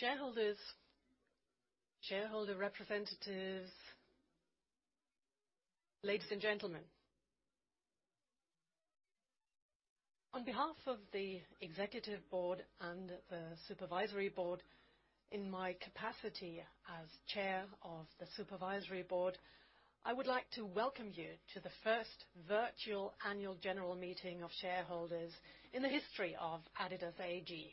Shareholders, shareholder representatives, ladies and gentlemen. On behalf of the executive board and the supervisory board, in my capacity as chair of the supervisory board, I would like to welcome you to the first virtual annual general meeting of shareholders in the history of adidas AG.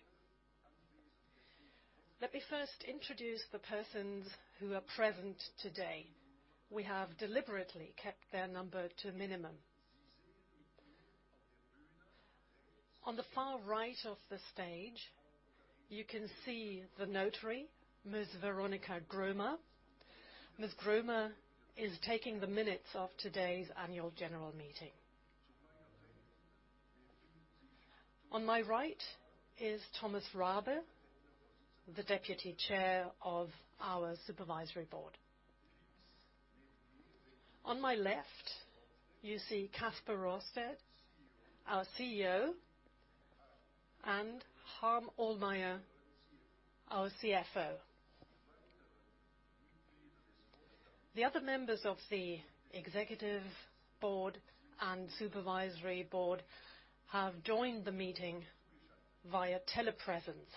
Let me first introduce the persons who are present today. We have deliberately kept their number to a minimum. On the far right of the stage, you can see the notary, Ms. Veronika Grümmer. Ms. Grümmer is taking the minutes of today's annual general meeting. On my right is Thomas Rabe, the deputy chair of our supervisory board. On my left, you see Kasper Rorsted, our CEO, and Harm Ohlmeyer, our CFO. The other members of the executive board and supervisory board have joined the meeting via telepresence.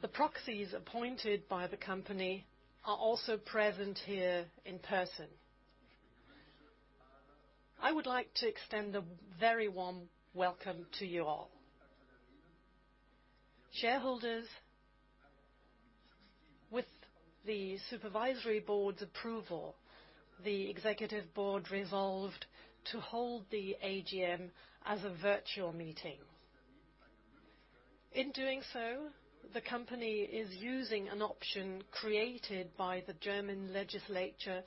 The proxies appointed by the company are also present here in person. I would like to extend a very warm welcome to you all. Shareholders, with the supervisory board's approval, the executive board resolved to hold the AGM as a virtual meeting. In doing so, the company is using an option created by the German legislature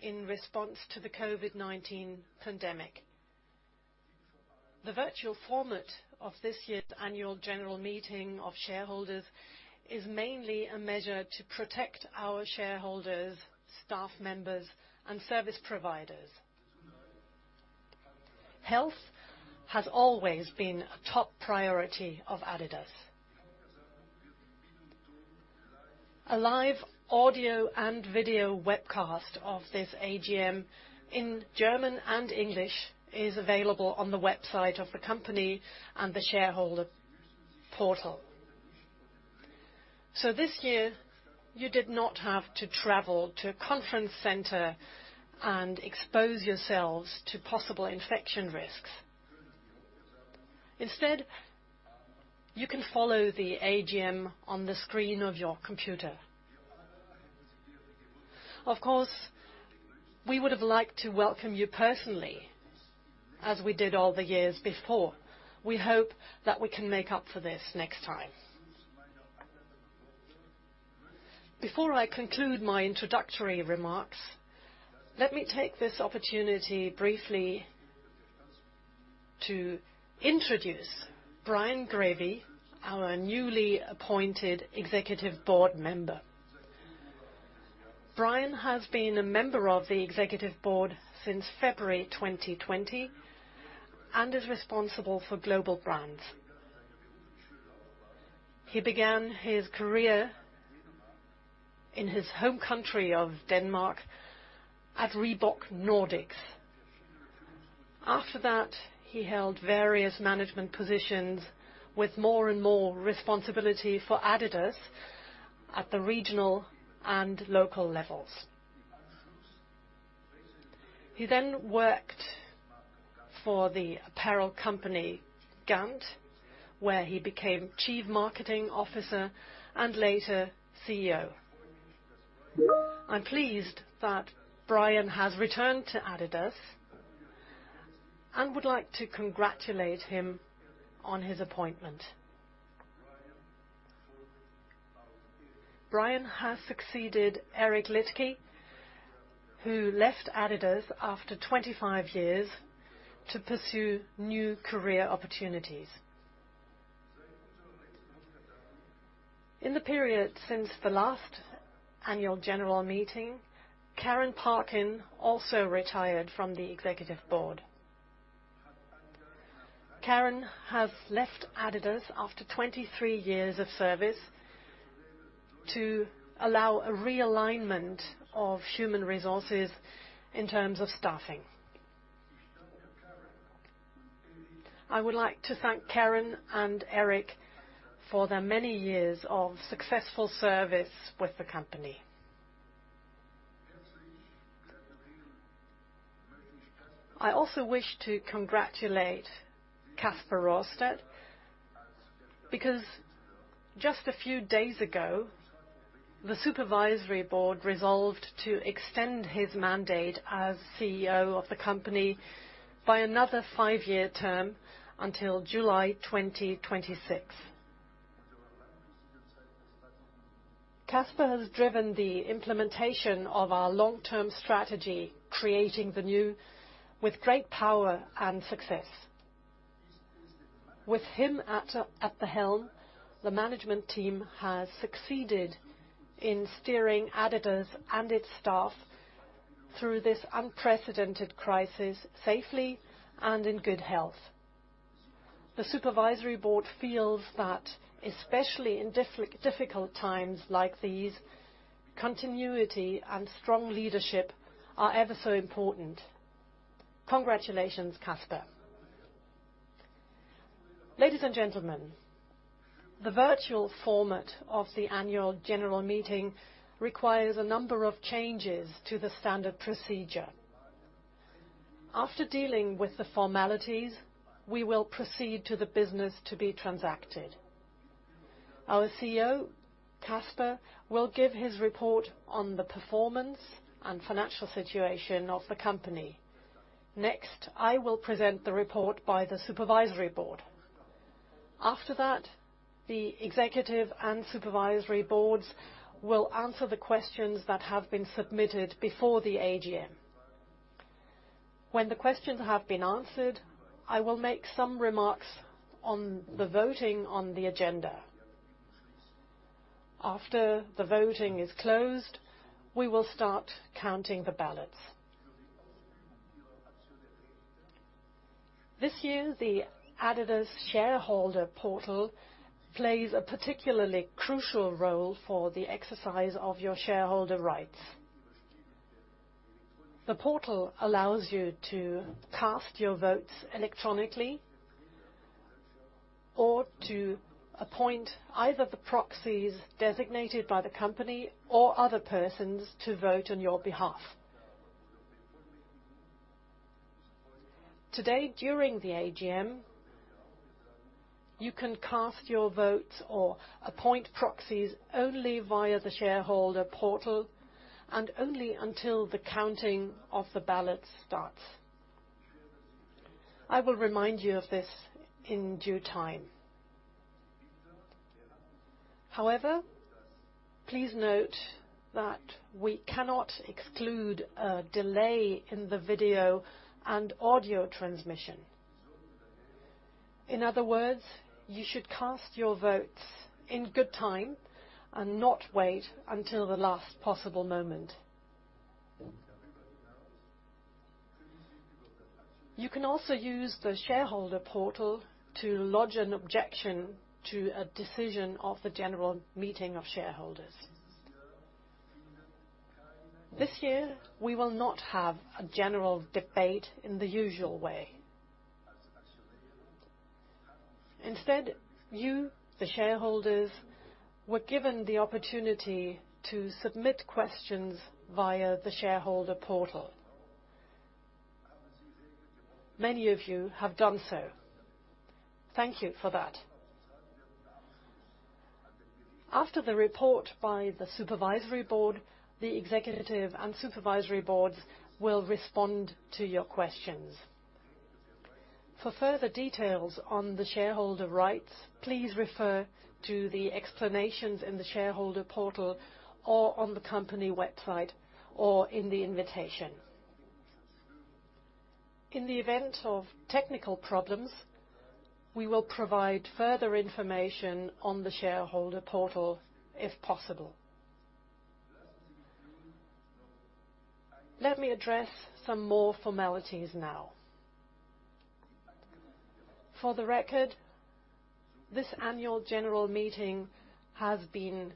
in response to the COVID-19 pandemic. The virtual format of this year's annual general meeting of shareholders is mainly a measure to protect our shareholders, staff members, and service providers. Health has always been a top priority of adidas. A live audio and video webcast of this AGM in German and English is available on the website of the company and the shareholder portal. This year, you did not have to travel to a conference center and expose yourselves to possible infection risks. Instead, you can follow the AGM on the screen of your computer. Of course, we would've liked to welcome you personally, as we did all the years before. We hope that we can make up for this next time. Before I conclude my introductory remarks, let me take this opportunity briefly to introduce Brian Grevy, our newly appointed Executive Board Member. Brian has been a member of the Executive Board since February 2020 and is responsible for Global Brands. He began his career in his home country of Denmark at Reebok Nordics. After that, he held various management positions with more and more responsibility for adidas at the regional and local levels. He worked for the apparel company, GANT, where he became Chief Marketing Officer and later CEO. I'm pleased that Brian has returned to adidas and would like to congratulate him on his appointment. Brian has succeeded Eric Liedtke, who left adidas after 25 years to pursue new career opportunities. In the period since the last annual general meeting, Karen Parkin also retired from the executive board. Karen has left adidas after 23 years of service to allow a realignment of human resources in terms of staffing. I would like to thank Karen and Eric for their many years of successful service with the company. I also wish to congratulate Kasper Rorsted, because just a few days ago, the supervisory board resolved to extend his mandate as CEO of the company by another five-year term until July 2026. Kasper has driven the implementation of our long-term strategy, Creating the New, with great power and success. With him at the helm, the management team has succeeded in steering adidas and its staff through this unprecedented crisis safely and in good health. The supervisory board feels that, especially in difficult times like these, continuity and strong leadership are ever so important. Congratulations, Kasper. Ladies and gentlemen, the virtual format of the annual general meeting requires a number of changes to the standard procedure. After dealing with the formalities, we will proceed to the business to be transacted. Our CEO, Kasper, will give his report on the performance and financial situation of the company. I will present the report by the supervisory board. After that, the executive and supervisory boards will answer the questions that have been submitted before the AGM. When the questions have been answered, I will make some remarks on the voting on the agenda. After the voting is closed, we will start counting the ballots. This year, the adidas shareholder portal plays a particularly crucial role for the exercise of your shareholder rights. The portal allows you to cast your votes electronically or to appoint either the proxies designated by the company or other persons to vote on your behalf. Today, during the AGM, you can cast your votes or appoint proxies only via the shareholder portal and only until the counting of the ballots starts. I will remind you of this in due time. However, please note that we cannot exclude a delay in the video and audio transmission. In other words, you should cast your votes in good time and not wait until the last possible moment. You can also use the shareholder portal to lodge an objection to a decision of the general meeting of shareholders. This year, we will not have a general debate in the usual way. Instead, you, the shareholders, were given the opportunity to submit questions via the shareholder portal. Many of you have done so. Thank you for that. After the report by the supervisory board, the executive and supervisory boards will respond to your questions. For further details on the shareholder rights, please refer to the explanations in the shareholder portal, or on the company website, or in the invitation. In the event of technical problems, we will provide further information on the shareholder portal if possible. Let me address some more formalities now. For the record, this annual general meeting has been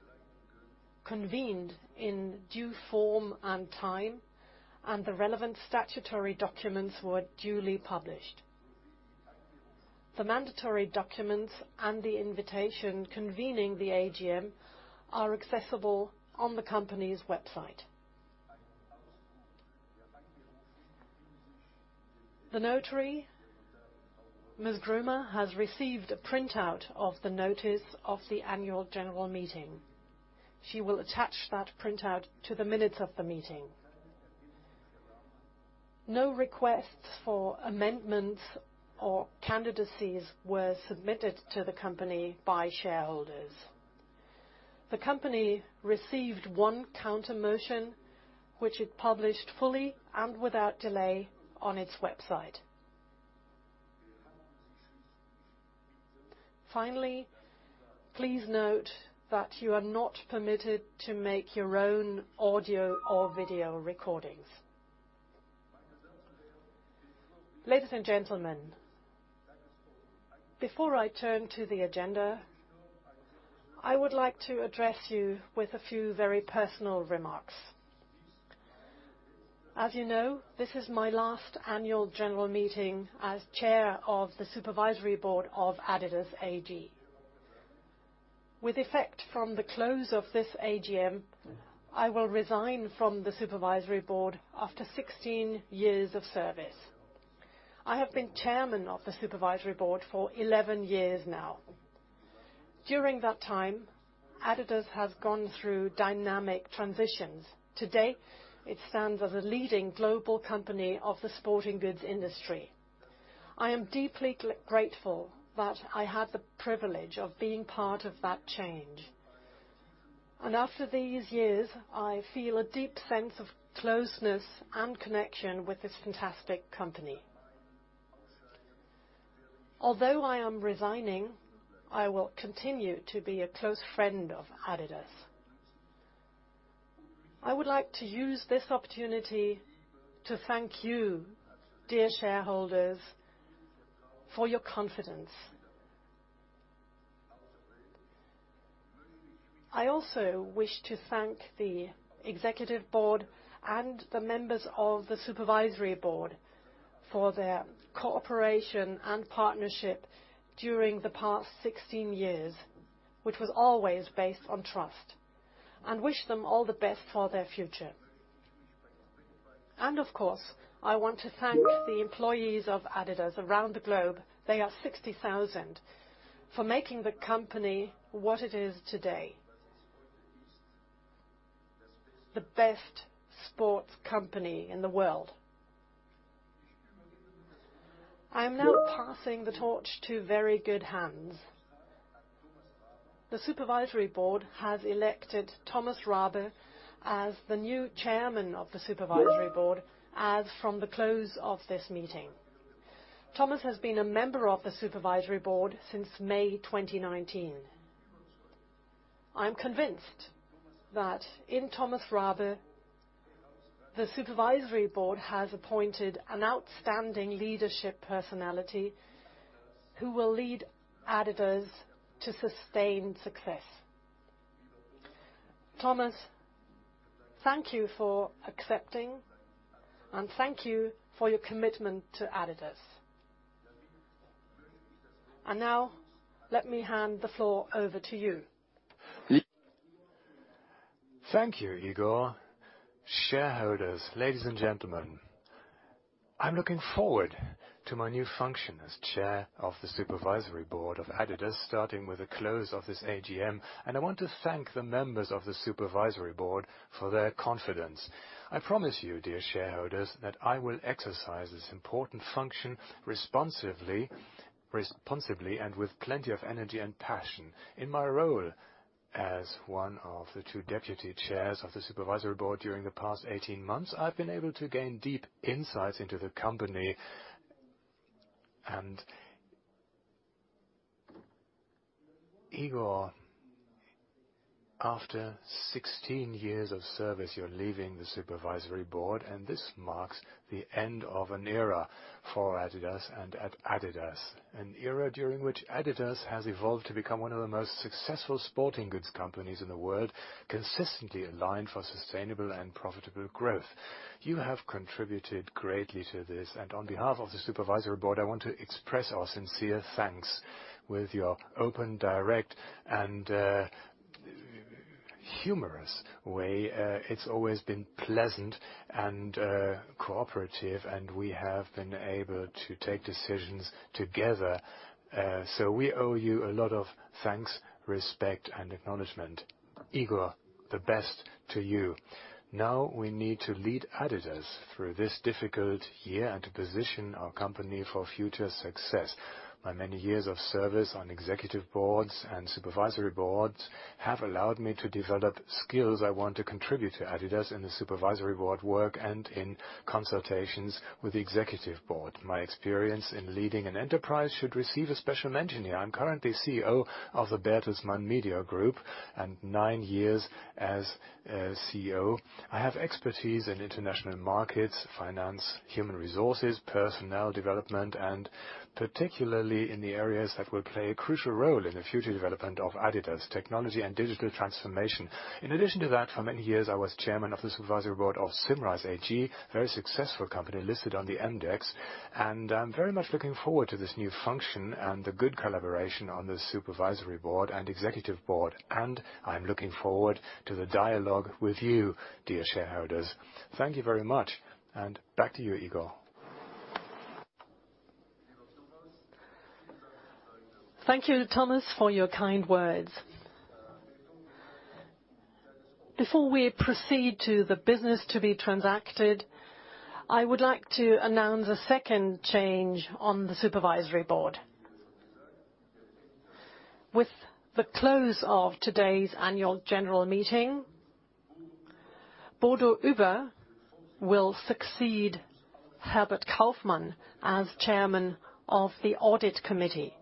convened in due form and time, and the relevant statutory documents were duly published. The mandatory documents and the invitation convening the AGM are accessible on the company's website. The notary, Ms. Grümmer, has received a printout of the notice of the annual general meeting. She will attach that printout to the minutes of the meeting. No requests for amendments or candidacies were submitted to the company by shareholders. The company received one counter motion, which it published fully and without delay on its website. Finally, please note that you are not permitted to make your own audio or video recordings. Ladies and gentlemen, before I turn to the agenda, I would like to address you with a few very personal remarks. As you know, this is my last annual general meeting as Chair of the Supervisory Board of adidas AG. With effect from the close of this AGM, I will resign from the Supervisory Board after 16 years of service. I have been Chairman of the Supervisory Board for 11 years now. During that time, adidas has gone through dynamic transitions. Today, it stands as a leading global company of the sporting goods industry. I am deeply grateful that I had the privilege of being part of that change. After these years, I feel a deep sense of closeness and connection with this fantastic company. Although I am resigning, I will continue to be a close friend of adidas. I would like to use this opportunity to thank you, dear shareholders, for your confidence. I also wish to thank the executive board and the members of the supervisory board for their cooperation and partnership during the past 16 years, which was always based on trust, and wish them all the best for their future. Of course, I want to thank the employees of adidas around the globe, they are 60,000, for making the company what it is today, the best sports company in the world. I am now passing the torch to very good hands. The supervisory board has elected Thomas Rabe as the new Chairman of the Supervisory Board as from the close of this meeting. Thomas has been a member of the supervisory board since May 2019. I'm convinced that in Thomas Rabe, the supervisory board has appointed an outstanding leadership personality who will lead adidas to sustained success. Thomas, thank you for accepting, thank you for your commitment to adidas. Now, let me hand the floor over to you. Thank you, Igor. Shareholders, ladies and gentlemen, I'm looking forward to my new function as chair of the supervisory board of adidas, starting with the close of this AGM, and I want to thank the members of the supervisory board for their confidence. I promise you, dear shareholders, that I will exercise this important function responsibly and with plenty of energy and passion. In my role as one of the two deputy chairs of the supervisory board during the past 18 months, I've been able to gain deep insights into the company. Igor, after 16 years of service, you're leaving the supervisory board, and this marks the end of an era for adidas and at adidas. An era during which adidas has evolved to become one of the most successful sporting goods companies in the world, consistently aligned for sustainable and profitable growth. You have contributed greatly to this, and on behalf of the supervisory board, I want to express our sincere thanks. With your open, direct, and humorous way, it has always been pleasant and cooperative, and we have been able to take decisions together. We owe you a lot of thanks, respect, and acknowledgment. Igor, the best to you. We need to lead adidas through this difficult year and to position our company for future success. My many years of service on executive boards and supervisory boards have allowed me to develop skills I want to contribute to adidas in the supervisory board work and in consultations with the executive board. My experience in leading an enterprise should receive a special mention here. I'm currently CEO of the Bertelsmann Media Group, and nine years as CEO, I have expertise in international markets, finance, human resources, personnel development, and particularly in the areas that will play a crucial role in the future development of adidas, technology and digital transformation. In addition to that, for many years, I was chairman of the supervisory board of Symrise AG, very successful company listed on the MDAX. I'm very much looking forward to this new function and the good collaboration on the supervisory board and executive board, and I'm looking forward to the dialogue with you, dear shareholders. Thank you very much, and back to you, Igor. Thank you, Thomas, for your kind words. Before we proceed to the business to be transacted, I would like to announce a second change on the supervisory board. With the close of today's annual general meeting, Bodo Uebber will succeed Herbert Kauffmann as Chairman of the Audit Committee.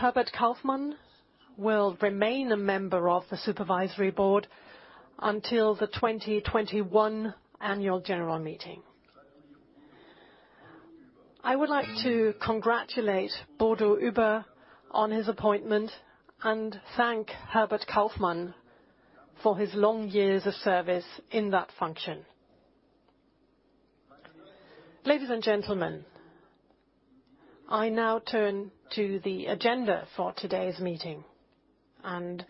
Herbert Kauffmann will remain a member of the supervisory board until the 2021 annual general meeting. I would like to congratulate Bodo Uebber on his appointment and thank Herbert Kauffmann for his long years of service in that function. Ladies and gentlemen, I now turn to the agenda for today's meeting and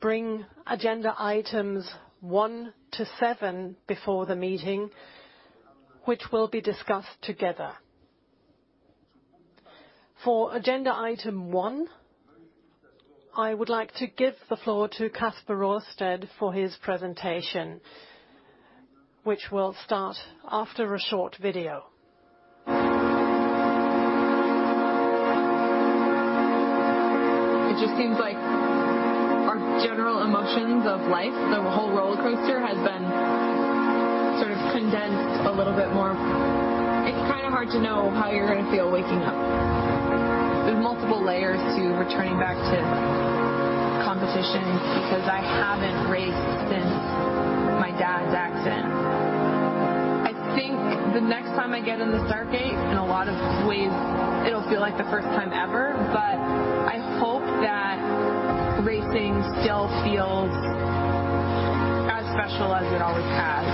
bring agenda items one to seven before the meeting, which will be discussed together. For agenda item one, I would like to give the floor to Kasper Rorsted for his presentation, which will start after a short video. It just seems like our general emotions of life, the whole rollercoaster, has been sort of condensed a little bit more. It's kind of hard to know how you're going to feel waking up. There's multiple layers to returning back to competition because I haven't raced since my dad's accident. I think the next time I get in the start gate, in a lot of ways, it'll feel like the first time ever, but I hope that racing still feels as special as it always has.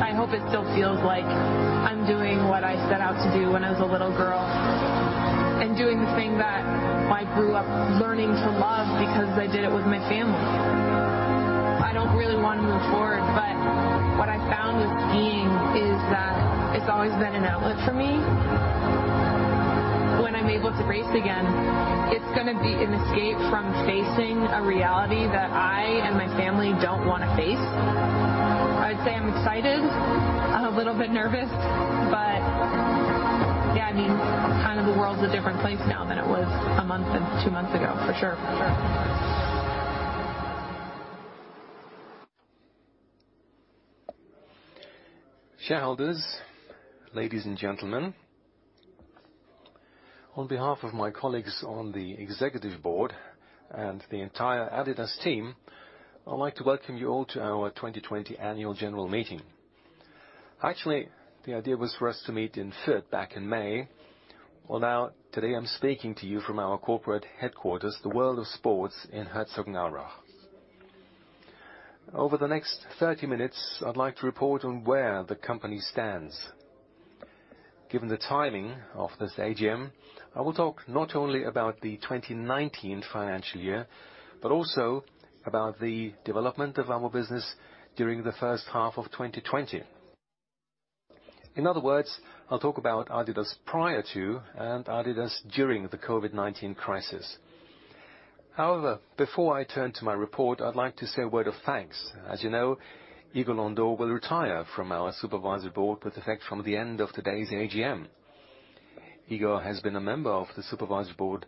I hope it still feels like I'm doing what I set out to do when I was a little girl, and doing the thing that I grew up learning to love because I did it with my family. I don't really want to move forward, but what I found with skiing is that it's always been an outlet for me. When I'm able to race again, it's going to be an escape from facing a reality that I and my family don't want to face. I'd say I'm excited, a little bit nervous. Yeah, the world's a different place now than it was a month and two months ago, for sure. Shareholders, ladies and gentlemen. On behalf of my colleagues on the Executive Board and the entire adidas team, I'd like to welcome you all to our 2020 Annual General Meeting. Actually, the idea was for us to meet in Fürth, back in May. Well, now, today, I'm speaking to you from our corporate headquarters, the World of Sports in Herzogenaurach. Over the next 30 minutes, I'd like to report on where the company stands. Given the timing of this AGM, I will talk not only about the 2019 financial year, but also about the development of our business during the first half of 2020. In other words, I'll talk about adidas prior to and adidas during the COVID-19 crisis. Before I turn to my report, I'd like to say a word of thanks. As you know, Igor Landau will retire from our Supervisory Board with effect from the end of today's AGM. Igor has been a member of the Supervisory Board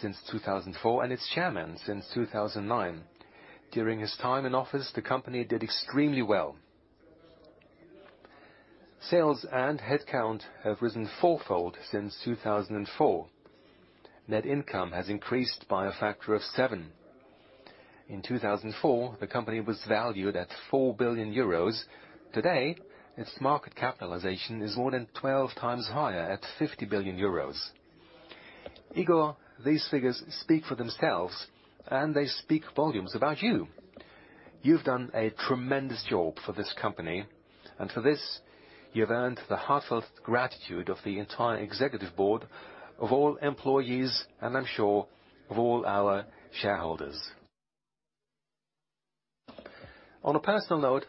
since 2004 and its Chairman since 2009. During his time in office, the company did extremely well. Sales and headcount have risen fourfold since 2004. Net income has increased by a factor of seven. In 2004, the company was valued at 4 billion euros. Today, its market capitalization is more than 12 times higher at 50 billion euros. Igor, these figures speak for themselves, and they speak volumes about you. You've done a tremendous job for this company, and for this, you have earned the heartfelt gratitude of the entire Executive Board, of all employees, and I'm sure of all our shareholders. On a personal note,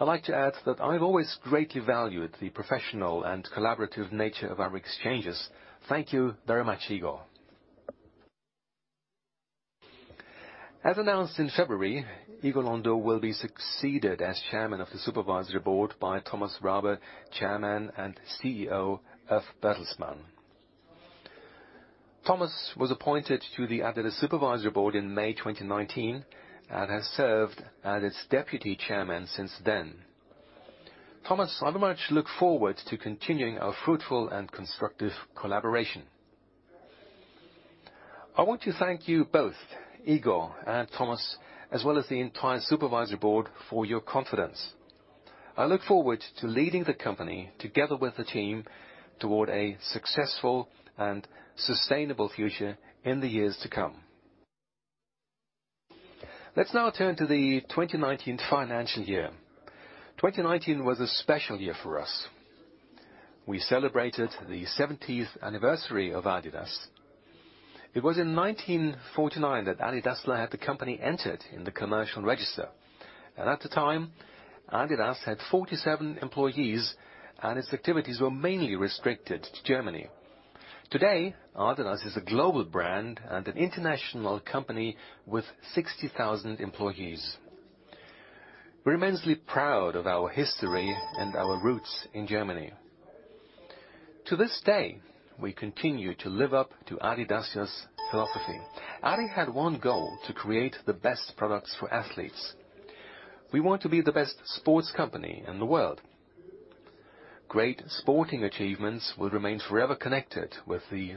I'd like to add that I've always greatly valued the professional and collaborative nature of our exchanges. Thank you very much, Igor. As announced in February, Igor Landau will be succeeded as Chairman of the Supervisory Board by Thomas Rabe, Chairman and CEO of Bertelsmann. Thomas was appointed to the adidas Supervisory Board in May 2019 and has served as its Deputy Chairman since then. Thomas, I very much look forward to continuing our fruitful and constructive collaboration. I want to thank you both, Igor and Thomas, as well as the entire Supervisory Board for your confidence. I look forward to leading the company, together with the team, toward a successful and sustainable future in the years to come. Let's now turn to the 2019 financial year. 2019 was a special year for us. We celebrated the 70th anniversary of adidas. It was in 1949 that Adi Dassler had the company entered in the commercial register. At the time, adidas had 47 employees, and its activities were mainly restricted to Germany. Today, adidas is a global brand and an international company with 60,000 employees. We're immensely proud of our history and our roots in Germany. To this day, we continue to live up to Adi Dassler's philosophy. Adi had one goal: to create the best products for athletes. We want to be the best sports company in the world. Great sporting achievements will remain forever connected with the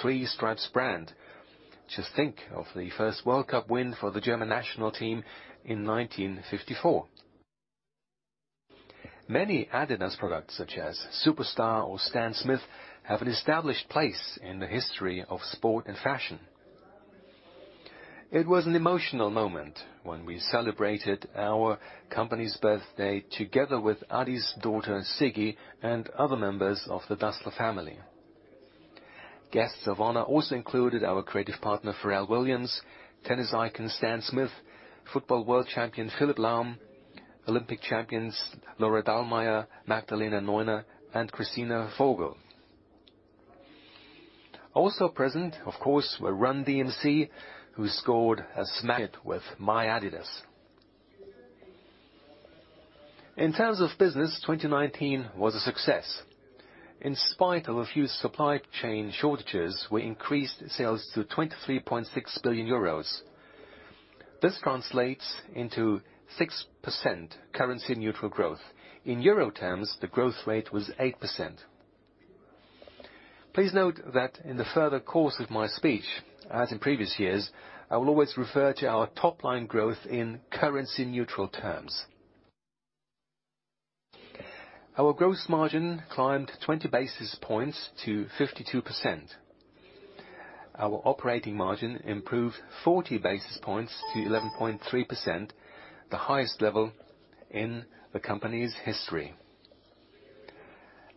three-stripes brand. Just think of the first World Cup win for the German national team in 1954. Many adidas products, such as Superstar or Stan Smith, have an established place in the history of sport and fashion. It was an emotional moment when we celebrated our company's birthday together with Adi's daughter, Siggi, and other members of the Dassler family. Guests of honor also included our creative partner, Pharrell Williams, tennis icon, Stan Smith, football world champion, Philipp Lahm, Olympic champions, Laura Dahlmeier, Magdalena Neuner, and Kristina Vogel. Also present, of course, were Run-DMC, who scored a smash hit with "My Adidas." In terms of business, 2019 was a success. In spite of a few supply chain shortages, we increased sales to 23.6 billion euros. This translates into 6% currency-neutral growth. In EUR terms, the growth rate was 8%. Please note that in the further course of my speech, as in previous years, I will always refer to our top-line growth in currency neutral terms. Our gross margin climbed 20 basis points to 52%. Our operating margin improved 40 basis points to 11.3%, the highest level in the company's history.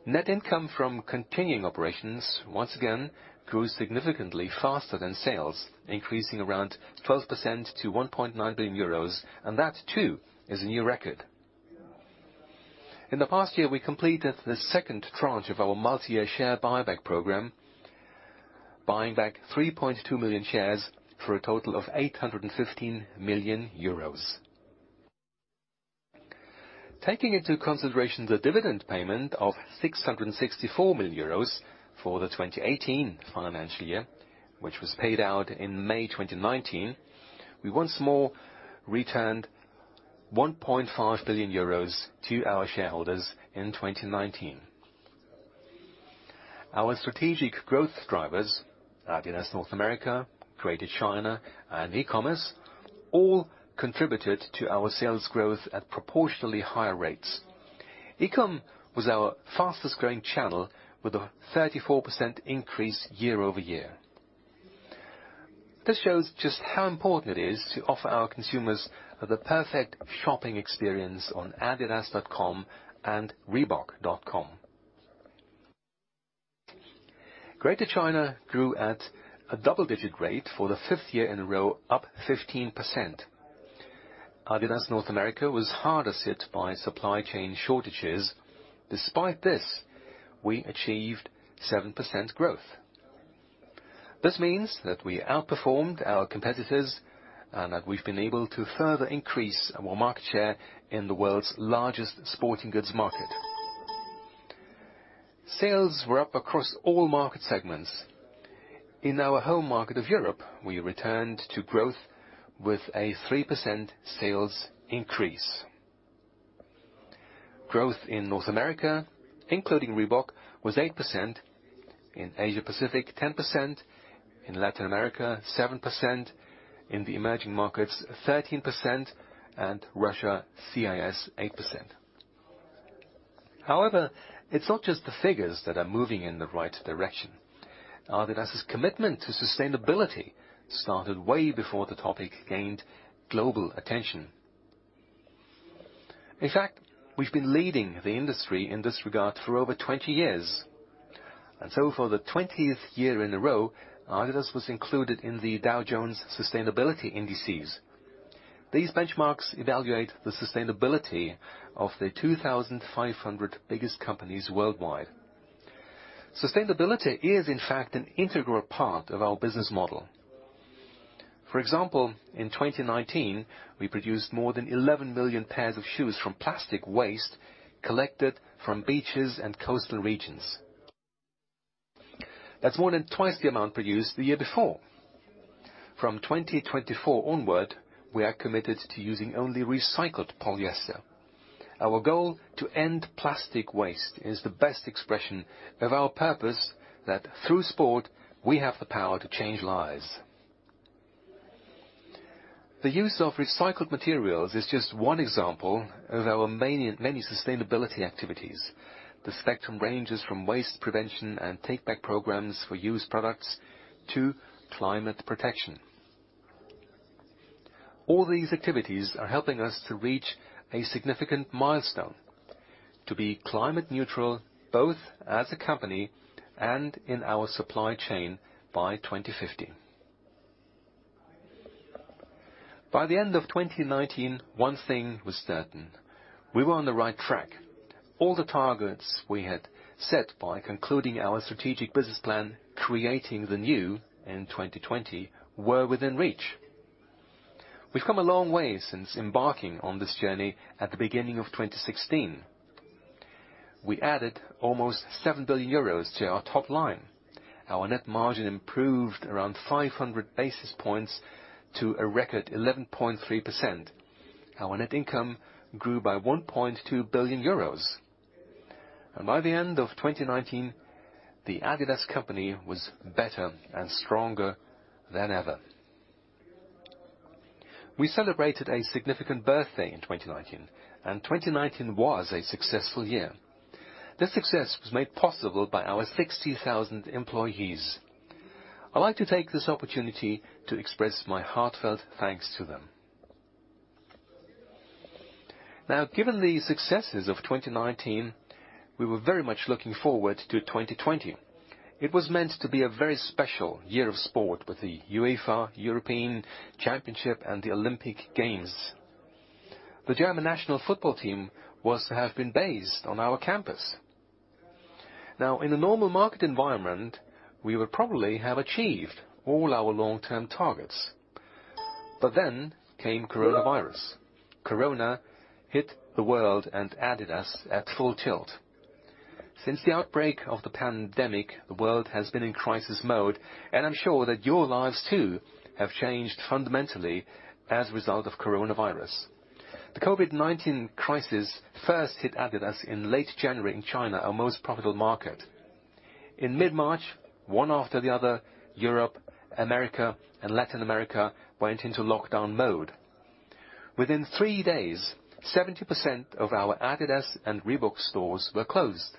Net income from continuing operations once again grew significantly faster than sales, increasing around 12% to 1.9 billion euros, that too is a new record. In the past year, we completed the second tranche of our multi-year share buyback program, buying back 3.2 million shares for a total of 815 million euros. Taking into consideration the dividend payment of 664 million euros for the 2018 financial year, which was paid out in May 2019, we once more returned 1.5 billion euros to our shareholders in 2019. Our strategic growth drivers, Adidas North America, Greater China, and e-commerce, all contributed to our sales growth at proportionally higher rates. E-com was our fastest-growing channel, with a 34% increase year-over-year. This shows just how important it is to offer our consumers the perfect shopping experience on adidas.com and reebok.com. Greater China grew at a double-digit rate for the fifth year in a row, up 15%. Adidas North America was harder hit by supply chain shortages. Despite this, we achieved 7% growth. This means that we outperformed our competitors and that we've been able to further increase our market share in the world's largest sporting goods market. Sales were up across all market segments. In our home market of Europe, we returned to growth with a 3% sales increase. Growth in North America, including Reebok, was 8%, in Asia-Pacific, 10%, in Latin America, 7%, in the emerging markets, 13%, and Russia CIS, 8%. It's not just the figures that are moving in the right direction. Adidas' commitment to sustainability started way before the topic gained global attention. In fact, we've been leading the industry in this regard for over 20 years. For the 20th year in a row, adidas was included in the Dow Jones Sustainability Indices. These benchmarks evaluate the sustainability of the 2,500 biggest companies worldwide. Sustainability is, in fact, an integral part of our business model. For example, in 2019, we produced more than 11 million pairs of shoes from plastic waste collected from beaches and coastal regions. That's more than twice the amount produced the year before. From 2024 onward, we are committed to using only recycled polyester. Our goal to end plastic waste is the best expression of our purpose that through sport, we have the power to change lives. The use of recycled materials is just one example of our many sustainability activities. The spectrum ranges from waste prevention and take-back programs for used products to climate protection. All these activities are helping us to reach a significant milestone: to be climate neutral, both as a company and in our supply chain by 2050. By the end of 2019, one thing was certain. We were on the right track. All the targets we had set by concluding our strategic business plan, Creating the New in 2020, were within reach. We've come a long way since embarking on this journey at the beginning of 2016. We added almost 7 billion euros to our top line. Our net margin improved around 500 basis points to a record 11.3%. Our net income grew by 1.2 billion euros. By the end of 2019, the adidas company was better and stronger than ever. We celebrated a significant birthday in 2019. 2019 was a successful year. This success was made possible by our 60,000 employees. I'd like to take this opportunity to express my heartfelt thanks to them. Given the successes of 2019, we were very much looking forward to 2020. It was meant to be a very special year of sport with the UEFA European Championship and the Olympic Games. The German national football team was to have been based on our campus. Came coronavirus. Corona hit the world and adidas at full tilt. Since the outbreak of the pandemic, the world has been in crisis mode, and I'm sure that your lives too have changed fundamentally as a result of coronavirus. The COVID-19 crisis first hit adidas in late January in China, our most profitable market. In mid-March, one after the other, Europe, America, and Latin America went into lockdown mode. Within three days, 70% of our adidas and Reebok stores were closed.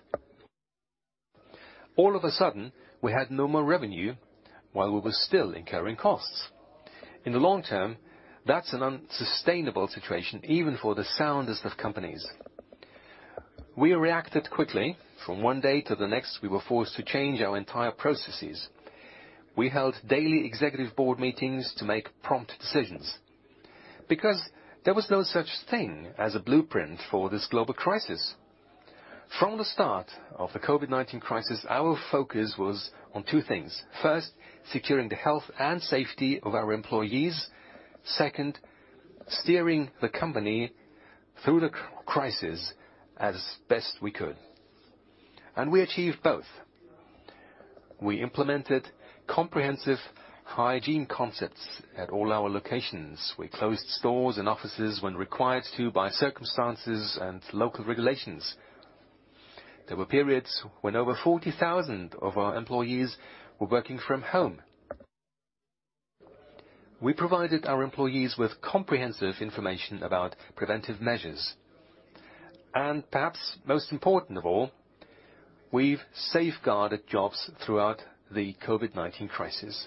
All of a sudden, we had no more revenue while we were still incurring costs. In the long term, that's an unsustainable situation, even for the soundest of companies. We reacted quickly. From one day to the next, we were forced to change our entire processes. We held daily executive board meetings to make prompt decisions, because there was no such thing as a blueprint for this global crisis. From the start of the COVID-19 crisis, our focus was on two things. First, securing the health and safety of our employees. Second, steering the company through the crisis as best we could. We achieved both. We implemented comprehensive hygiene concepts at all our locations. We closed stores and offices when required to by circumstances and local regulations. There were periods when over 40,000 of our employees were working from home. We provided our employees with comprehensive information about preventive measures. Perhaps most important of all, we've safeguarded jobs throughout the COVID-19 crisis.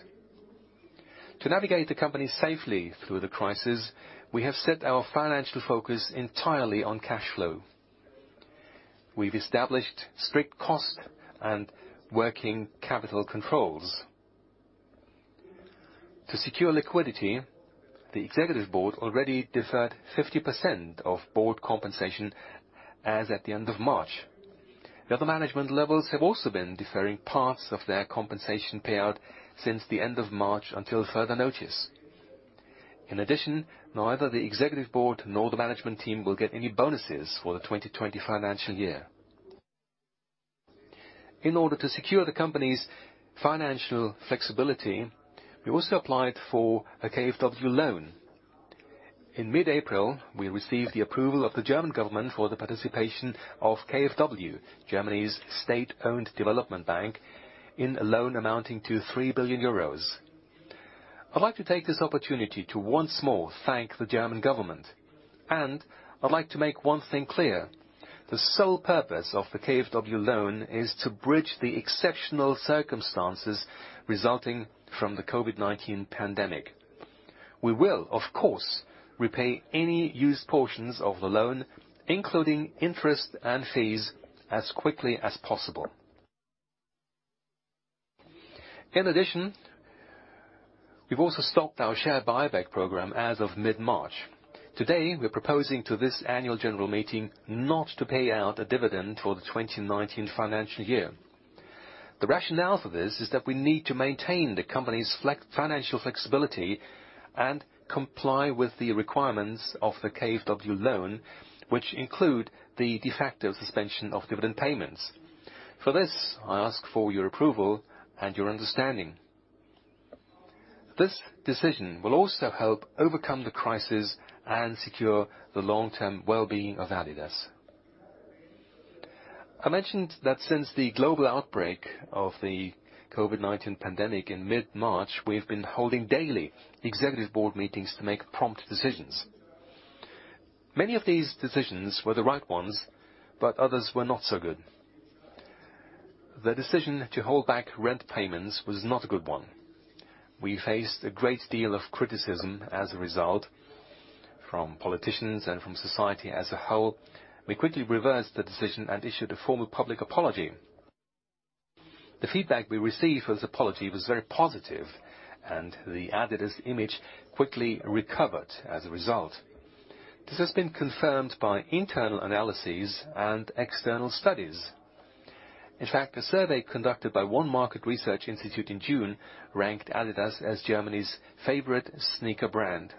To navigate the company safely through the crisis, we have set our financial focus entirely on cash flow. We've established strict cost and working capital controls. To secure liquidity, the executive board already deferred 50% of board compensation as at the end of March. The other management levels have also been deferring parts of their compensation payout since the end of March until further notice. Neither the executive board nor the management team will get any bonuses for the 2020 financial year. In order to secure the company's financial flexibility, we also applied for a KfW loan. In mid-April, we received the approval of the German government for the participation of KfW, Germany's state-owned development bank, in a loan amounting to 3 billion euros. I'd like to take this opportunity to once more thank the German government. I'd like to make one thing clear. The sole purpose of the KfW loan is to bridge the exceptional circumstances resulting from the COVID-19 pandemic. We will, of course, repay any used portions of the loan, including interest and fees, as quickly as possible. In addition, we've also stopped our share buyback program as of mid-March. Today, we're proposing to this annual general meeting not to pay out a dividend for the 2019 financial year. The rationale for this is that we need to maintain the company's financial flexibility and comply with the requirements of the KfW loan, which include the de facto suspension of dividend payments. For this, I ask for your approval and your understanding. This decision will also help overcome the crisis and secure the long-term wellbeing of adidas. I mentioned that since the global outbreak of the COVID-19 pandemic in mid-March, we've been holding daily executive board meetings to make prompt decisions. Many of these decisions were the right ones, others were not so good. The decision to hold back rent payments was not a good one. We faced a great deal of criticism as a result from politicians and from society as a whole. We quickly reversed the decision and issued a formal public apology. The feedback we received for the apology was very positive, the adidas image quickly recovered as a result. This has been confirmed by internal analyses and external studies. In fact, a survey conducted by one market research institute in June ranked adidas as Germany's favorite sneaker brand.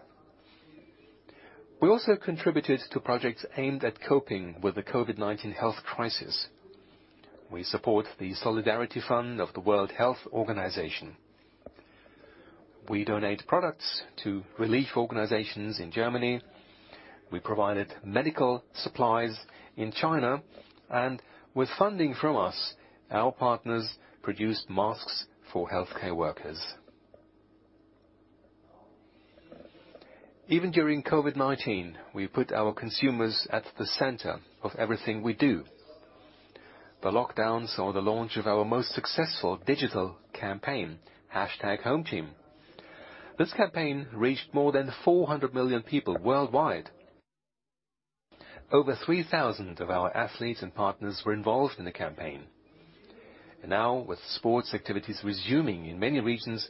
We also contributed to projects aimed at coping with the COVID-19 health crisis. We support the Solidarity Fund of the World Health Organization. We donate products to relief organizations in Germany. We provided medical supplies in China and with funding from us, our partners produced masks for healthcare workers. Even during COVID-19, we put our consumers at the center of everything we do. The lockdowns saw the launch of our most successful digital campaign, #HomeTeam. This campaign reached more than 400 million people worldwide. Over 3,000 of our athletes and partners were involved in the campaign. Now, with sports activities resuming in many regions,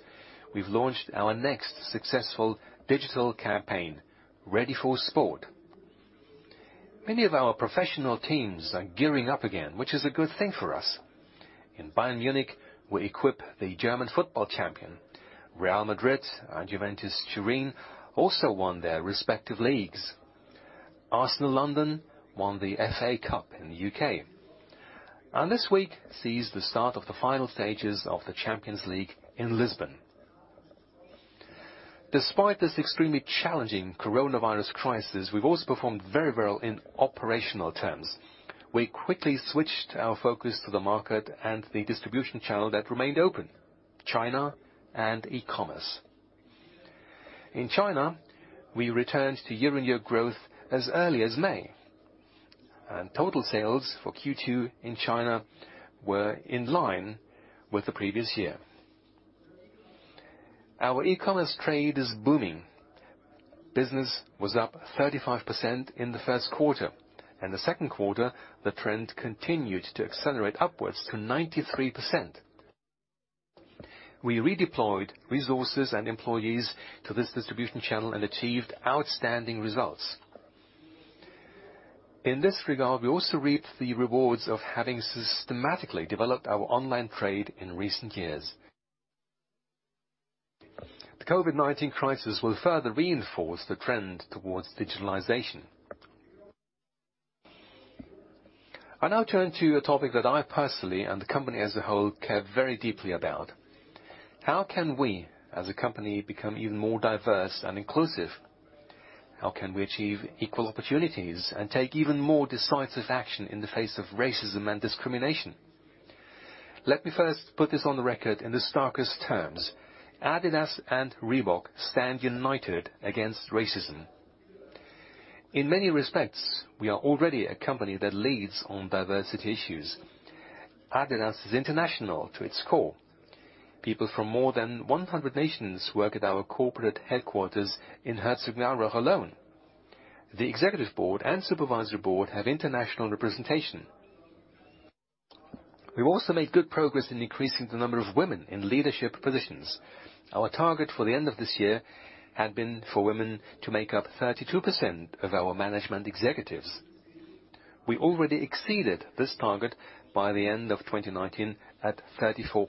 we've launched our next successful digital campaign, Ready for Sport. Many of our professional teams are gearing up again, which is a good thing for us. In Bayern Munich, we equip the German football champion. Real Madrid and Juventus Turin also won their respective leagues. Arsenal London won the FA Cup in the U.K. This week sees the start of the final stages of the Champions League in Lisbon. Despite this extremely challenging coronavirus crisis, we've also performed very well in operational terms. We quickly switched our focus to the market and the distribution channel that remained open, China and e-commerce. In China, we returned to year-on-year growth as early as May, and total sales for Q2 in China were in line with the previous year. Our e-commerce trade is booming. Business was up 35% in the first quarter. In the second quarter, the trend continued to accelerate upwards to 93%. We redeployed resources and employees to this distribution channel and achieved outstanding results. In this regard, we also reaped the rewards of having systematically developed our online trade in recent years. The COVID-19 crisis will further reinforce the trend towards digitalization. I now turn to a topic that I personally, and the company as a whole, care very deeply about. How can we, as a company, become even more diverse and inclusive? How can we achieve equal opportunities and take even more decisive action in the face of racism and discrimination? Let me first put this on the record in the starkest terms. adidas and Reebok stand united against racism. In many respects, we are already a company that leads on diversity issues. adidas is international to its core. People from more than 100 nations work at our corporate headquarters in Herzogenaurach alone. The executive board and supervisory board have international representation. We've also made good progress in increasing the number of women in leadership positions. Our target for the end of this year had been for women to make up 32% of our management executives. We already exceeded this target by the end of 2019 at 34%.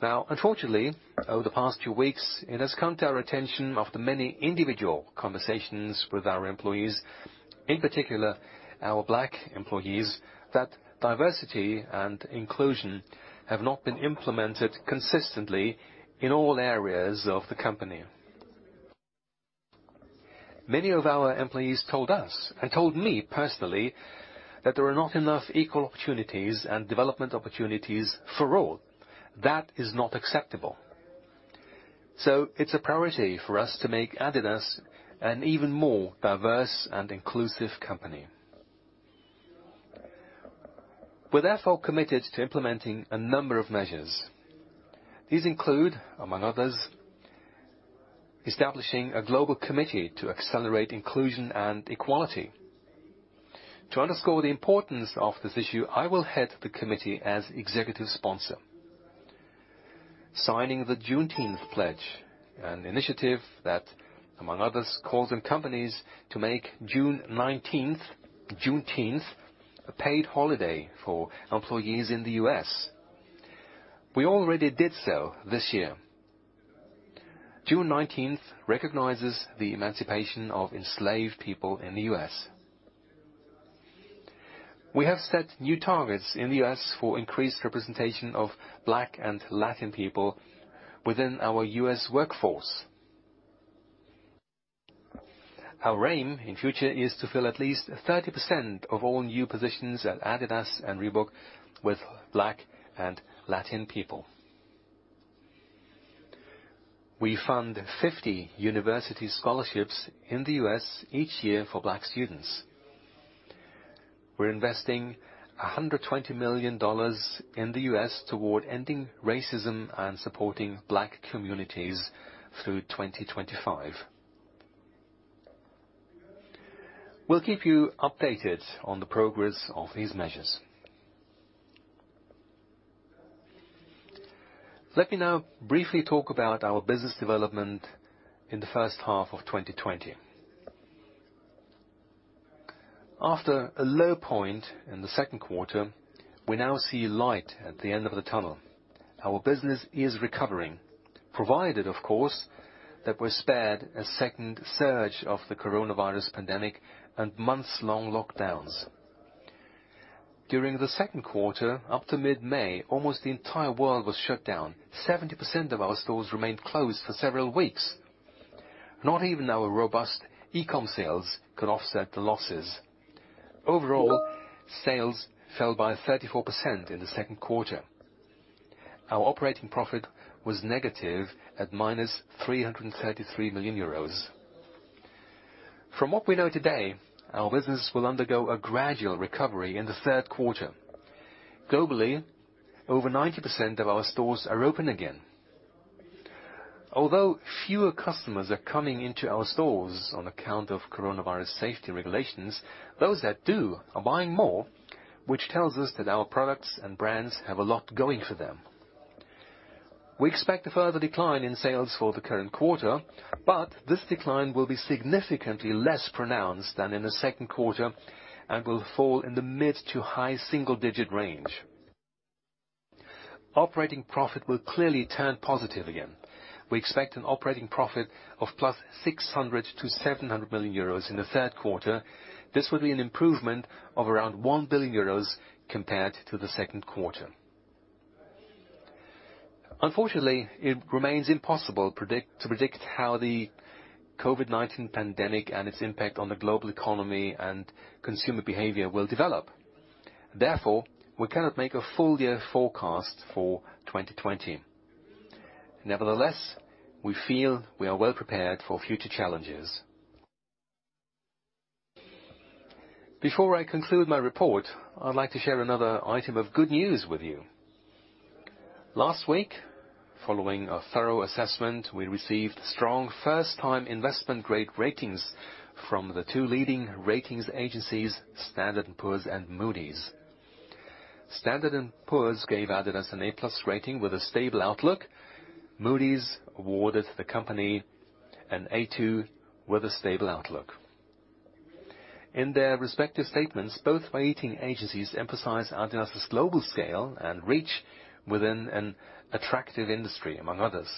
Unfortunately, over the past few weeks, it has come to our attention after many individual conversations with our employees, in particular our Black employees, that diversity and inclusion have not been implemented consistently in all areas of the company. Many of our employees told us and told me personally that there are not enough equal opportunities and development opportunities for all. That is not acceptable. It's a priority for us to make adidas an even more diverse and inclusive company. We're therefore committed to implementing a number of measures. These include, among others, establishing a global committee to accelerate inclusion and equality. To underscore the importance of this issue, I will head the committee as executive sponsor. Signing the Juneteenth Pledge, an initiative that, among others, calls on companies to make June 19th, Juneteenth, a paid holiday for employees in the U.S. We already did so this year. June 19th recognizes the emancipation of enslaved people in the U.S. We have set new targets in the U.S. for increased representation of Black and Latin people within our U.S. workforce. Our aim in future is to fill at least 30% of all new positions at adidas and Reebok with Black and Latin people. We fund 50 university scholarships in the U.S. each year for Black students. We're investing $120 million in the U.S. toward ending racism and supporting Black communities through 2025. We'll keep you updated on the progress of these measures. Let me now briefly talk about our business development in the first half of 2020. After a low point in the second quarter, we now see light at the end of the tunnel. Our business is recovering, provided of course, that we're spared a second surge of the coronavirus pandemic and months-long lockdowns. During the second quarter, up to mid-May, almost the entire world was shut down. 70% of our stores remained closed for several weeks. Not even our robust e-com sales could offset the losses. Overall, sales fell by 34% in the second quarter. Our operating profit was negative at -333 million euros. From what we know today, our business will undergo a gradual recovery in the third quarter. Globally, over 90% of our stores are open again. Although fewer customers are coming into our stores on account of COVID-19 safety regulations, those that do are buying more, which tells us that our products and brands have a lot going for them. We expect a further decline in sales for the current quarter, but this decline will be significantly less pronounced than in the second quarter and will fall in the mid- to high single-digit range. Operating profit will clearly turn positive again. We expect an operating profit of 600 million to 700 million euros in the third quarter. This will be an improvement of around 1 billion euros compared to the second quarter. Unfortunately, it remains impossible to predict how the COVID-19 pandemic and its impact on the global economy and consumer behavior will develop. Therefore, we cannot make a full year forecast for 2020. Nevertheless, we feel we are well prepared for future challenges. Before I conclude my report, I'd like to share another item of good news with you. Last week, following a thorough assessment, we received strong first-time investment-grade ratings from the two leading ratings agencies, Standard & Poor's and Moody's. Standard & Poor's gave Adidas an A+ rating with a stable outlook. Moody's awarded the company an A2 with a stable outlook. In their respective statements, both rating agencies emphasized Adidas's global scale and reach within an attractive industry, among others.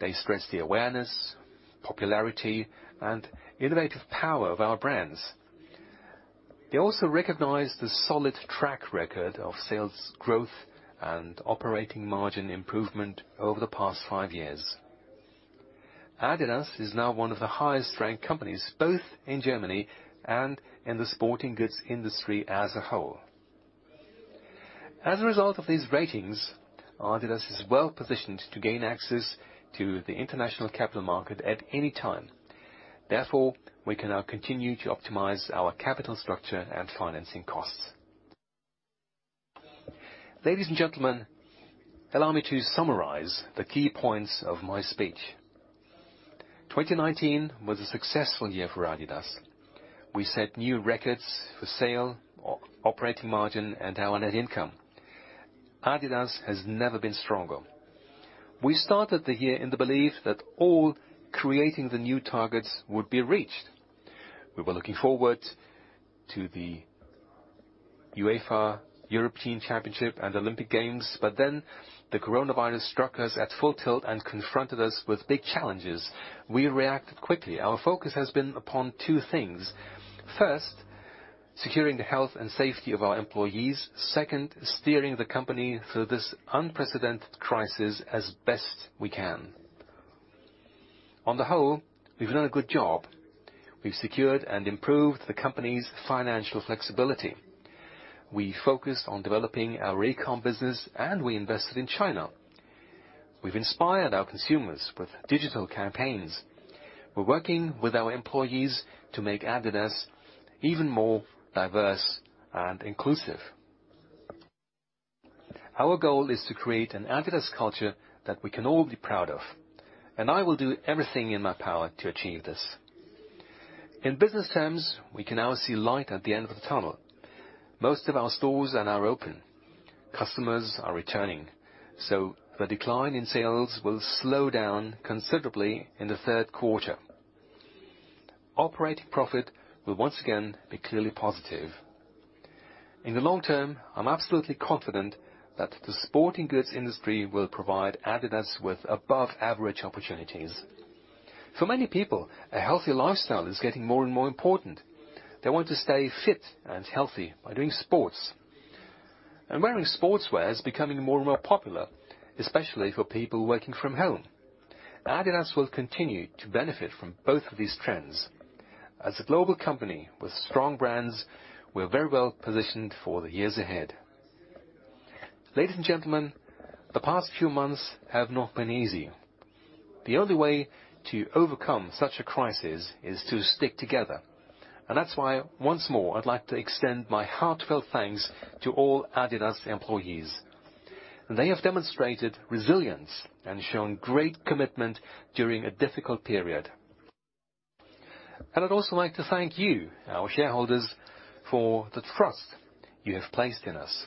They stressed the awareness, popularity, and innovative power of our brands. They also recognized the solid track record of sales growth and operating margin improvement over the past five years. Adidas is now one of the highest-ranked companies, both in Germany and in the sporting goods industry as a whole. As a result of these ratings, Adidas is well-positioned to gain access to the international capital market at any time. Therefore, we can now continue to optimize our capital structure and financing costs. Ladies and gentlemen, allow me to summarize the key points of my speech. 2019 was a successful year for adidas. We set new records for sales, operating margin, and our net income. adidas has never been stronger. We started the year in the belief that all Creating the New targets would be reached. We were looking forward to the UEFA European Championship and Olympic Games. The COVID-19 struck us at full tilt and confronted us with big challenges. We reacted quickly. Our focus has been upon two things. First, securing the health and safety of our employees. Second, steering the company through this unprecedented crisis as best we can. On the whole, we've done a good job. We've secured and improved the company's financial flexibility. We focused on developing our e-com business, and we invested in China. We've inspired our consumers with digital campaigns. We're working with our employees to make adidas even more diverse and inclusive. Our goal is to create an adidas culture that we can all be proud of, and I will do everything in my power to achieve this. In business terms, we can now see light at the end of the tunnel. Most of our stores are now open. Customers are returning. The decline in sales will slow down considerably in the third quarter. Operating profit will once again be clearly positive. In the long term, I'm absolutely confident that the sporting goods industry will provide adidas with above average opportunities. For many people, a healthy lifestyle is getting more and more important. They want to stay fit and healthy by doing sports. Wearing sportswear is becoming more and more popular, especially for people working from home. adidas will continue to benefit from both of these trends. As a global company with strong brands, we're very well positioned for the years ahead. Ladies and gentlemen, the past few months have not been easy. The only way to overcome such a crisis is to stick together, and that's why, once more, I'd like to extend my heartfelt thanks to all adidas employees. They have demonstrated resilience and shown great commitment during a difficult period. I'd also like to thank you, our shareholders, for the trust you have placed in us.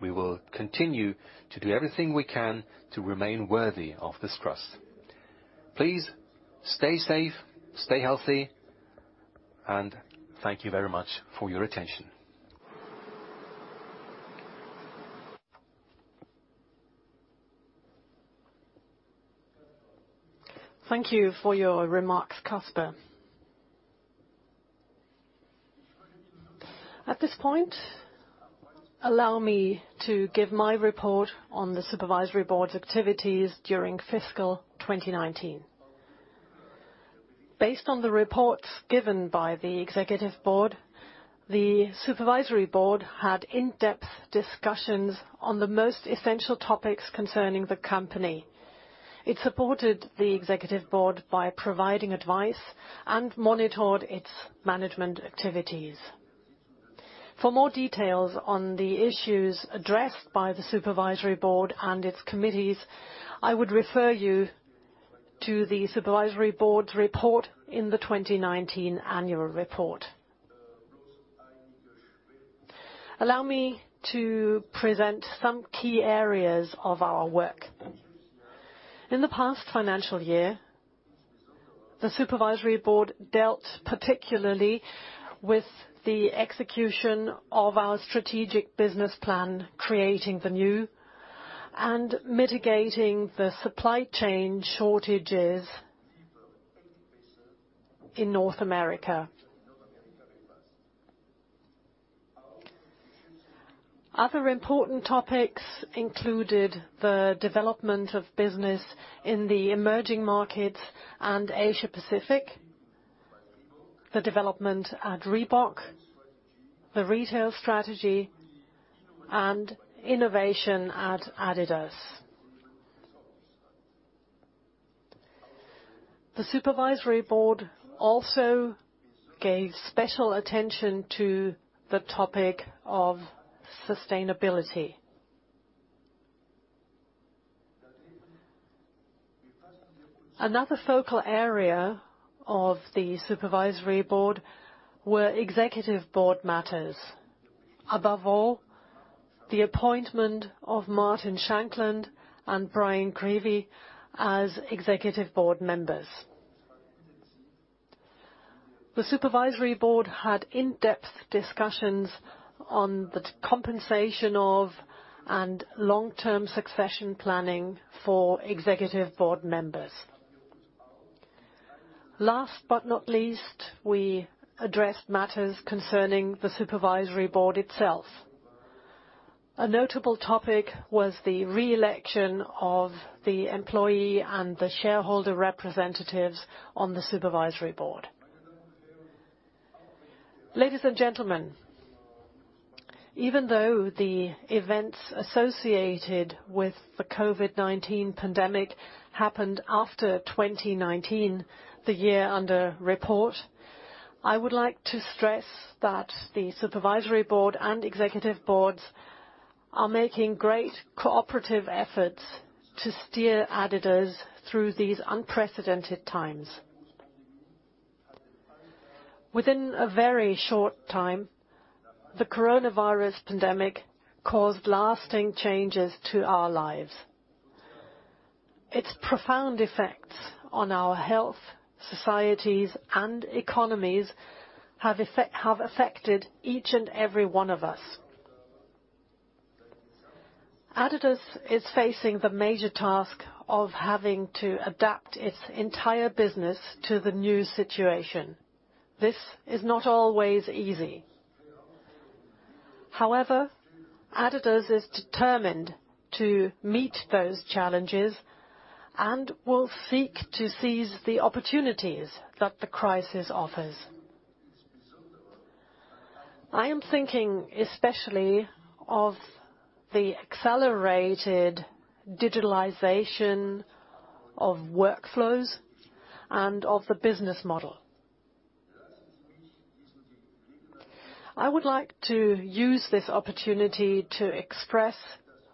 We will continue to do everything we can to remain worthy of this trust. Please stay safe, stay healthy, and thank you very much for your attention. Thank you for your remarks, Kasper. At this point, allow me to give my report on the supervisory board's activities during fiscal 2019. Based on the reports given by the executive board, the supervisory board had in-depth discussions on the most essential topics concerning the company. It supported the executive board by providing advice and monitored its management activities. For more details on the issues addressed by the supervisory board and its committees, I would refer you to the supervisory board's report in the 2019 annual report. Allow me to present some key areas of our work. In the past financial year, the Supervisory Board dealt particularly with the execution of our strategic business plan, Creating the New, and mitigating the supply chain shortages in North America. Other important topics included the development of business in the emerging markets and Asia Pacific, the development at Reebok, the retail strategy, and innovation at adidas. The Supervisory Board also gave special attention to the topic of sustainability. Another focal area of the Supervisory Board were Executive Board matters. Above all, the appointment of Martin Shankland and Brian Grevy as Executive Board members. The Supervisory Board had in-depth discussions on the compensation of and long-term succession planning for Executive Board members. Last but not least, we addressed matters concerning the Supervisory Board itself. A notable topic was the re-election of the employee and the shareholder representatives on the Supervisory Board. Ladies and gentlemen, even though the events associated with the COVID-19 pandemic happened after 2019, the year under report, I would like to stress that the Supervisory Board and executive boards are making great cooperative efforts to steer adidas through these unprecedented times. Within a very short time, the coronavirus pandemic caused lasting changes to our lives. Its profound effects on our health, societies, and economies have affected each and every one of us. adidas is facing the major task of having to adapt its entire business to the new situation. This is not always easy. adidas is determined to meet those challenges and will seek to seize the opportunities that the crisis offers. I am thinking especially of the accelerated digitalization of workflows and of the business model. I would like to use this opportunity to express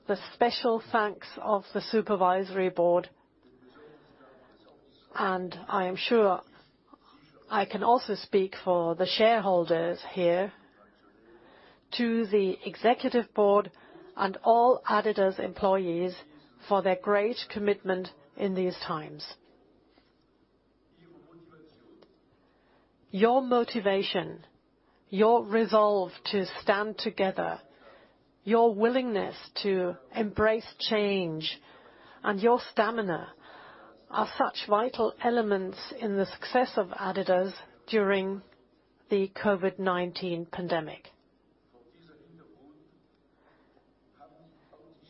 the special thanks of the Supervisory Board, and I am sure I can also speak for the shareholders here, to the Executive Board and all adidas employees for their great commitment in these times. Your motivation, your resolve to stand together, your willingness to embrace change, and your stamina are such vital elements in the success of adidas during the COVID-19 pandemic.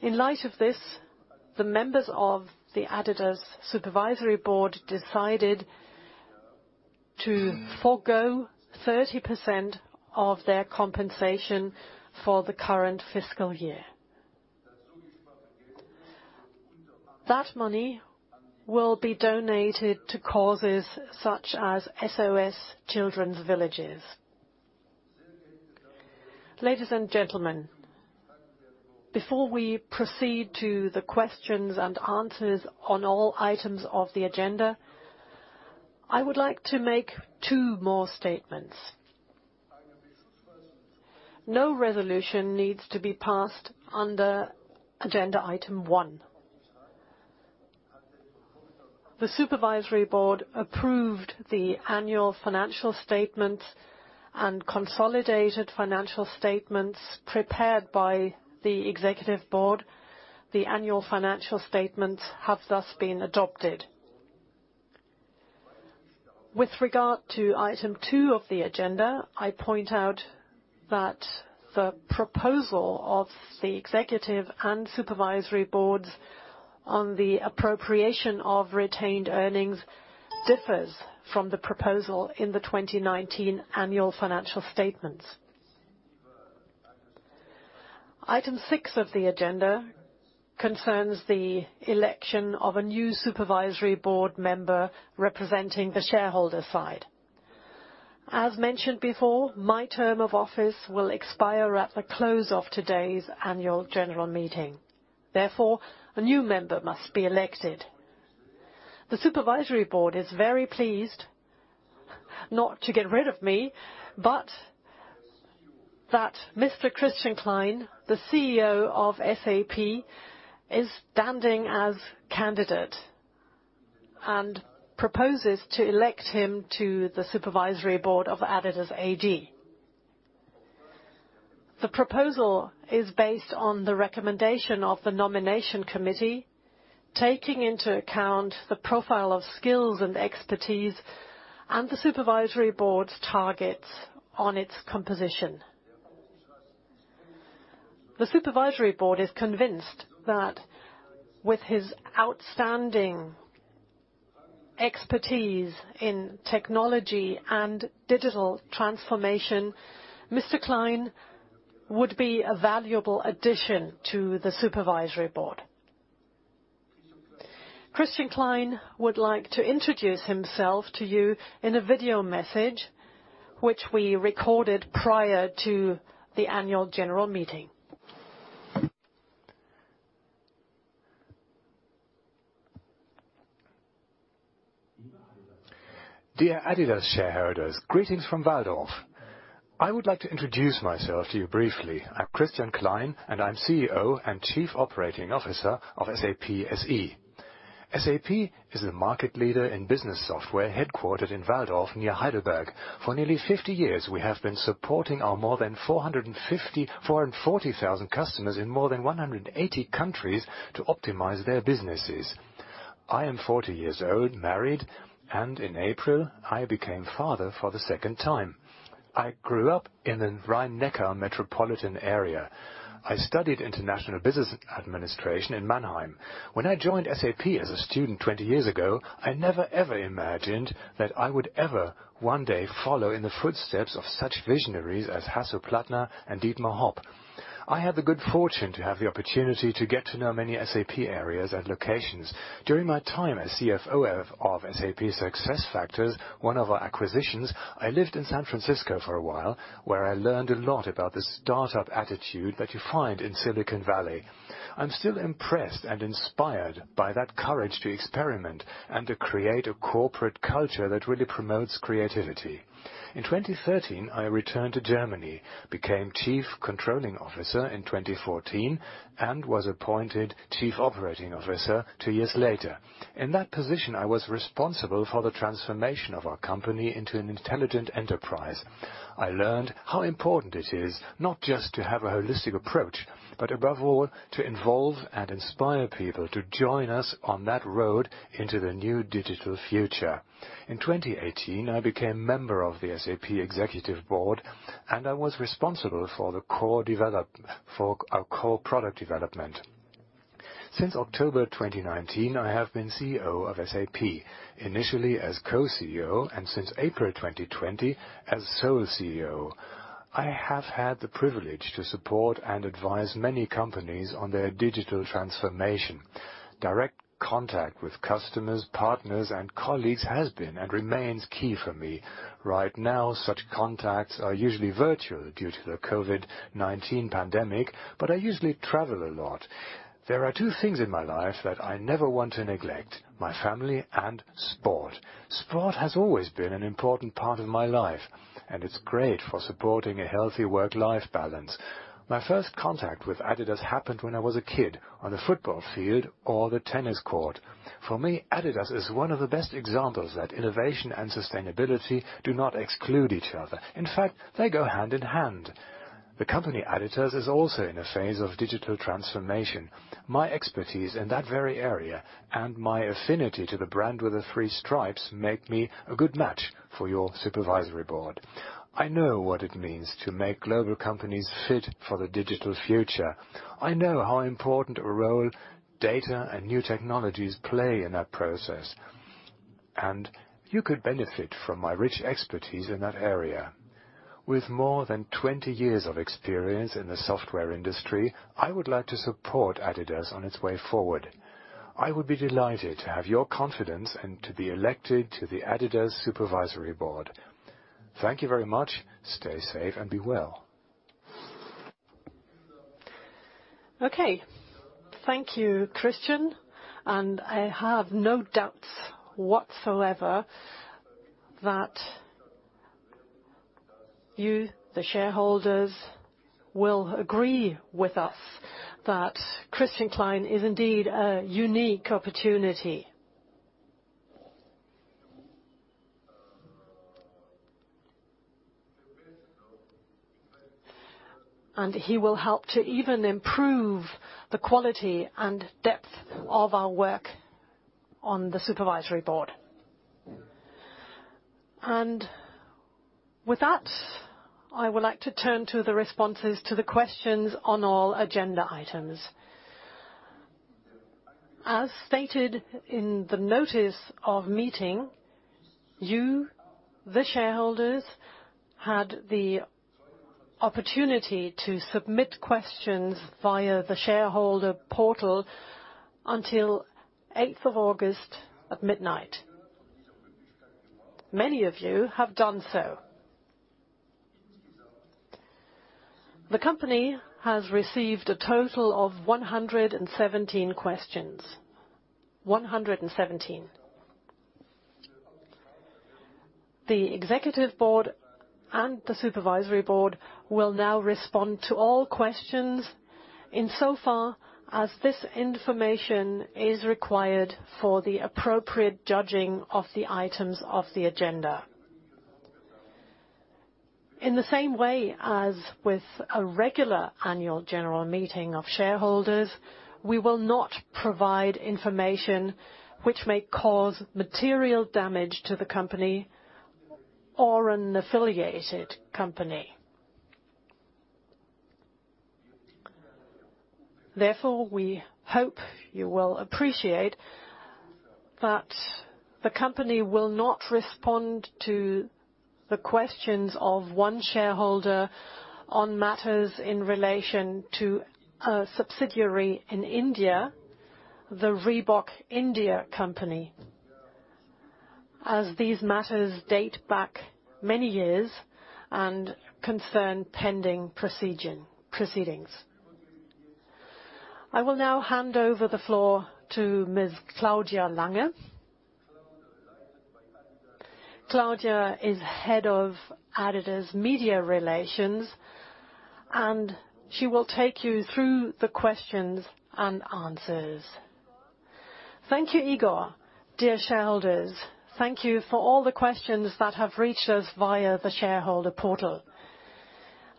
In light of this, the members of the adidas Supervisory Board decided to forgo 30% of their compensation for the current fiscal year. That money will be donated to causes such as SOS Children's Villages. Ladies and gentlemen, before we proceed to the questions and answers on all items of the agenda, I would like to make two more statements. No resolution needs to be passed under agenda item 1. The Supervisory Board approved the annual financial statements and consolidated financial statements prepared by the Executive Board. The annual financial statements have thus been adopted. With regard to item 2 of the agenda, I point out that the proposal of the Executive and Supervisory Boards on the appropriation of retained earnings differs from the proposal in the 2019 annual financial statements. Item 6 of the agenda concerns the election of a new Supervisory Board member representing the shareholder side. As mentioned before, my term of office will expire at the close of today's annual general meeting. Therefore, a new member must be elected. The Supervisory Board is very pleased not to get rid of me, but that Mr. Christian Klein, the CEO of SAP, is standing as candidate, and proposes to elect him to the Supervisory Board of adidas AG. The proposal is based on the recommendation of the nomination committee, taking into account the profile of skills and expertise and the supervisory board's targets on its composition. The supervisory board is convinced that with his outstanding expertise in technology and digital transformation, Mr. Klein would be a valuable addition to the supervisory board. Christian Klein would like to introduce himself to you in a video message which we recorded prior to the annual general meeting. Dear adidas shareholders, greetings from Walldorf. I would like to introduce myself to you briefly. I'm Christian Klein, and I'm CEO and Chief Operating Officer of SAP SE. SAP is the market leader in business software, headquartered in Walldorf, near Heidelberg. For nearly 50 years, we have been supporting our more than 440,000 customers in more than 180 countries to optimize their businesses. I am 40 years old, married, and in April I became father for the second time. I grew up in the Rhine Neckar metropolitan area. I studied international business administration in Mannheim. When I joined SAP as a student 20 years ago, I never ever imagined that I would ever one day follow in the footsteps of such visionaries as Hasso Plattner and Dietmar Hopp. I had the good fortune to have the opportunity to get to know many SAP areas and locations. During my time as CFO of SAP SuccessFactors, one of our acquisitions, I lived in San Francisco for a while, where I learned a lot about the startup attitude that you find in Silicon Valley. I'm still impressed and inspired by that courage to experiment and to create a corporate culture that really promotes creativity. In 2013, I returned to Germany, became chief controlling officer in 2014, and was appointed chief operating officer two years later. In that position, I was responsible for the transformation of our company into an intelligent enterprise. I learned how important it is not just to have a holistic approach, but above all, to involve and inspire people to join us on that road into the new digital future. In 2018, I became member of the SAP Executive Board, and I was responsible for our core product development. Since October 2019, I have been CEO of SAP, initially as co-CEO and since April 2020 as sole CEO. I have had the privilege to support and advise many companies on their digital transformation. Direct contact with customers, partners, and colleagues has been and remains key for me. Right now, such contacts are usually virtual due to the COVID-19 pandemic, but I usually travel a lot. There are two things in my life that I never want to neglect, my family and sport. Sport has always been an important part of my life, and it's great for supporting a healthy work-life balance. My first contact with adidas happened when I was a kid on the football field or the tennis court. For me, adidas is one of the best examples that innovation and sustainability do not exclude each other. In fact, they go hand in hand. The company adidas is also in a phase of digital transformation. My expertise in that very area and my affinity to the brand with the three stripes make me a good match for your supervisory board. I know what it means to make global companies fit for the digital future. I know how important a role data and new technologies play in that process, and you could benefit from my rich expertise in that area. With more than 20 years of experience in the software industry, I would like to support adidas on its way forward. I would be delighted to have your confidence and to be elected to the adidas supervisory board. Thank you very much. Stay safe and be well. Thank you, Christian. I have no doubts whatsoever that you, the shareholders, will agree with us that Christian Klein is indeed a unique opportunity. He will help to even improve the quality and depth of our work on the supervisory board. With that, I would like to turn to the responses to the questions on all agenda items. As stated in the notice of meeting, you, the shareholders, had the opportunity to submit questions via the shareholder portal until 8th of August at midnight. Many of you have done so. The company has received a total of 117 questions. 117. The executive board and the supervisory board will now respond to all questions insofar as this information is required for the appropriate judging of the items of the agenda. In the same way as with a regular annual general meeting of shareholders, we will not provide information which may cause material damage to the company or an affiliated company. Therefore, we hope you will appreciate that the company will not respond to the questions of one shareholder on matters in relation to a subsidiary in India, the Reebok India Company, as these matters date back many years and concern pending proceedings. I will now hand over the floor to Ms. Claudia Lange. Claudia is Head of adidas Media Relations. She will take you through the questions and answers. Thank you, Igor. Dear shareholders, thank you for all the questions that have reached us via the shareholder portal.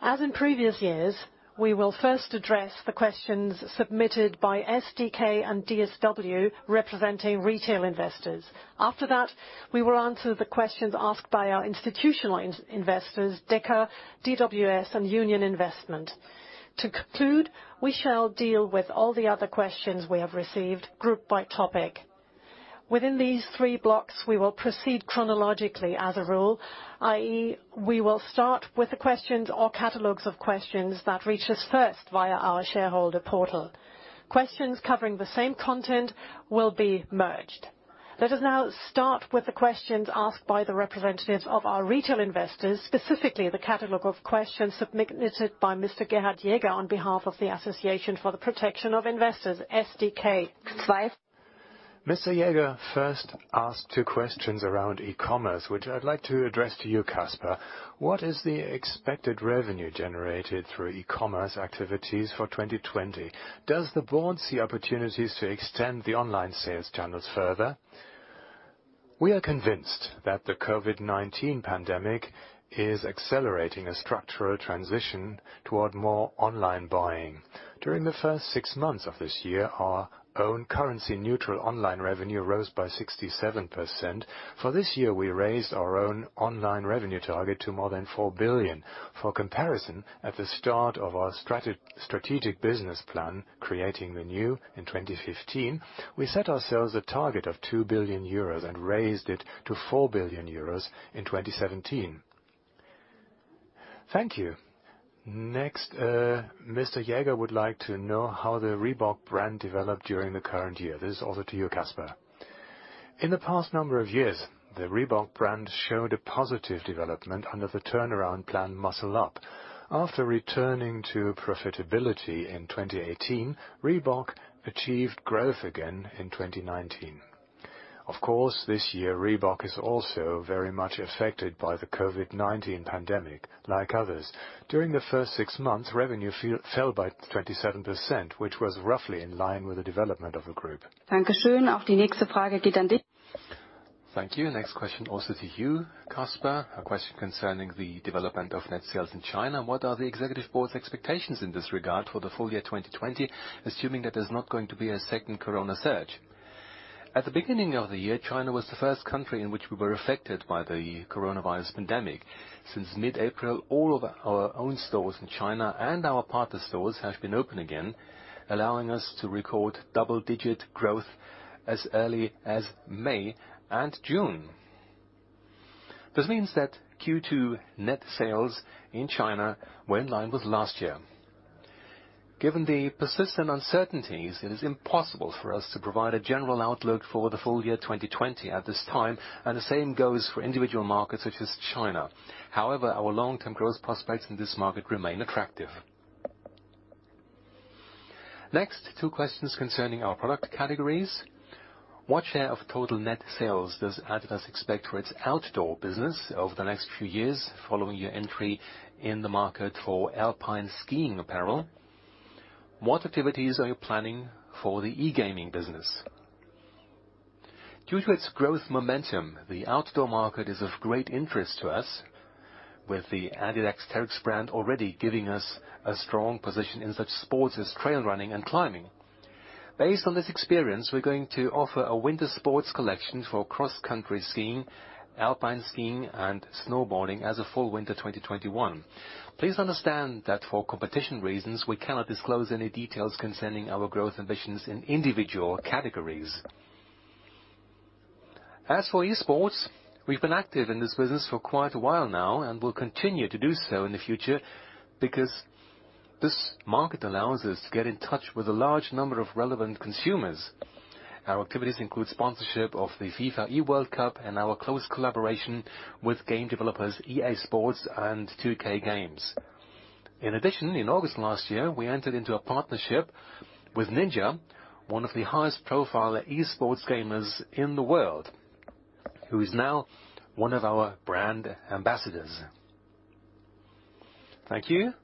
As in previous years, we will first address the questions submitted by SdK and DSW, representing retail investors. After that, we will answer the questions asked by our institutional investors, Deka, DWS, and Union Investment. To conclude, we shall deal with all the other questions we have received, grouped by topic. Within these three blocks, we will proceed chronologically as a rule, i.e., we will start with the questions or catalogs of questions that reach us first via our shareholder portal. Questions covering the same content will be merged. Let us now start with the questions asked by the representatives of our retail investors, specifically the catalog of questions submitted by Mr. Gerhard Jäger on behalf of the Association for the Protection of Investors, SdK. Mr. Jäger first asked two questions around e-commerce, which I'd like to address to you, Kasper. What is the expected revenue generated through e-commerce activities for 2020? Does the board see opportunities to extend the online sales channels further? We are convinced that the COVID-19 pandemic is accelerating a structural transition toward more online buying. During the first six months of this year, our own currency-neutral online revenue rose by 67%. For this year, we raised our own online revenue target to more than $4 billion. For comparison, at the start of our strategic business plan, Creating the New, in 2015, we set ourselves a target of €2 billion and raised it to €4 billion in 2017. Thank you. Next, Mr. Jäger would like to know how the Reebok brand developed during the current year. This is also to you, Kasper. In the past number of years, the Reebok brand showed a positive development under the turnaround plan Muscle Up. After returning to profitability in 2018, Reebok achieved growth again in 2019. Of course, this year, Reebok is also very much affected by the COVID-19 pandemic, like others. During the first six months, revenue fell by 27%, which was roughly in line with the development of the group. Thank you. Next question, also to you, Kasper. A question concerning the development of net sales in China. What are the Executive Board's expectations in this regard for the full year 2020, assuming that there's not going to be a second corona surge? At the beginning of the year, China was the first country in which we were affected by the coronavirus pandemic. Since mid-April, all of our own stores in China and our partner stores have been open again, allowing us to record double-digit growth as early as May and June. This means that Q2 net sales in China were in line with last year. Given the persistent uncertainties, it is impossible for us to provide a general outlook for the full year 2020 at this time, and the same goes for individual markets such as China. Our long-term growth prospects in this market remain attractive. Next, two questions concerning our product categories. What share of total net sales does adidas expect for its outdoor business over the next two years following your entry in the market for alpine skiing apparel? What activities are you planning for the e-gaming business? Due to its growth momentum, the outdoor market is of great interest to us, with the adidas Terrex brand already giving us a strong position in such sports as trail running and climbing. Based on this experience, we're going to offer a winter sports collection for cross-country skiing, alpine skiing, and snowboarding as of fall/winter 2021. Please understand that for competition reasons, we cannot disclose any details concerning our growth ambitions in individual categories. As for esports, we've been active in this business for quite a while now and will continue to do so in the future because this market allows us to get in touch with a large number of relevant consumers. Our activities include sponsorship of the FIFA eWorld Cup and our close collaboration with game developers EA Sports and 2K Games. In addition, in August last year, we entered into a partnership with Ninja, one of the highest profile esports gamers in the world, who is now one of our brand ambassadors. Thank you.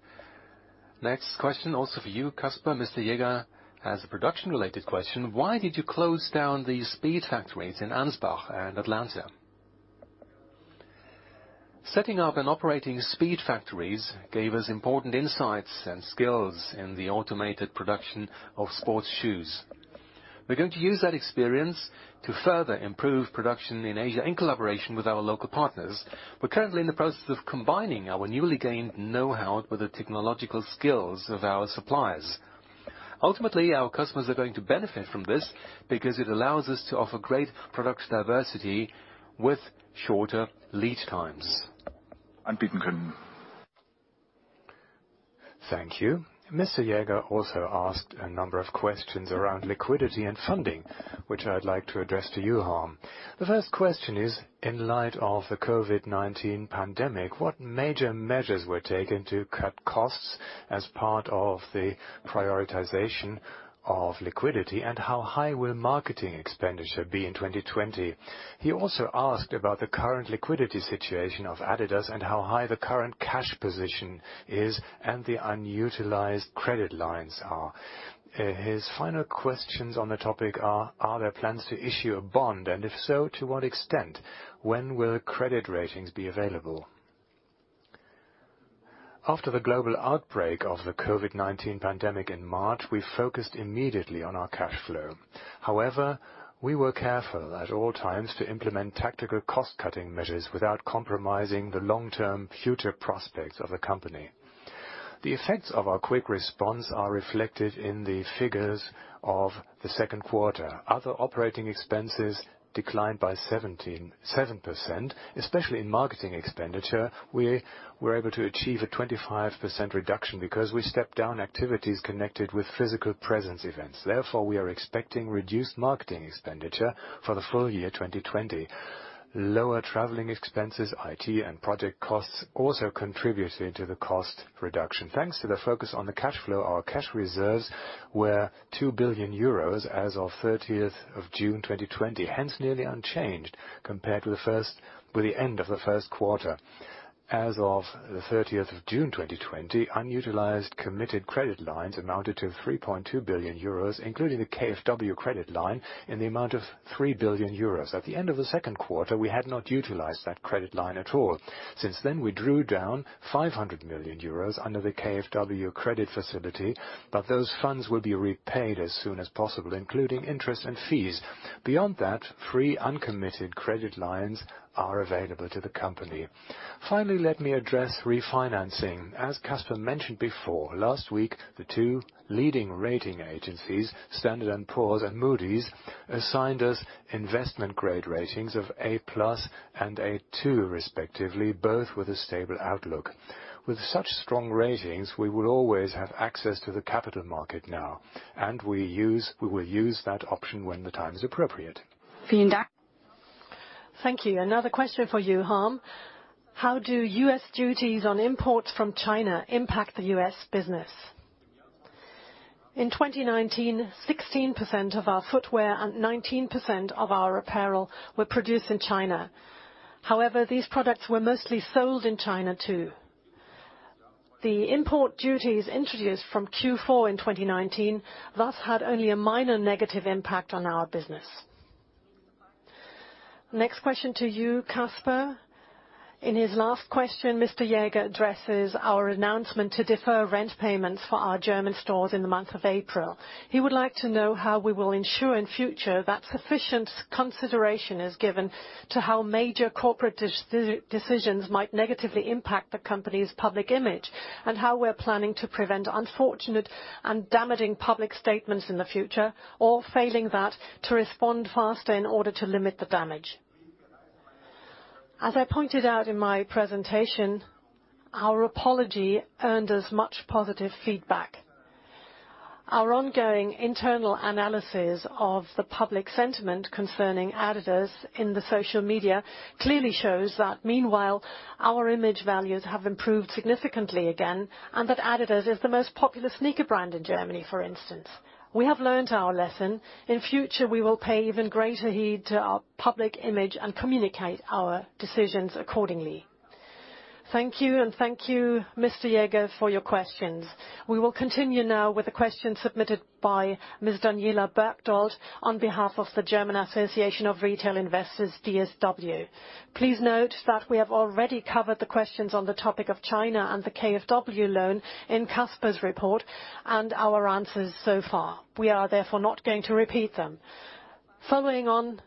Next question also for you, Kasper. Mr. Jaeger has a production-related question. Why did you close down the Speedfactories in Ansbach and Atlanta? Setting up and operating Speedfactories gave us important insights and skills in the automated production of sports shoes. We're going to use that experience to further improve production in Asia, in collaboration with our local partners. We're currently in the process of combining our newly gained know-how with the technological skills of our suppliers. Ultimately, our customers are going to benefit from this because it allows us to offer great product diversity with shorter lead times. Thank you. Mr. Jäger also asked a number of questions around liquidity and funding, which I'd like to address to you, Harm. The first question is, in light of the COVID-19 pandemic, what major measures were taken to cut costs as part of the prioritization of liquidity, and how high will marketing expenditure be in 2020? He also asked about the current liquidity situation of adidas and how high the current cash position is and the unutilized credit lines are. His final questions on the topic are there plans to issue a bond, and if so, to what extent? When will credit ratings be available? After the global outbreak of the COVID-19 pandemic in March, we focused immediately on our cash flow. However, we were careful at all times to implement tactical cost-cutting measures without compromising the long-term future prospects of the company. The effects of our quick response are reflected in the figures of the second quarter. Other operating expenses declined by 77%, especially in marketing expenditure. We were able to achieve a 25% reduction because we stepped down activities connected with physical presence events. Therefore, we are expecting reduced marketing expenditure for the full year 2020. Lower traveling expenses, IT, and project costs also contributed to the cost reduction. Thanks to the focus on the cash flow, our cash reserves were 2 billion euros as of 30th of June 2020, hence nearly unchanged compared with the end of the first quarter. As of the 30th of June 2020, unutilized committed credit lines amounted to 3.2 billion euros, including a KfW credit line in the amount of 3 billion euros. At the end of the second quarter, we had not utilized that credit line at all. Since then, we drew down 500 million euros under the KfW credit facility, but those funds will be repaid as soon as possible, including interest and fees. Beyond that, three uncommitted credit lines are available to the company. Finally, let me address refinancing. As Kasper mentioned before, last week, the two leading rating agencies, Standard & Poor's and Moody's, assigned us investment-grade ratings of A+ and A2 respectively, both with a stable outlook. With such strong ratings, we will always have access to the capital market now, and we will use that option when the time is appropriate. Thank you. Another question for you, Harm. How do U.S. duties on imports from China impact the U.S. business? In 2019, 16% of our footwear and 19% of our apparel were produced in China. However, these products were mostly sold in China, too. The import duties introduced from Q4 in 2019, thus had only a minor negative impact on our business. Next question to you, Kasper. In his last question, Mr. Jäger addresses our announcement to defer rent payments for our German stores in the month of April. He would like to know how we will ensure in future that sufficient consideration is given to how major corporate decisions might negatively impact the company's public image, and how we're planning to prevent unfortunate and damaging public statements in the future, or failing that, to respond faster in order to limit the damage. As I pointed out in my presentation, our apology earned us much positive feedback. Our ongoing internal analysis of the public sentiment concerning adidas in the social media clearly shows that meanwhile, our image values have improved significantly again, and that adidas is the most popular sneaker brand in Germany, for instance. We have learned our lesson. In future, we will pay even greater heed to our public image and communicate our decisions accordingly. Thank you, and thank you, Mr. Jäger, for your questions. We will continue now with a question submitted by Ms. Daniela Berchtold on behalf of the Deutsche Schutzvereinigung für Wertpapierbesitz e.V., DSW. Please note that we have already covered the questions on the topic of China and the KfW loan in Kasper's report, and our answers so far. We are therefore not going to repeat them. Following on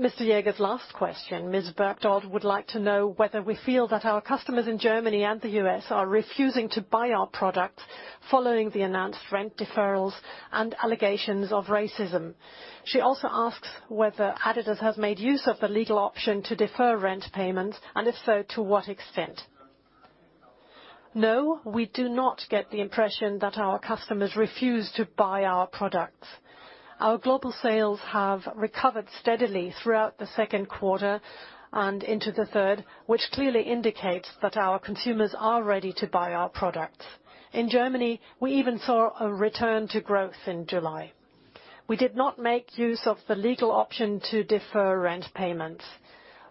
Mr. Jäger's last question, Ms. Berchtold would like to know whether we feel that our customers in Germany and the U.S. are refusing to buy our products following the announced rent deferrals and allegations of racism. She also asks whether adidas has made use of the legal option to defer rent payments, and if so, to what extent. No, we do not get the impression that our customers refuse to buy our products. Our global sales have recovered steadily throughout the second quarter and into the third, which clearly indicates that our consumers are ready to buy our products. In Germany, we even saw a return to growth in July. We did not make use of the legal option to defer rent payments.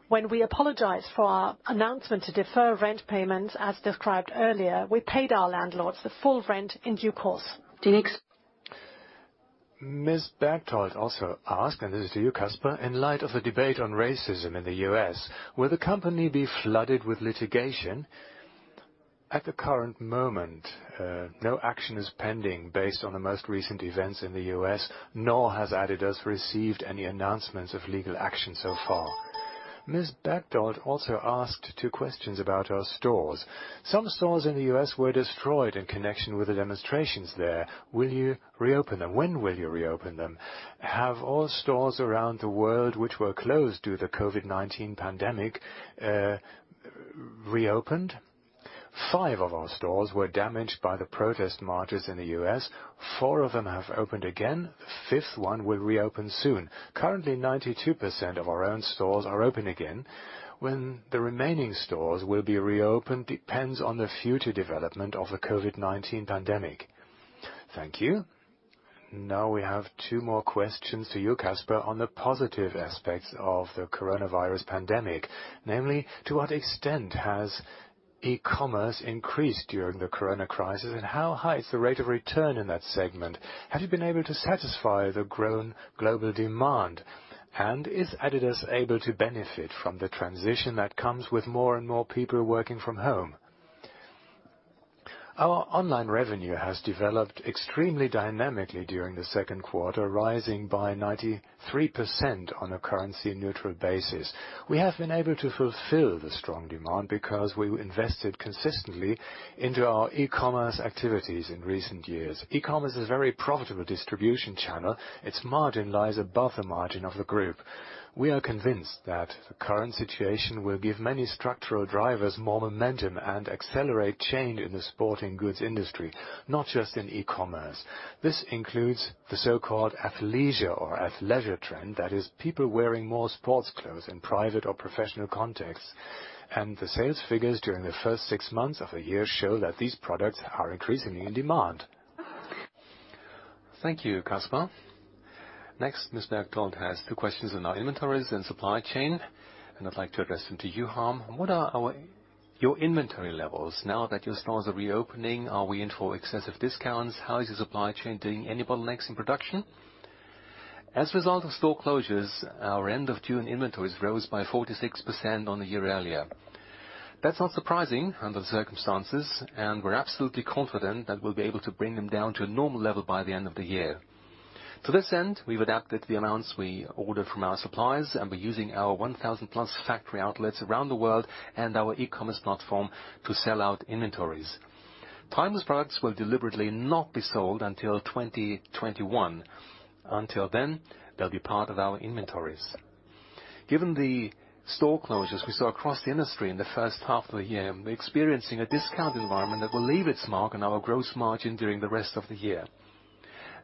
When we apologized for our announcement to defer rent payments, as described earlier, we paid our landlords the full rent in due course. Thanks. Ms. Berchtold also asked, and this is to you, Kasper, "In light of the debate on racism in the U.S., will the company be flooded with litigation?" At the current moment, no action is pending based on the most recent events in the U.S., nor has adidas received any announcements of legal action so far. Ms. Berchtold also asked two questions about our stores. "Some stores in the U.S. were destroyed in connection with the demonstrations there. Will you reopen them? When will you reopen them? Have all stores around the world which were closed due to COVID-19 pandemic reopened?" Five of our stores were damaged by the protest marches in the U.S. Four of them have opened again, the fifth one will reopen soon. Currently, 92% of our own stores are open again. When the remaining stores will be reopened depends on the future development of the COVID-19 pandemic. Thank you. Now, we have two more questions to you, Kasper, on the positive aspects of the coronavirus pandemic. Namely, "To what extent has e-commerce increased during the corona crisis, and how high is the rate of return in that segment? Have you been able to satisfy the growing global demand, and is adidas able to benefit from the transition that comes with more and more people working from home? Our online revenue has developed extremely dynamically during the second quarter, rising by 93% on a currency-neutral basis. We have been able to fulfill the strong demand because we invested consistently into our e-commerce activities in recent years. E-commerce is a very profitable distribution channel. Its margin lies above the margin of the group. We are convinced that the current situation will give many structural drivers more momentum and accelerate change in the sporting goods industry, not just in e-commerce. This includes the so-called athleisure or athleisure trend, that is people wearing more sports clothes in private or professional contexts, and the sales figures during the first six months of the year show that these products are increasingly in demand. Thank you, Kasper. Next, Ms. Berchtold has two questions on our inventories and supply chain, and I'd like to address them to you, Harm. "What are your inventory levels now that your stores are reopening? Are we in for excessive discounts? How is your supply chain doing? Any bottlenecks in production?" As a result of store closures, our end of June inventories rose by 46% on the year earlier. That's not surprising under the circumstances, and we're absolutely confident that we'll be able to bring them down to a normal level by the end of the year. To this end, we've adapted the amounts we order from our suppliers, and we're using our 1,000 plus factory outlets around the world and our e-commerce platform to sell out inventories. Timeless products will deliberately not be sold until 2021. Until then, they'll be part of our inventories. Given the store closures we saw across the industry in the first half of the year, we're experiencing a discount environment that will leave its mark on our gross margin during the rest of the year.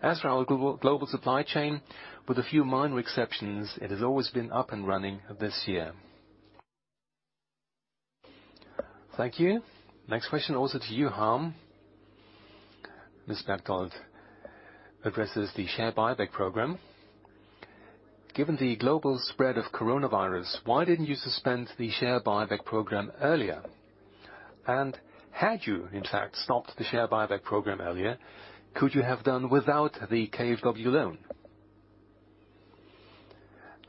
As for our global supply chain, with a few minor exceptions, it has always been up and running this year. Thank you. Next question also to you, Harm. Ms. Berchtold addresses the share buyback program. "Given the global spread of coronavirus, why didn't you suspend the share buyback program earlier? Had you, in fact, stopped the share buyback program earlier, could you have done without the KfW loan?"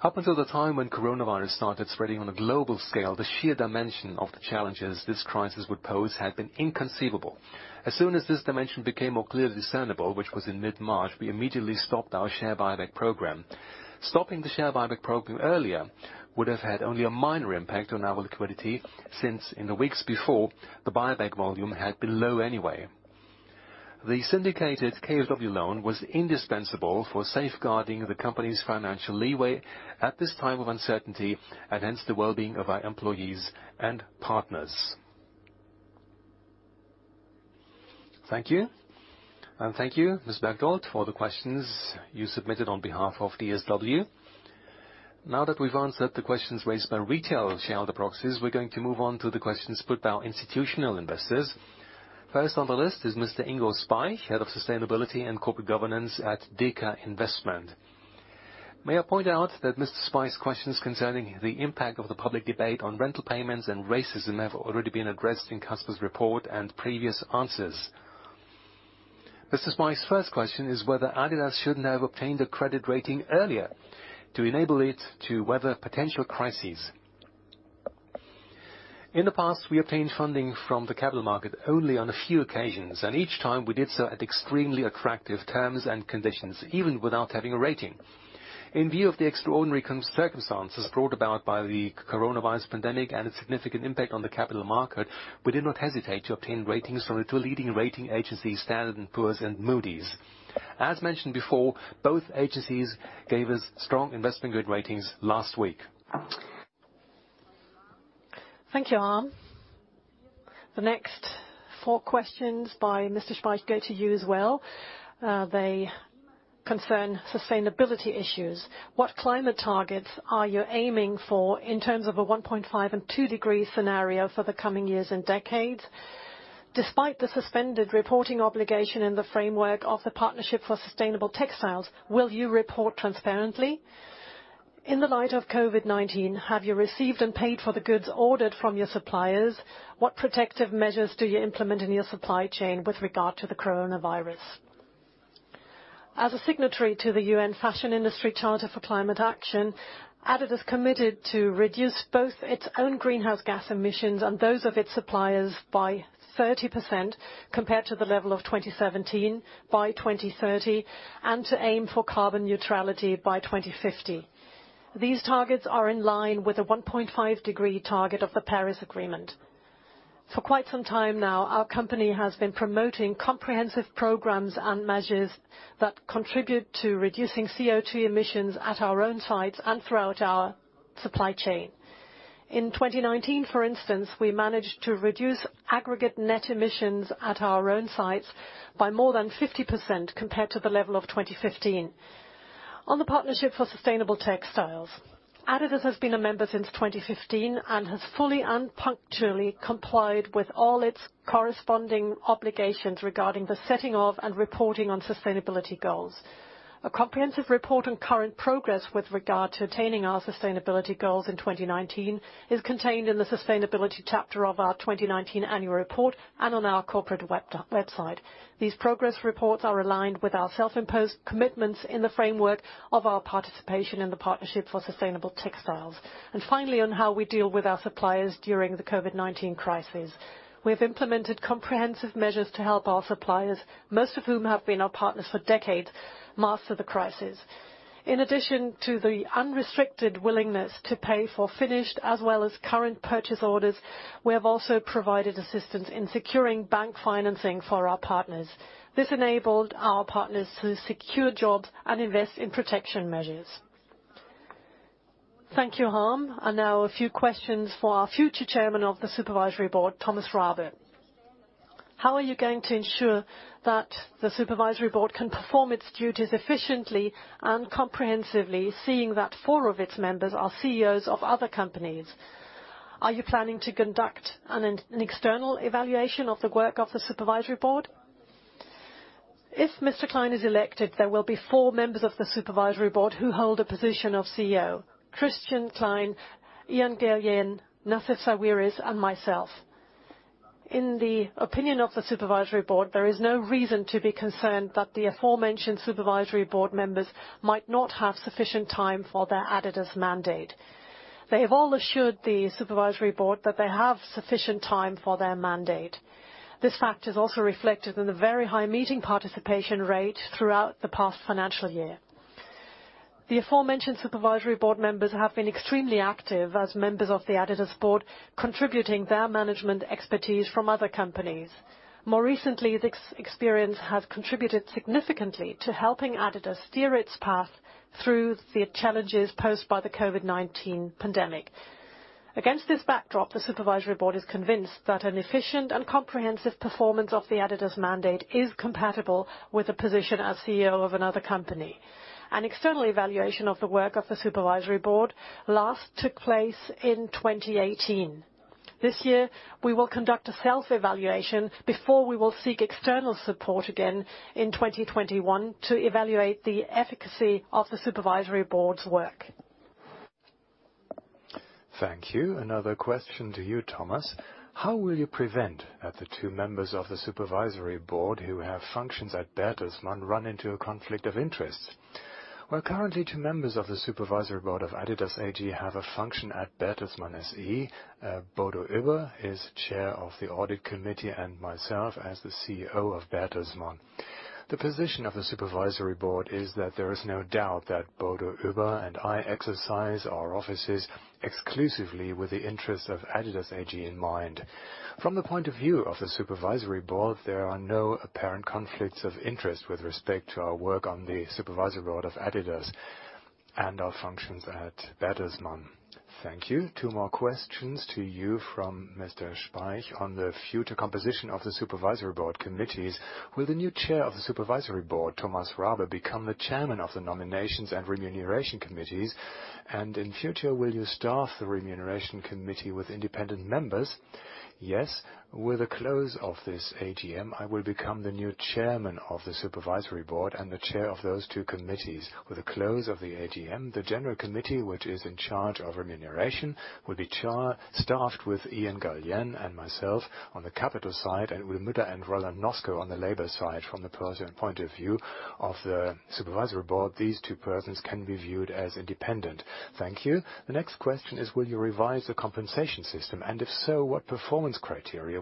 Up until the time when coronavirus started spreading on a global scale, the sheer dimension of the challenges this crisis would pose had been inconceivable. As soon as this dimension became more clearly discernible, which was in mid-March, we immediately stopped our share buyback program. Stopping the share buyback program earlier would have had only a minor impact on our liquidity, since in the weeks before, the buyback volume had been low anyway. The syndicated KfW loan was indispensable for safeguarding the company's financial leeway at this time of uncertainty and hence the well-being of our employees and partners. Thank you. Thank you, Ms. Berchtold, for the questions you submitted on behalf of DSW. Now that we've answered the questions raised by retail shareholder proxies, we're going to move on to the questions put by our institutional investors. First on the list is Mr. Ingo Speich, Head of Sustainability and Corporate Governance at Deka Investment. May I point out that Mr. Speich's questions concerning the impact of the public debate on rental payments and racism have already been addressed in Kasper's report and previous answers. Mr. Speich's first question is whether adidas shouldn't have obtained a credit rating earlier to enable it to weather potential crises. In the past, we obtained funding from the capital market only on a few occasions, and each time we did so at extremely attractive terms and conditions, even without having a rating. In view of the extraordinary circumstances brought about by the coronavirus pandemic and its significant impact on the capital market, we did not hesitate to obtain ratings from the two leading rating agencies, Standard & Poor's and Moody's. As mentioned before, both agencies gave us strong investment-grade ratings last week. Thank you, Harm. The next four questions by Mr. Speight go to you as well. They concern sustainability issues. What climate targets are you aiming for in terms of a 1.5 and 2 degree scenario for the coming years and decades? Despite the suspended reporting obligation in the framework of the Partnership for Sustainable Textiles, will you report transparently? In the light of COVID-19, have you received and paid for the goods ordered from your suppliers? What protective measures do you implement in your supply chain with regard to the coronavirus? As a signatory to the UN Fashion Industry Charter for Climate Action, adidas committed to reduce both its own greenhouse gas emissions and those of its suppliers by 30% compared to the level of 2017 by 2030, and to aim for carbon neutrality by 2050. These targets are in line with a 1.5 degree target of the Paris Agreement. For quite some time now, our company has been promoting comprehensive programs and measures that contribute to reducing CO2 emissions at our own sites and throughout our supply chain. In 2019, for instance, we managed to reduce aggregate net emissions at our own sites by more than 50% compared to the level of 2015. On the Partnership for Sustainable Textiles, adidas has been a member since 2015 and has fully and punctually complied with all its corresponding obligations regarding the setting of and reporting on sustainability goals. A comprehensive report on current progress with regard to attaining our sustainability goals in 2019 is contained in the sustainability chapter of our 2019 annual report and on our corporate website. These progress reports are aligned with our self-imposed commitments in the framework of our participation in the Partnership for Sustainable Textiles. Finally, on how we deal with our suppliers during the COVID-19 crisis. We have implemented comprehensive measures to help our suppliers, most of whom have been our partners for decades, master the crisis. In addition to the unrestricted willingness to pay for finished as well as current purchase orders, we have also provided assistance in securing bank financing for our partners. This enabled our partners to secure jobs and invest in protection measures. Thank you, Harm. Now a few questions for our future chairman of the supervisory board, Thomas Rabe. How are you going to ensure that the supervisory board can perform its duties efficiently and comprehensively, seeing that four of its members are CEOs of other companies? Are you planning to conduct an external evaluation of the work of the supervisory board? If Mr. Klein is elected, there will be four members of the Supervisory Board who hold a position of CEO, Christian Klein, Ian Gallienne, Nafisa Reaz, and myself. In the opinion of the Supervisory Board, there is no reason to be concerned that the aforementioned Supervisory Board members might not have sufficient time for their adidas mandate. They have all assured the Supervisory Board that they have sufficient time for their mandate. This fact is also reflected in the very high meeting participation rate throughout the past financial year. The aforementioned Supervisory Board members have been extremely active as members of the adidas Board, contributing their management expertise from other companies. More recently, this experience has contributed significantly to helping adidas steer its path through the challenges posed by the COVID-19 pandemic. Against this backdrop, the supervisory board is convinced that an efficient and comprehensive performance of the adidas mandate is compatible with the position as CEO of another company. An external evaluation of the work of the supervisory board last took place in 2018. This year, we will conduct a self-evaluation before we will seek external support again in 2021 to evaluate the efficacy of the supervisory board's work. Thank you. Another question to you, Thomas. How will you prevent that the two members of the supervisory board who have functions at Bertelsmann run into a conflict of interest? Well, currently, two members of the supervisory board of adidas AG have a function at Bertelsmann SE. Bodo Uebber is Chairman of the Audit Committee and myself as the CEO of Bertelsmann. The position of the supervisory board is that there is no doubt that Bodo Uebber and I exercise our offices exclusively with the interest of adidas AG in mind. From the point of view of the supervisory board, there are no apparent conflicts of interest with respect to our work on the supervisory board of adidas and our functions at Bertelsmann. Thank you. Two more questions to you from Mr. Speich on the future composition of the supervisory board committees. Will the new chair of the supervisory board, Thomas Rabe, become the chairman of the nominations and remuneration committees? In future, will you staff the remuneration committee with independent members? Yes, with the close of this AGM, I will become the new chairman of the supervisory board and the chair of those two committees. With the close of the AGM, the general committee, which is in charge of remuneration, will be staffed with Ian Gallienne and myself on the capital side, and Willmuta and Roland Noske on the labor side. From the point of view of the supervisory board, these two persons can be viewed as independent. Thank you. The next question is will you revise the compensation system, and if so, what performance criteria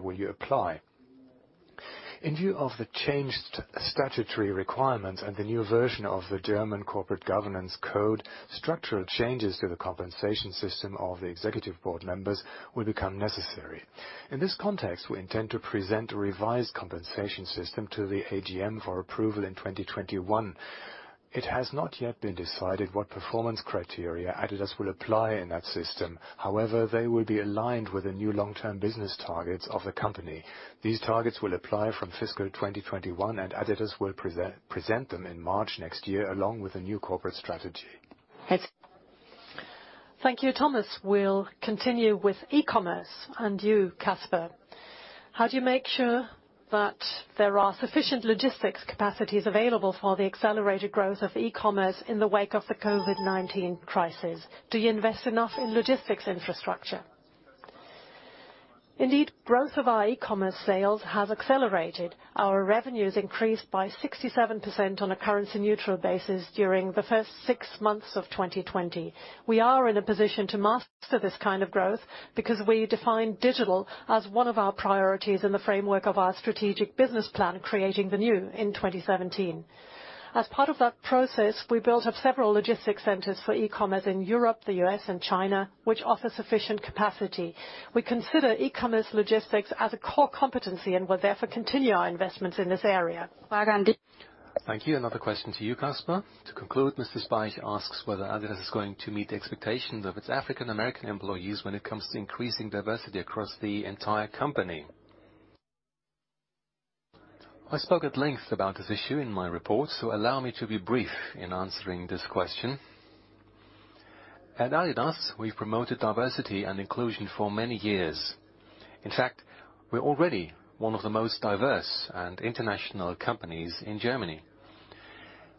will you apply? In view of the changed statutory requirements and the new version of the German Corporate Governance Code, structural changes to the compensation system of the executive board members will become necessary. In this context, we intend to present a revised compensation system to the AGM for approval in 2021. It has not yet been decided what performance criteria Adidas will apply in that system. They will be aligned with the new long-term business targets of the company. These targets will apply from fiscal 2021, and Adidas will present them in March next year along with a new corporate strategy. Thank you, Thomas. We'll continue with e-commerce, and you, Kasper. How do you make sure that there are sufficient logistics capacities available for the accelerated growth of e-commerce in the wake of the COVID-19 crisis? Do you invest enough in logistics infrastructure? Indeed, growth of our e-commerce sales has accelerated. Our revenues increased by 67% on a currency-neutral basis during the first six months of 2020. We are in a position to master this kind of growth because we define digital as one of our priorities in the framework of our strategic business plan, Creating the New, in 2017. As part of that process, we built up several logistics centers for e-commerce in Europe, the U.S., and China, which offer sufficient capacity. We consider e-commerce logistics as a core competency and will therefore continue our investments in this area. Thank you. Another question to you, Kasper. To conclude, Mr. Speich asks whether adidas is going to meet the expectations of its African American employees when it comes to increasing diversity across the entire company. I spoke at length about this issue in my report, so allow me to be brief in answering this question. At adidas, we've promoted diversity and inclusion for many years. In fact, we're already one of the most diverse and international companies in Germany.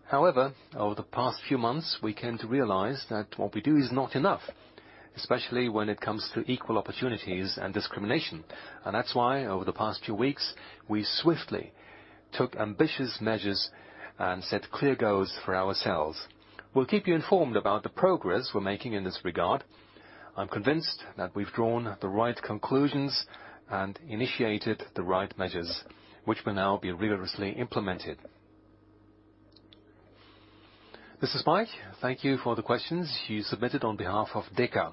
However, over the past few months, we came to realize that what we do is not enough, especially when it comes to equal opportunities and discrimination. That's why, over the past few weeks, we swiftly took ambitious measures and set clear goals for ourselves. We'll keep you informed about the progress we're making in this regard. I'm convinced that we've drawn the right conclusions and initiated the right measures, which will now be rigorously implemented. Mr. Speich, thank you for the questions you submitted on behalf of Deka.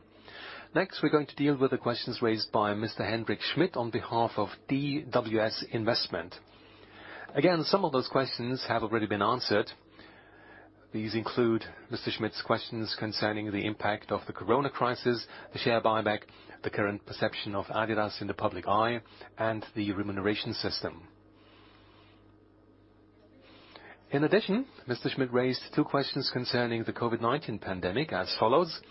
Next, we're going to deal with the questions raised by Mr. Hendrik Schmidt on behalf of DWS Investment. Again, some of those questions have already been answered. These include Mr. Schmidt's questions concerning the impact of the corona crisis, the share buyback, the current perception of adidas in the public eye, and the remuneration system. In addition, Mr. Schmidt raised two questions concerning the COVID-19 pandemic as follows: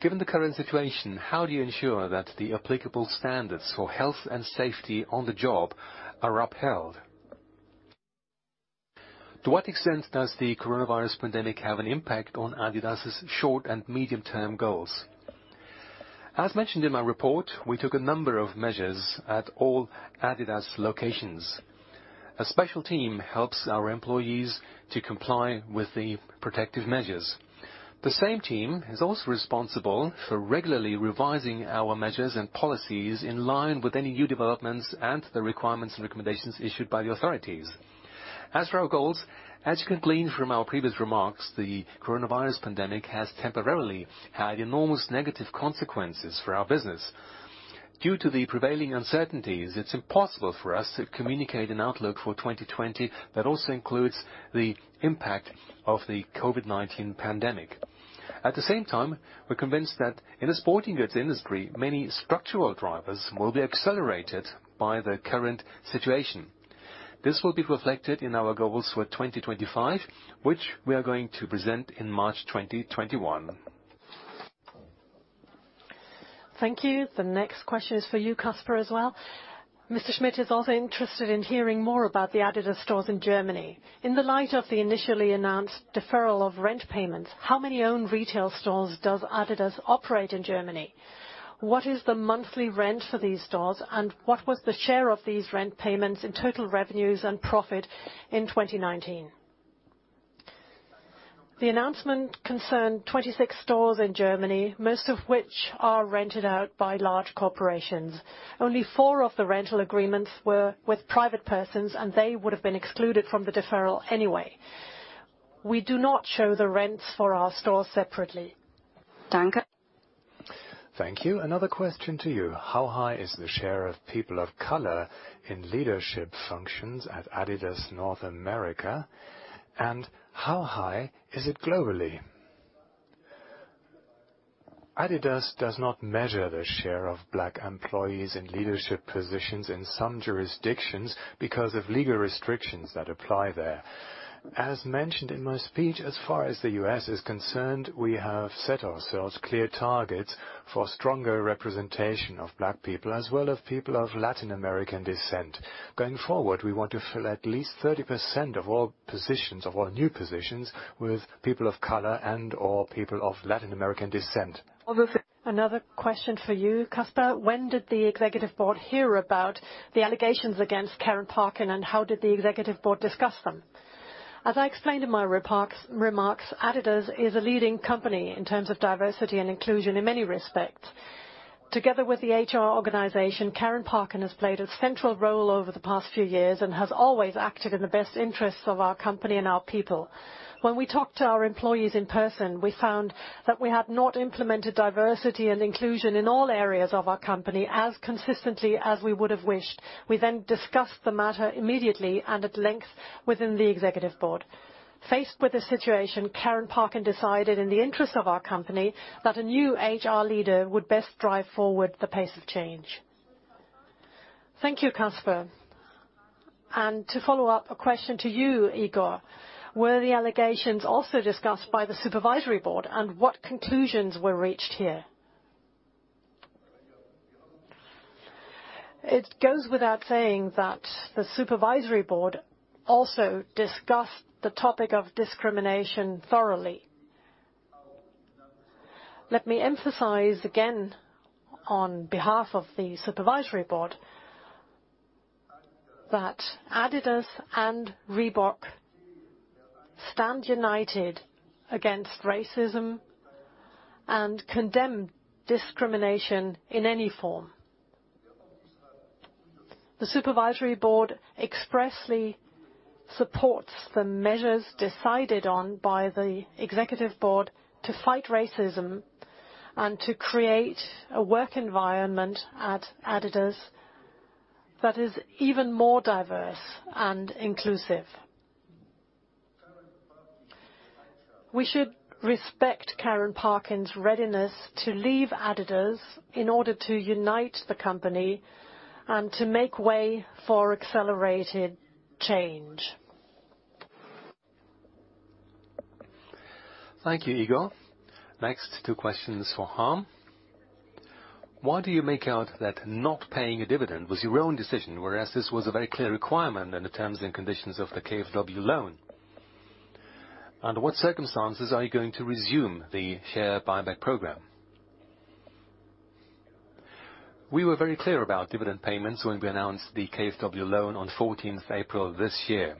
Given the current situation, how do you ensure that the applicable standards for health and safety on the job are upheld? To what extent does the coronavirus pandemic have an impact on adidas' short- and medium-term goals? As mentioned in my report, we took a number of measures at all adidas locations. A special team helps our employees to comply with the protective measures. The same team is also responsible for regularly revising our measures and policies in line with any new developments and the requirements and recommendations issued by the authorities. As for our goals, as you can glean from our previous remarks, the coronavirus pandemic has temporarily had enormous negative consequences for our business. Due to the prevailing uncertainties, it's impossible for us to communicate an outlook for 2020 that also includes the impact of the COVID-19 pandemic. At the same time, we're convinced that in the sporting goods industry, many structural drivers will be accelerated by the current situation. This will be reflected in our goals for 2025, which we are going to present in March 2021. Thank you. The next question is for you, Kasper, as well. Mr. Schmidt is also interested in hearing more about the adidas stores in Germany. In the light of the initially announced deferral of rent payments, how many owned retail stores does adidas operate in Germany? What is the monthly rent for these stores, and what was the share of these rent payments in total revenues and profit in 2019? The announcement concerned 26 stores in Germany, most of which are rented out by large corporations. Only four of the rental agreements were with private persons, and they would have been excluded from the deferral anyway. We do not show the rents for our stores separately. Thank you. Another question to you. How high is the share of people of color in leadership functions at adidas North America, and how high is it globally? adidas does not measure the share of Black employees in leadership positions in some jurisdictions because of legal restrictions that apply there. As mentioned in my speech, as far as the U.S. is concerned, we have set ourselves clear targets for stronger representation of Black people as well as people of Latin American descent. Going forward, we want to fill at least 30% of all positions, of all new positions, with people of color and/or people of Latin American descent. Another question for you, Kasper. When did the executive board hear about the allegations against Karen Parkin, and how did the executive board discuss them? As I explained in my remarks, adidas is a leading company in terms of diversity and inclusion in many respects. Together with the HR organization, Karen Parkin has played a central role over the past few years and has always acted in the best interests of our company and our people. When we talked to our employees in person, we found that we had not implemented diversity and inclusion in all areas of our company as consistently as we would have wished. We discussed the matter immediately and at length within the executive board. Faced with the situation, Karen Parkin decided in the interest of our company that a new HR leader would best drive forward the pace of change. Thank you, Kasper. To follow up, a question to you, Igor. Were the allegations also discussed by the supervisory board, and what conclusions were reached here? It goes without saying that the supervisory board also discussed the topic of discrimination thoroughly. Let me emphasize again, on behalf of the supervisory board, that adidas and Reebok stand united against racism and condemn discrimination in any form. The supervisory board expressly supports the measures decided on by the executive board to fight racism and to create a work environment at adidas that is even more diverse and inclusive. We should respect Karen Parkin's readiness to leave adidas in order to unite the company and to make way for accelerated change. Thank you, Igor. Next, two questions for Harm. Why do you make out that not paying a dividend was your own decision, whereas this was a very clear requirement in the terms and conditions of the KfW loan? Under what circumstances are you going to resume the share buyback program? We were very clear about dividend payments when we announced the KfW loan on 14th April this year.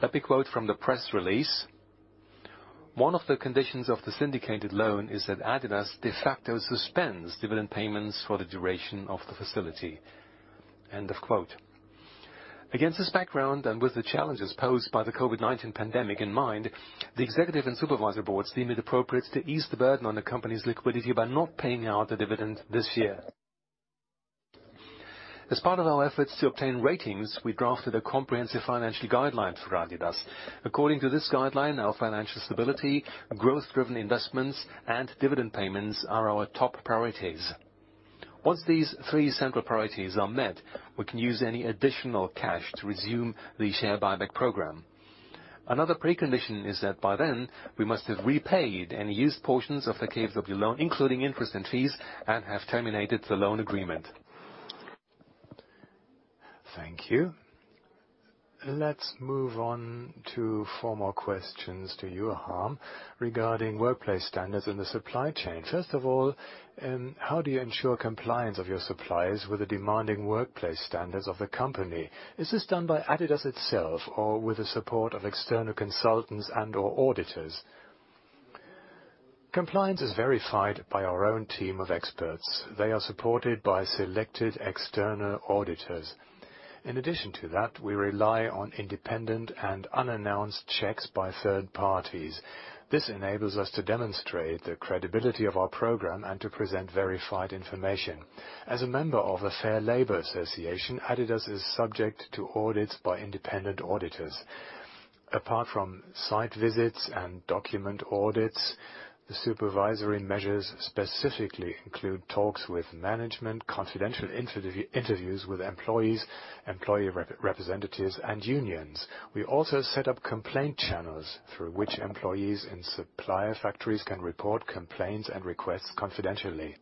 Let me quote from the press release. "One of the conditions of the syndicated loan is that adidas de facto suspends dividend payments for the duration of the facility." End of quote. Against this background, and with the challenges posed by the COVID-19 pandemic in mind, the executive and supervisory board deemed it appropriate to ease the burden on the company's liquidity by not paying out the dividend this year. As part of our efforts to obtain ratings, we drafted a comprehensive financial guideline for adidas. According to this guideline, our financial stability, growth-driven investments, and dividend payments are our top priorities. Once these three central priorities are met, we can use any additional cash to resume the share buyback program. Another precondition is that by then, we must have repaid any used portions of the KfW loan, including interest and fees, and have terminated the loan agreement. Thank you. Let's move on to four more questions to you, Harm, regarding workplace standards in the supply chain. First of all, how do you ensure compliance of your suppliers with the demanding workplace standards of the company? Is this done by adidas itself or with the support of external consultants and/or auditors? Compliance is verified by our own team of experts. They are supported by selected external auditors. In addition to that, we rely on independent and unannounced checks by third parties. This enables us to demonstrate the credibility of our program and to present verified information. As a member of the Fair Labor Association, adidas is subject to audits by independent auditors. Apart from site visits and document audits, the supervisory measures specifically include talks with management, confidential interviews with employees, employee representatives, and unions. We also set up complaint channels through which employees in supplier factories can report complaints and requests confidentially.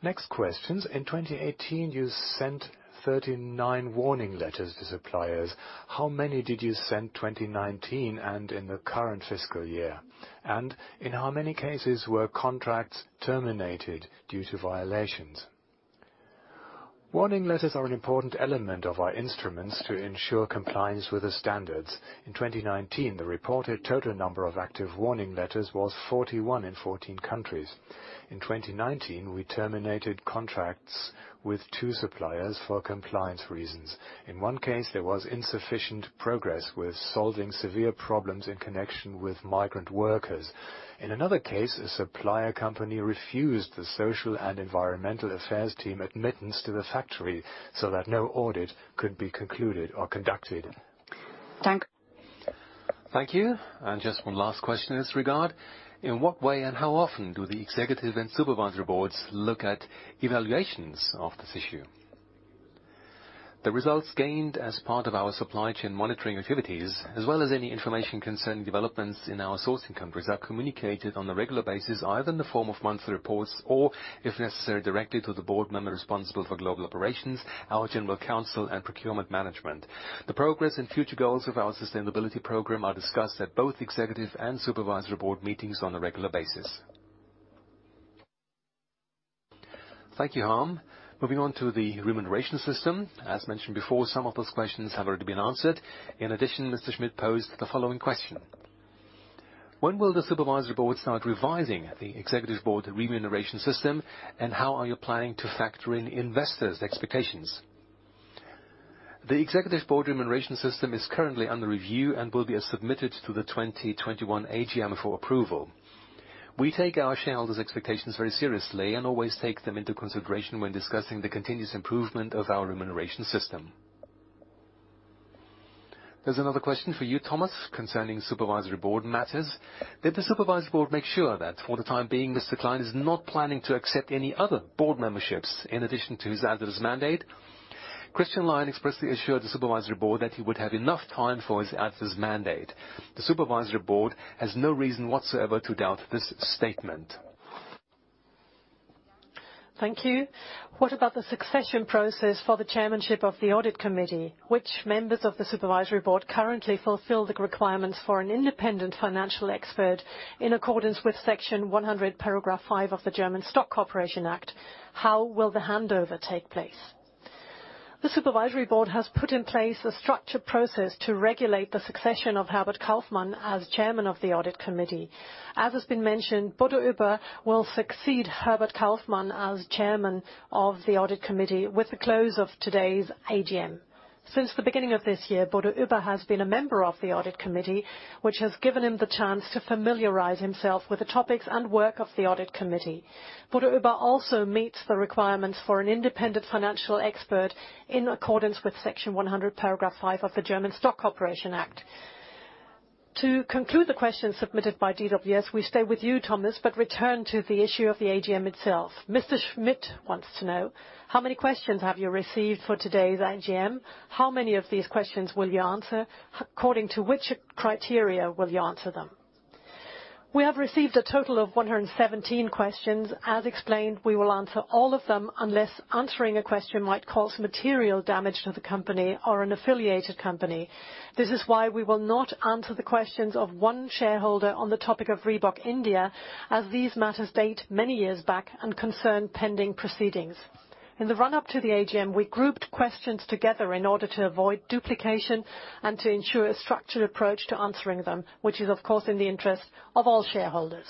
Next questions. In 2018, you sent 39 warning letters to suppliers. How many did you send 2019 and in the current fiscal year? In how many cases were contracts terminated due to violations? Warning letters are an important element of our instruments to ensure compliance with the standards. In 2019, the reported total number of active warning letters was 41 in 14 countries. In 2019, we terminated contracts with two suppliers for compliance reasons. In one case, there was insufficient progress with solving severe problems in connection with migrant workers. In another case, a supplier company refused the social and environmental affairs team admittance to the factory, so that no audit could be concluded or conducted. Thank you. Just one last question in this regard. In what way and how often do the executive and supervisory boards look at evaluations of this issue? The results gained as part of our supply chain monitoring activities, as well as any information concerning developments in our sourcing countries, are communicated on a regular basis, either in the form of monthly reports or, if necessary, directly to the board member responsible for global operations, our general counsel, and procurement management. The progress and future goals of our sustainability program are discussed at both executive and supervisory board meetings on a regular basis. Thank you, Harm. Moving on to the remuneration system. As mentioned before, some of those questions have already been answered. In addition, Mr. Schmidt posed the following question: When will the supervisory board start revising the executive board remuneration system, and how are you planning to factor in investors' expectations? The executive board remuneration system is currently under review and will be submitted to the 2021 AGM for approval. We take our shareholders' expectations very seriously and always take them into consideration when discussing the continuous improvement of our remuneration system. There is another question for you, Thomas, concerning supervisory board matters. Did the supervisory board make sure that for the time being, Mr. Klein is not planning to accept any other board memberships in addition to his adidas mandate? Christian Klein expressly assured the supervisory board that he would have enough time for his adidas mandate. The supervisory board has no reason whatsoever to doubt this statement. Thank you. What about the succession process for the chairmanship of the audit committee? Which members of the supervisory board currently fulfill the requirements for an independent financial expert in accordance with Section 100, Paragraph five of the German Stock Corporation Act? How will the handover take place? The supervisory board has put in place a structured process to regulate the succession of Herbert Kauffmann as chairman of the audit committee. As has been mentioned, Bodo Uebber will succeed Herbert Kauffmann as chairman of the audit committee with the close of today's AGM. Since the beginning of this year, Bodo Uebber has been a member of the audit committee, which has given him the chance to familiarize himself with the topics and work of the audit committee. Bodo Uebber also meets the requirements for an independent financial expert in accordance with Section 100, Paragraph 5 of the German Stock Corporation Act. To conclude the questions submitted by DWS, we stay with you, Thomas, return to the issue of the AGM itself. Mr. Schmidt wants to know, how many questions have you received for today's AGM? How many of these questions will you answer? According to which criteria will you answer them? We have received a total of 117 questions. As explained, we will answer all of them, unless answering a question might cause material damage to the company or an affiliated company. This is why we will not answer the questions of one shareholder on the topic of Reebok India, as these matters date many years back and concern pending proceedings. In the run-up to the AGM, we grouped questions together in order to avoid duplication and to ensure a structured approach to answering them, which is, of course, in the interest of all shareholders.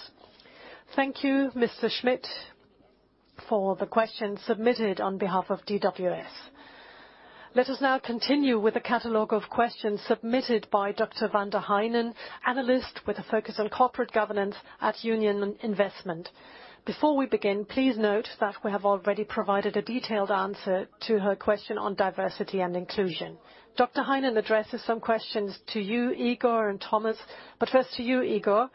Thank you, Mr. Schmidt, for the questions submitted on behalf of DWS. Let us now continue with a catalog of questions submitted by Dr. Van der Heijden, analyst with a focus on corporate governance at Union Investment. Before we begin, please note that we have already provided a detailed answer to her question on diversity and inclusion. Dr. Werning addresses some questions to you, Igor and Thomas, but first to you, Igor.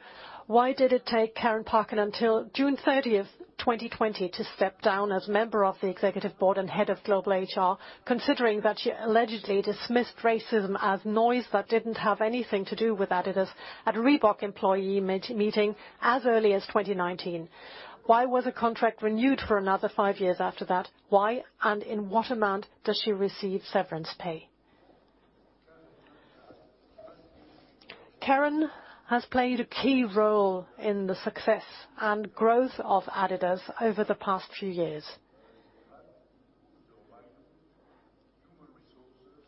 Why did it take Karen Parkin until June 30th, 2020, to step down as member of the executive board and head of global HR, considering that she allegedly dismissed racism as noise that didn't have anything to do with adidas at a Reebok employee meeting as early as 2019? Why was her contract renewed for another five years after that? Why, and in what amount does she receive severance pay? Karen has played a key role in the success and growth of adidas over the past few years.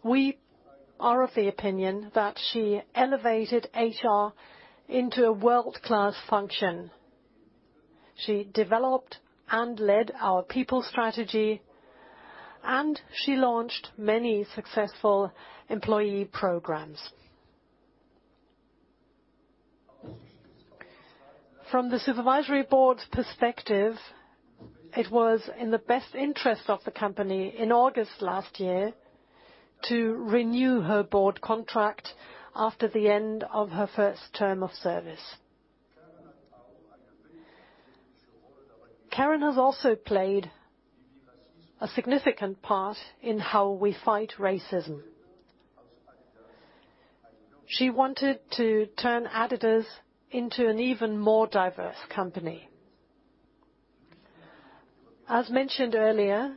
We are of the opinion that she elevated HR into a world-class function. She developed and led our people strategy, and she launched many successful employee programs. From the supervisory board's perspective, it was in the best interest of the company in August last year to renew her board contract after the end of her first term of service. Karen has also played a significant part in how we fight racism. She wanted to turn adidas into an even more diverse company. As mentioned earlier,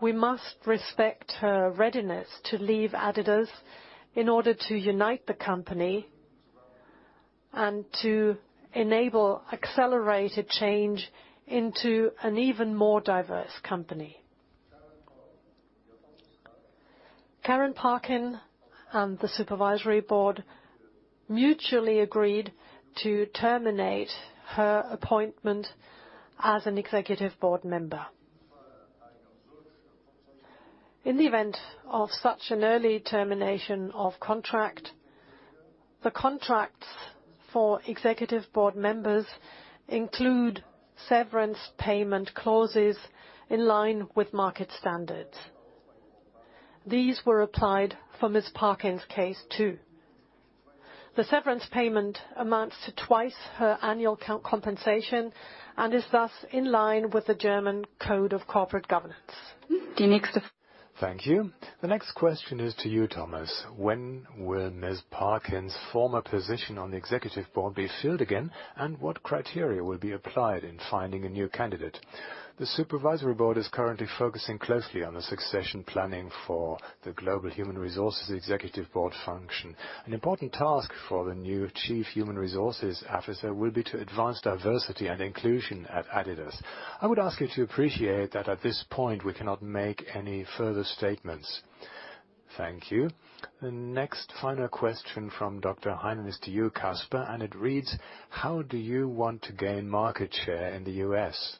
we must respect her readiness to leave adidas in order to unite the company and to enable accelerated change into an even more diverse company. Karen Parkin and the supervisory board mutually agreed to terminate her appointment as an executive board member. In the event of such an early termination of contract, the contracts for executive board members include severance payment clauses in line with market standards. These were applied for Ms. Parkin's case, too. The severance payment amounts to twice her annual compensation and is thus in line with the German Corporate Governance Code. Thank you. The next question is to you, Thomas. When will Ms. Parkin's former position on the executive board be filled again, and what criteria will be applied in finding a new candidate? The supervisory board is currently focusing closely on the succession planning for the global human resources executive board function. An important task for the new Chief Human Resources Officer will be to advance diversity and inclusion at adidas. I would ask you to appreciate that at this point, we cannot make any further statements. Thank you. The next final question from Dr. Werning is to you, Kasper, and it reads: How do you want to gain market share in the U.S.?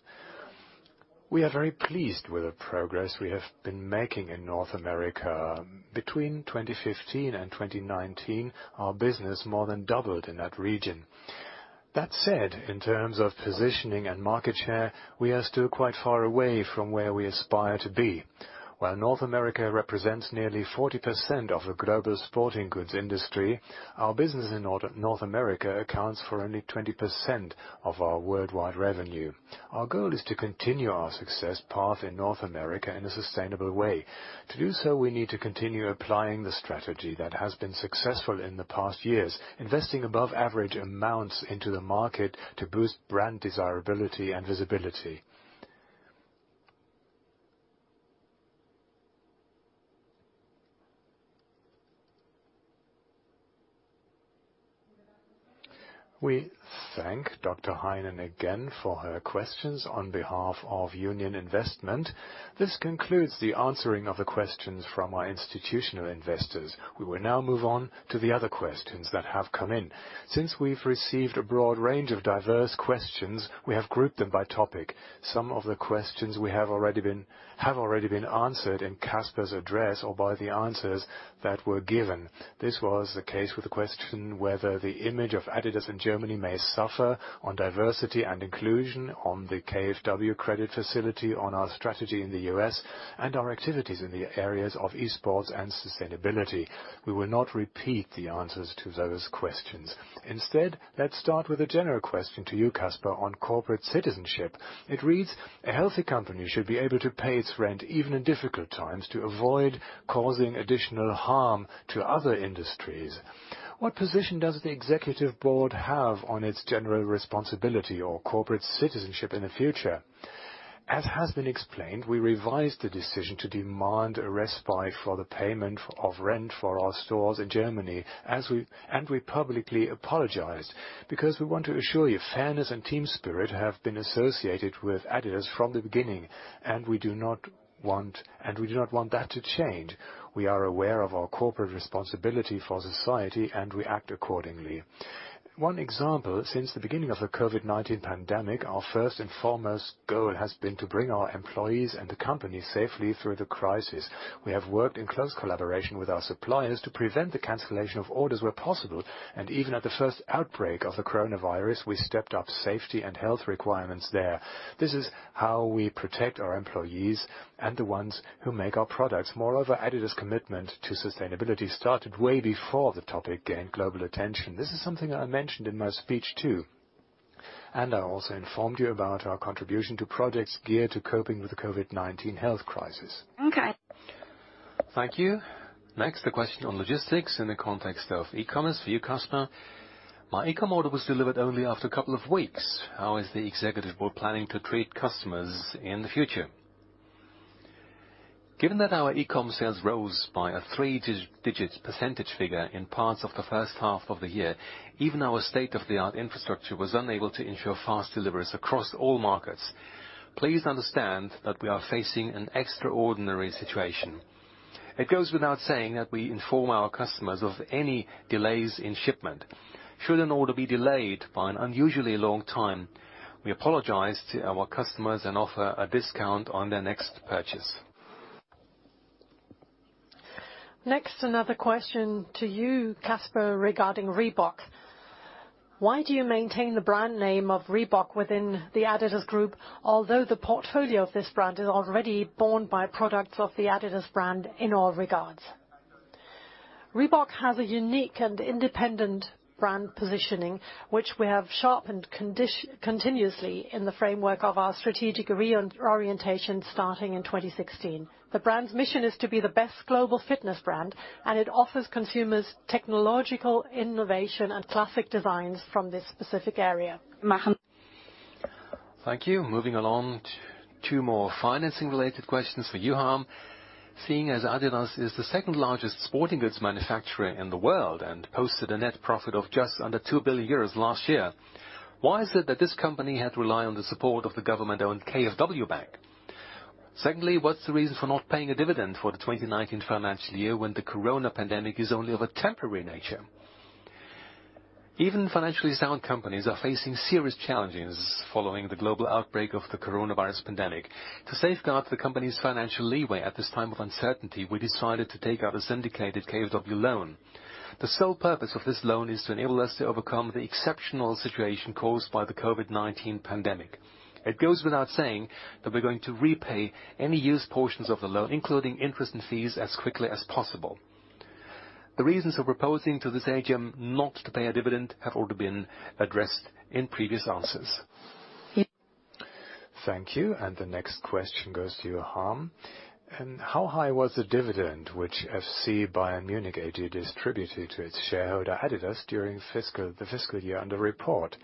We are very pleased with the progress we have been making in North America. Between 2015 and 2019, our business more than doubled in that region. That said, in terms of positioning and market share, we are still quite far away from where we aspire to be. While North America represents nearly 40% of the global sporting goods industry, our business in North America accounts for only 20% of our worldwide revenue. Our goal is to continue our success path in North America in a sustainable way. To do so, we need to continue applying the strategy that has been successful in the past years, investing above average amounts into the market to boost brand desirability and visibility. We thank Dr. Werning again for her questions on behalf of Union Investment. This concludes the answering of the questions from our institutional investors. We will now move on to the other questions that have come in. Since we've received a broad range of diverse questions, we have grouped them by topic. Some of the questions have already been answered in Kasper's address or by the answers that were given. This was the case with the question whether the image of adidas in Germany may suffer on diversity and inclusion, on the KfW credit facility, on our strategy in the U.S., and our activities in the areas of esports and sustainability. We will not repeat the answers to those questions. Instead, let's start with a general question to you, Kasper, on corporate citizenship. It reads: A healthy company should be able to pay its rent even in difficult times to avoid causing additional harm to other industries. What position does the Executive Board have on its general responsibility or corporate citizenship in the future? As has been explained, we revised the decision to demand a respite for the payment of rent for our stores in Germany, and we publicly apologized because we want to assure you, fairness and team spirit have been associated with adidas from the beginning, and we do not want that to change. We are aware of our corporate responsibility for society, and we act accordingly. One example, since the beginning of the COVID-19 pandemic, our first and foremost goal has been to bring our employees and the company safely through the crisis. We have worked in close collaboration with our suppliers to prevent the cancellation of orders where possible, and even at the first outbreak of the coronavirus, we stepped up safety and health requirements there. This is how we protect our employees and the ones who make our products. Moreover, Adidas commitment to sustainability started way before the topic gained global attention. This is something that I mentioned in my speech, too. I also informed you about our contribution to projects geared to coping with the COVID-19 health crisis. Okay. Thank you. Next, a question on logistics in the context of e-com for you, Kasper. My e-com order was delivered only after a couple of weeks. How is the executive board planning to treat customers in the future? Given that our e-com sales rose by a three-digit percentage figure in parts of the first half of the year, even our state-of-the-art infrastructure was unable to ensure fast deliveries across all markets. Please understand that we are facing an extraordinary situation. It goes without saying that we inform our customers of any delays in shipment. Should an order be delayed by an unusually long time, we apologize to our customers and offer a discount on their next purchase. Another question to you, Kasper, regarding Reebok. Why do you maintain the brand name of Reebok within the adidas group, although the portfolio of this brand is already borne by products of the adidas brand in all regards? Reebok has a unique and independent brand positioning, which we have sharpened continuously in the framework of our strategic reorientation starting in 2016. The brand's mission is to be the best global fitness brand, it offers consumers technological innovation and classic designs from this specific area. Thank you. Moving along, two more financing related questions for you, Harm. Seeing as adidas is the second largest sporting goods manufacturer in the world and posted a net profit of just under 2 billion euros last year, why is it that this company had to rely on the support of the government-owned KfW bank? Secondly, what's the reason for not paying a dividend for the 2019 financial year when the COVID-19 pandemic is only of a temporary nature? Even financially sound companies are facing serious challenges following the global outbreak of the COVID-19 pandemic. To safeguard the company's financial leeway at this time of uncertainty, we decided to take out a syndicated KfW loan. The sole purpose of this loan is to enable us to overcome the exceptional situation caused by the COVID-19 pandemic. It goes without saying that we're going to repay any used portions of the loan, including interest and fees, as quickly as possible. The reasons for proposing to this AGM not to pay a dividend have already been addressed in previous answers. Thank you. The next question goes to you, Harm. How high was the dividend which FC Bayern München AG distributed to its shareholder, adidas, during the fiscal year under report?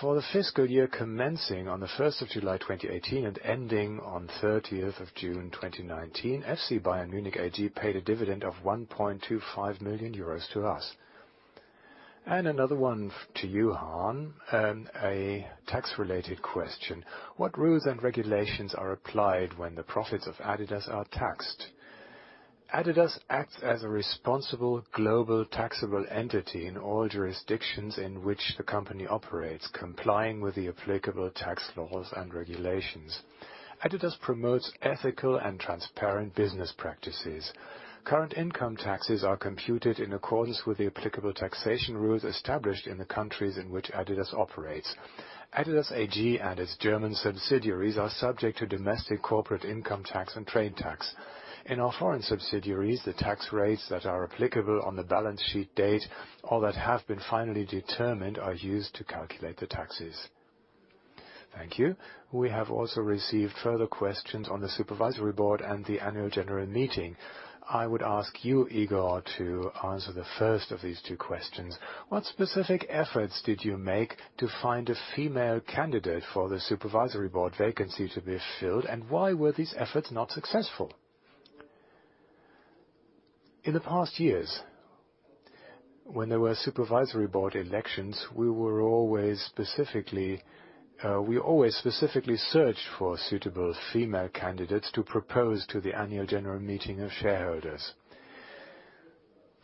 For the fiscal year commencing on the 1st of July 2018 and ending on 30th of June 2019, FC Bayern München AG paid a dividend of 1.25 million euros to us. Another one to you, Harm, a tax-related question. What rules and regulations are applied when the profits of adidas are taxed? adidas acts as a responsible global taxable entity in all jurisdictions in which the company operates, complying with the applicable tax laws and regulations. adidas promotes ethical and transparent business practices. Current income taxes are computed in accordance with the applicable taxation rules established in the countries in which adidas operates. adidas AG and its German subsidiaries are subject to domestic corporate income tax and trade tax. In our foreign subsidiaries, the tax rates that are applicable on the balance sheet date, or that have been finally determined, are used to calculate the taxes. Thank you. We have also received further questions on the supervisory board and the annual general meeting. I would ask you, Igor, to answer the first of these two questions. What specific efforts did you make to find a female candidate for the supervisory board vacancy to be filled, and why were these efforts not successful? In the past years, when there were supervisory board elections, we always specifically searched for suitable female candidates to propose to the annual general meeting of shareholders.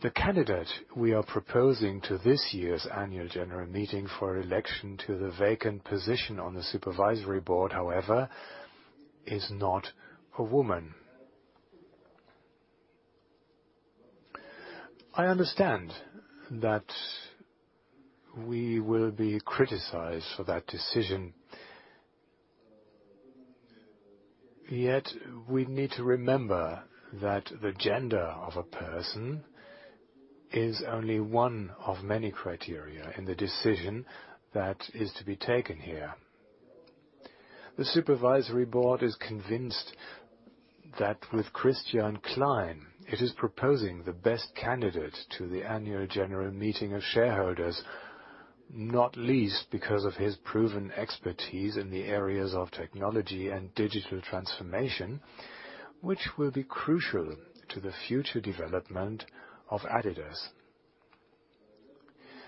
The candidate we are proposing to this year's annual general meeting for election to the vacant position on the supervisory board, however, is not a woman. I understand that we will be criticized for that decision. We need to remember that the gender of a person is only one of many criteria in the decision that is to be taken here. The supervisory board is convinced that with Christian Klein, it is proposing the best candidate to the annual general meeting of shareholders, not least because of his proven expertise in the areas of technology and digital transformation, which will be crucial to the future development of adidas.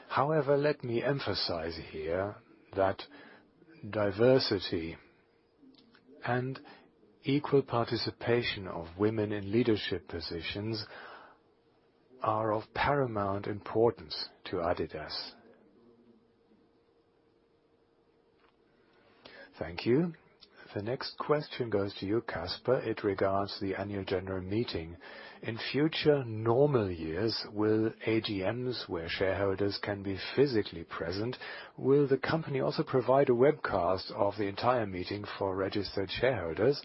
However, let me emphasize here that diversity and equal participation of women in leadership positions are of paramount importance to adidas. Thank you. The next question goes to you, Kasper. It regards the annual general meeting. In future normal years, will AGMs where shareholders can be physically present, will the company also provide a webcast of the entire meeting for registered shareholders?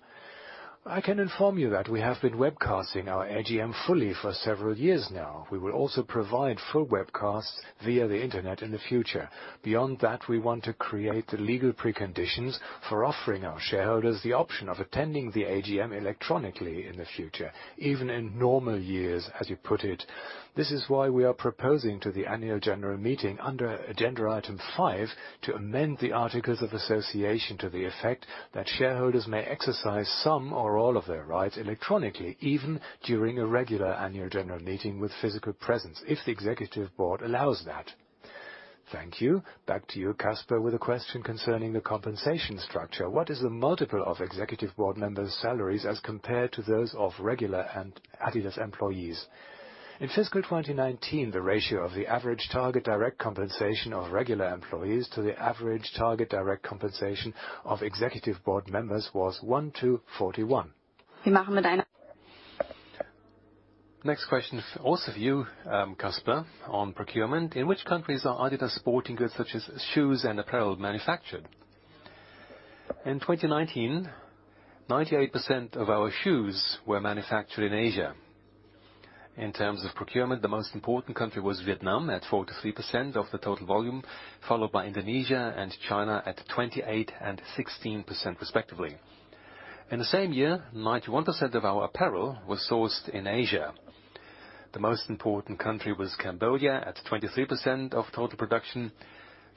I can inform you that we have been webcasting our AGM fully for several years now. We will also provide full webcasts via the internet in the future. Beyond that, we want to create the legal preconditions for offering our shareholders the option of attending the AGM electronically in the future, even in normal years, as you put it. This is why we are proposing to the Annual General Meeting under agenda item 5 to amend the Articles of Association to the effect that shareholders may exercise some or all of their rights electronically, even during a regular Annual General Meeting with physical presence, if the Executive Board allows that. Thank you. Back to you, Kasper, with a question concerning the compensation structure. What is the multiple of Executive Board members' salaries as compared to those of regular and adidas employees? In fiscal 2019, the ratio of the average target direct compensation of regular employees to the average target direct compensation of Executive Board members was 1 to 41. Next question, also for you, Kasper, on procurement. In which countries are adidas sporting goods such as shoes and apparel manufactured? In 2019, 98% of our shoes were manufactured in Asia. In terms of procurement, the most important country was Vietnam at 43% of the total volume, followed by Indonesia and China at 28% and 16% respectively. In the same year, 91% of our apparel was sourced in Asia. The most important country was Cambodia at 23% of total production,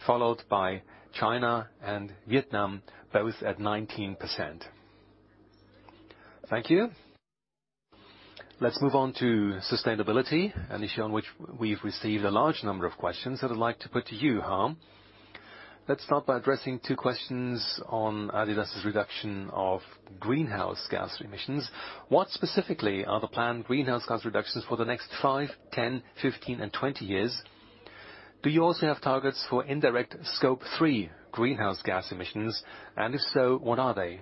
followed by China and Vietnam, both at 19%. Thank you. Let's move on to sustainability, an issue on which we've received a large number of questions that I'd like to put to you, Harm. Let's start by addressing two questions on adidas' reduction of greenhouse gas emissions. What specifically are the planned greenhouse gas reductions for the next five, 10, 15, and 20 years? Do you also have targets for indirect Scope 3 greenhouse gas emissions, and if so, what are they?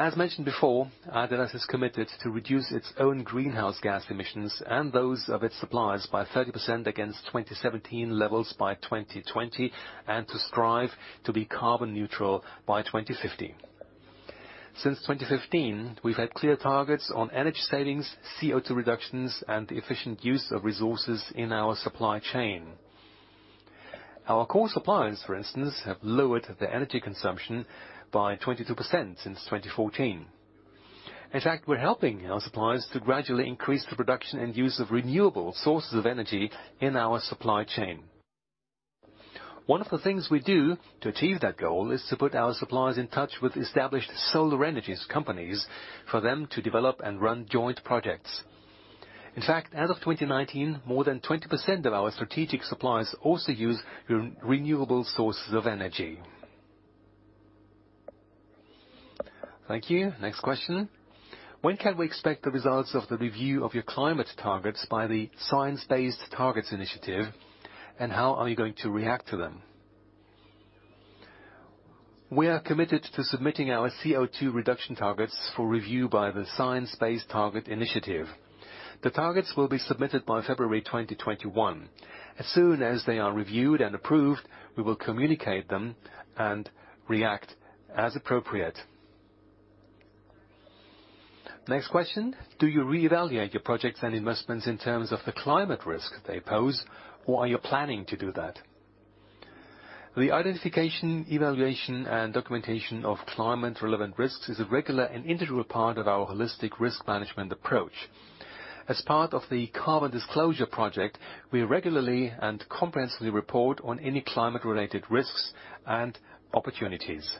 As mentioned before, adidas is committed to reduce its own greenhouse gas emissions and those of its suppliers by 30% against 2017 levels by 2020, and to strive to be carbon neutral by 2050. Since 2015, we've had clear targets on energy savings, CO2 reductions, and the efficient use of resources in our supply chain. Our core suppliers, for instance, have lowered their energy consumption by 22% since 2014. In fact, we're helping our suppliers to gradually increase the production and use of renewable sources of energy in our supply chain. One of the things we do to achieve that goal is to put our suppliers in touch with established solar energies companies for them to develop and run joint projects. In fact, as of 2019, more than 20% of our strategic suppliers also use renewable sources of energy. Thank you. Next question. When can we expect the results of the review of your climate targets by the Science-Based Targets initiative, and how are you going to react to them? We are committed to submitting our CO2 reduction targets for review by the Science-Based Targets initiative. The targets will be submitted by February 2021. As soon as they are reviewed and approved, we will communicate them and react as appropriate. Next question, do you reevaluate your projects and investments in terms of the climate risk they pose, or are you planning to do that? The identification, evaluation, and documentation of climate-relevant risks is a regular and integral part of our holistic risk management approach. As part of the Carbon Disclosure Project, we regularly and comprehensively report on any climate-related risks and opportunities.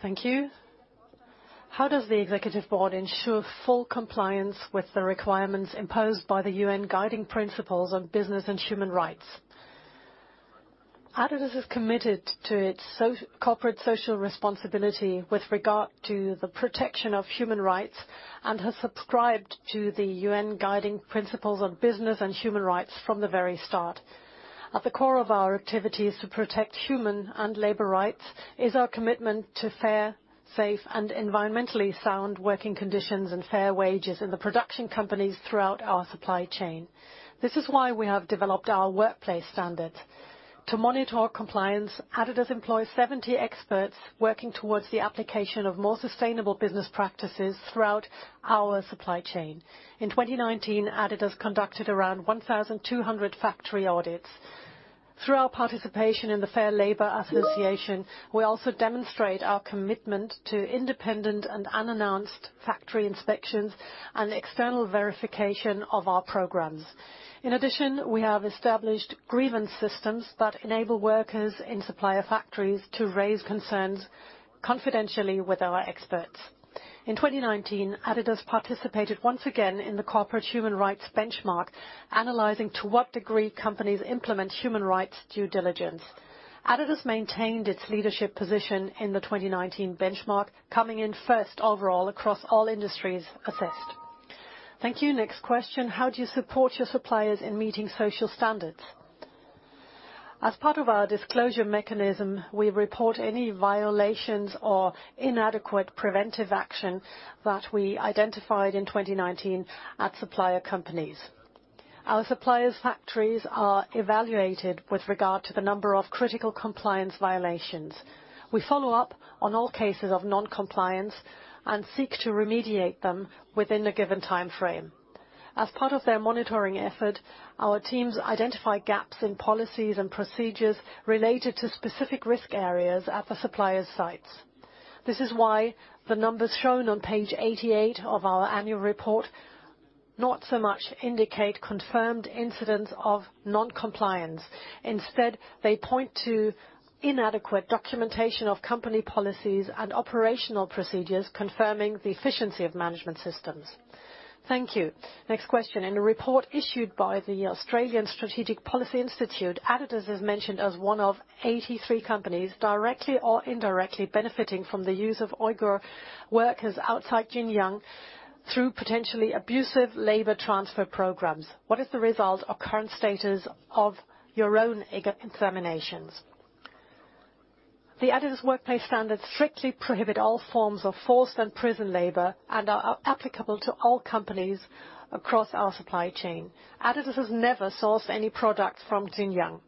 Thank you. How does the executive board ensure full compliance with the requirements imposed by the UN Guiding Principles on Business and Human Rights? adidas is committed to its corporate social responsibility with regard to the protection of human rights and has subscribed to the UN Guiding Principles on Business and Human Rights from the very start. At the core of our activities to protect human and labor rights, is our commitment to fair, safe and environmentally sound working conditions and fair wages in the production companies throughout our supply chain. This is why we have developed our workplace standards. To monitor our compliance, adidas employs 70 experts working towards the application of more sustainable business practices throughout our supply chain. In 2019, adidas conducted around 1,200 factory audits. Through our participation in the Fair Labor Association, we also demonstrate our commitment to independent and unannounced factory inspections and external verification of our programs. In addition, we have established grievance systems that enable workers in supplier factories to raise concerns confidentially with our experts. In 2019, adidas participated once again in the Corporate Human Rights Benchmark, analyzing to what degree companies implement human rights due diligence. adidas maintained its leadership position in the 2019 benchmark, coming in first overall across all industries assessed. Thank you. Next question. How do you support your suppliers in meeting social standards? As part of our disclosure mechanism, we report any violations or inadequate preventive action that we identified in 2019 at supplier companies. Our supplier's factories are evaluated with regard to the number of critical compliance violations. We follow up on all cases of non-compliance and seek to remediate them within a given timeframe. As part of their monitoring effort, our teams identify gaps in policies and procedures related to specific risk areas at the supplier's sites. This is why the numbers shown on page 88 of our annual report, not so much indicate confirmed incidents of non-compliance. Instead, they point to inadequate documentation of company policies and operational procedures, confirming the efficiency of management systems. Thank you. Next question. In a report issued by the Australian Strategic Policy Institute, adidas is mentioned as one of 83 companies directly or indirectly benefiting from the use of Uyghur workers outside Xinjiang through potentially abusive labor transfer programs. What is the result or current status of your own Uyghur examinations? The adidas workplace standards strictly prohibit all forms of forced and prison labor and are applicable to all companies across our supply chain. adidas has never sourced any products from Xinjiang.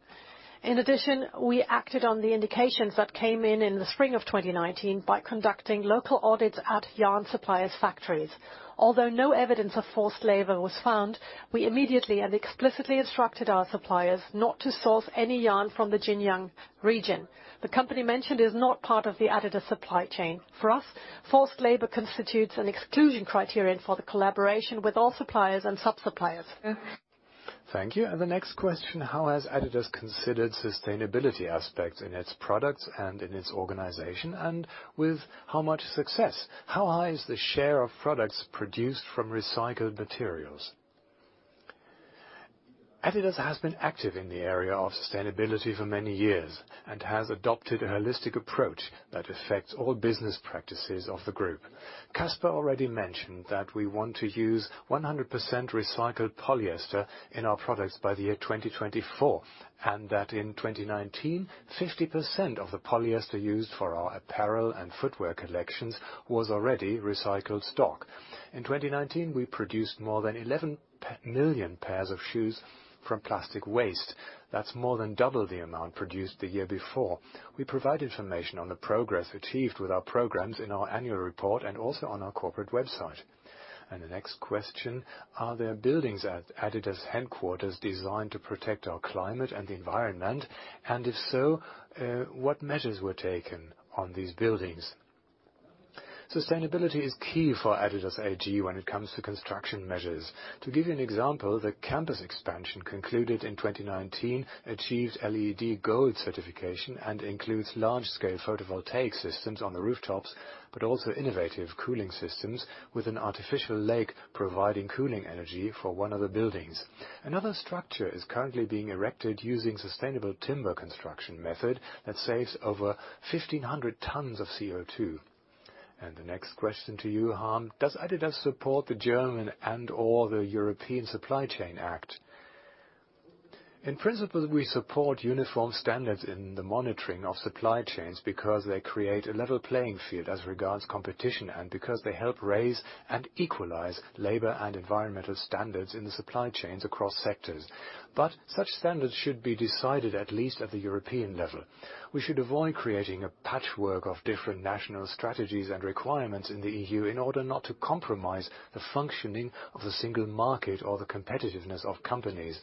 In addition, we acted on the indications that came in in the spring of 2019 by conducting local audits at yarn suppliers' factories. Although no evidence of forced labor was found, we immediately and explicitly instructed our suppliers not to source any yarn from the Xinjiang region. The company mentioned is not part of the adidas supply chain. For us, forced labor constitutes an exclusion criterion for the collaboration with all suppliers and sub-suppliers. Thank you. The next question, how has adidas considered sustainability aspects in its products and in its organization, and with how much success? How high is the share of products produced from recycled materials? adidas has been active in the area of sustainability for many years and has adopted a holistic approach that affects all business practices of the group. Kasper already mentioned that we want to use 100% recycled polyester in our products by the year 2024, and that in 2019, 50% of the polyester used for our apparel and footwear collections was already recycled stock. In 2019, we produced more than 11 million pairs of shoes from plastic waste. That's more than double the amount produced the year before. We provide information on the progress achieved with our programs in our annual report and also on our corporate website. The next question, are there buildings at adidas headquarters designed to protect our climate and the environment? If so, what measures were taken on these buildings? Sustainability is key for adidas AG when it comes to construction measures. To give you an example, the campus expansion concluded in 2019, achieved LEED Gold certification and includes large-scale photovoltaic systems on the rooftops, but also innovative cooling systems with an artificial lake providing cooling energy for one of the buildings. Another structure is currently being erected using sustainable timber construction method that saves over 1,500 tons of CO2. The next question to you, Harm: does adidas support the German and/or the European Supply Chain Act? In principle, we support uniform standards in the monitoring of supply chains because they create a level playing field as regards competition, and because they help raise and equalize labor and environmental standards in the supply chains across sectors. Such standards should be decided at least at the European level. We should avoid creating a patchwork of different national strategies and requirements in the EU in order not to compromise the functioning of the single market or the competitiveness of companies.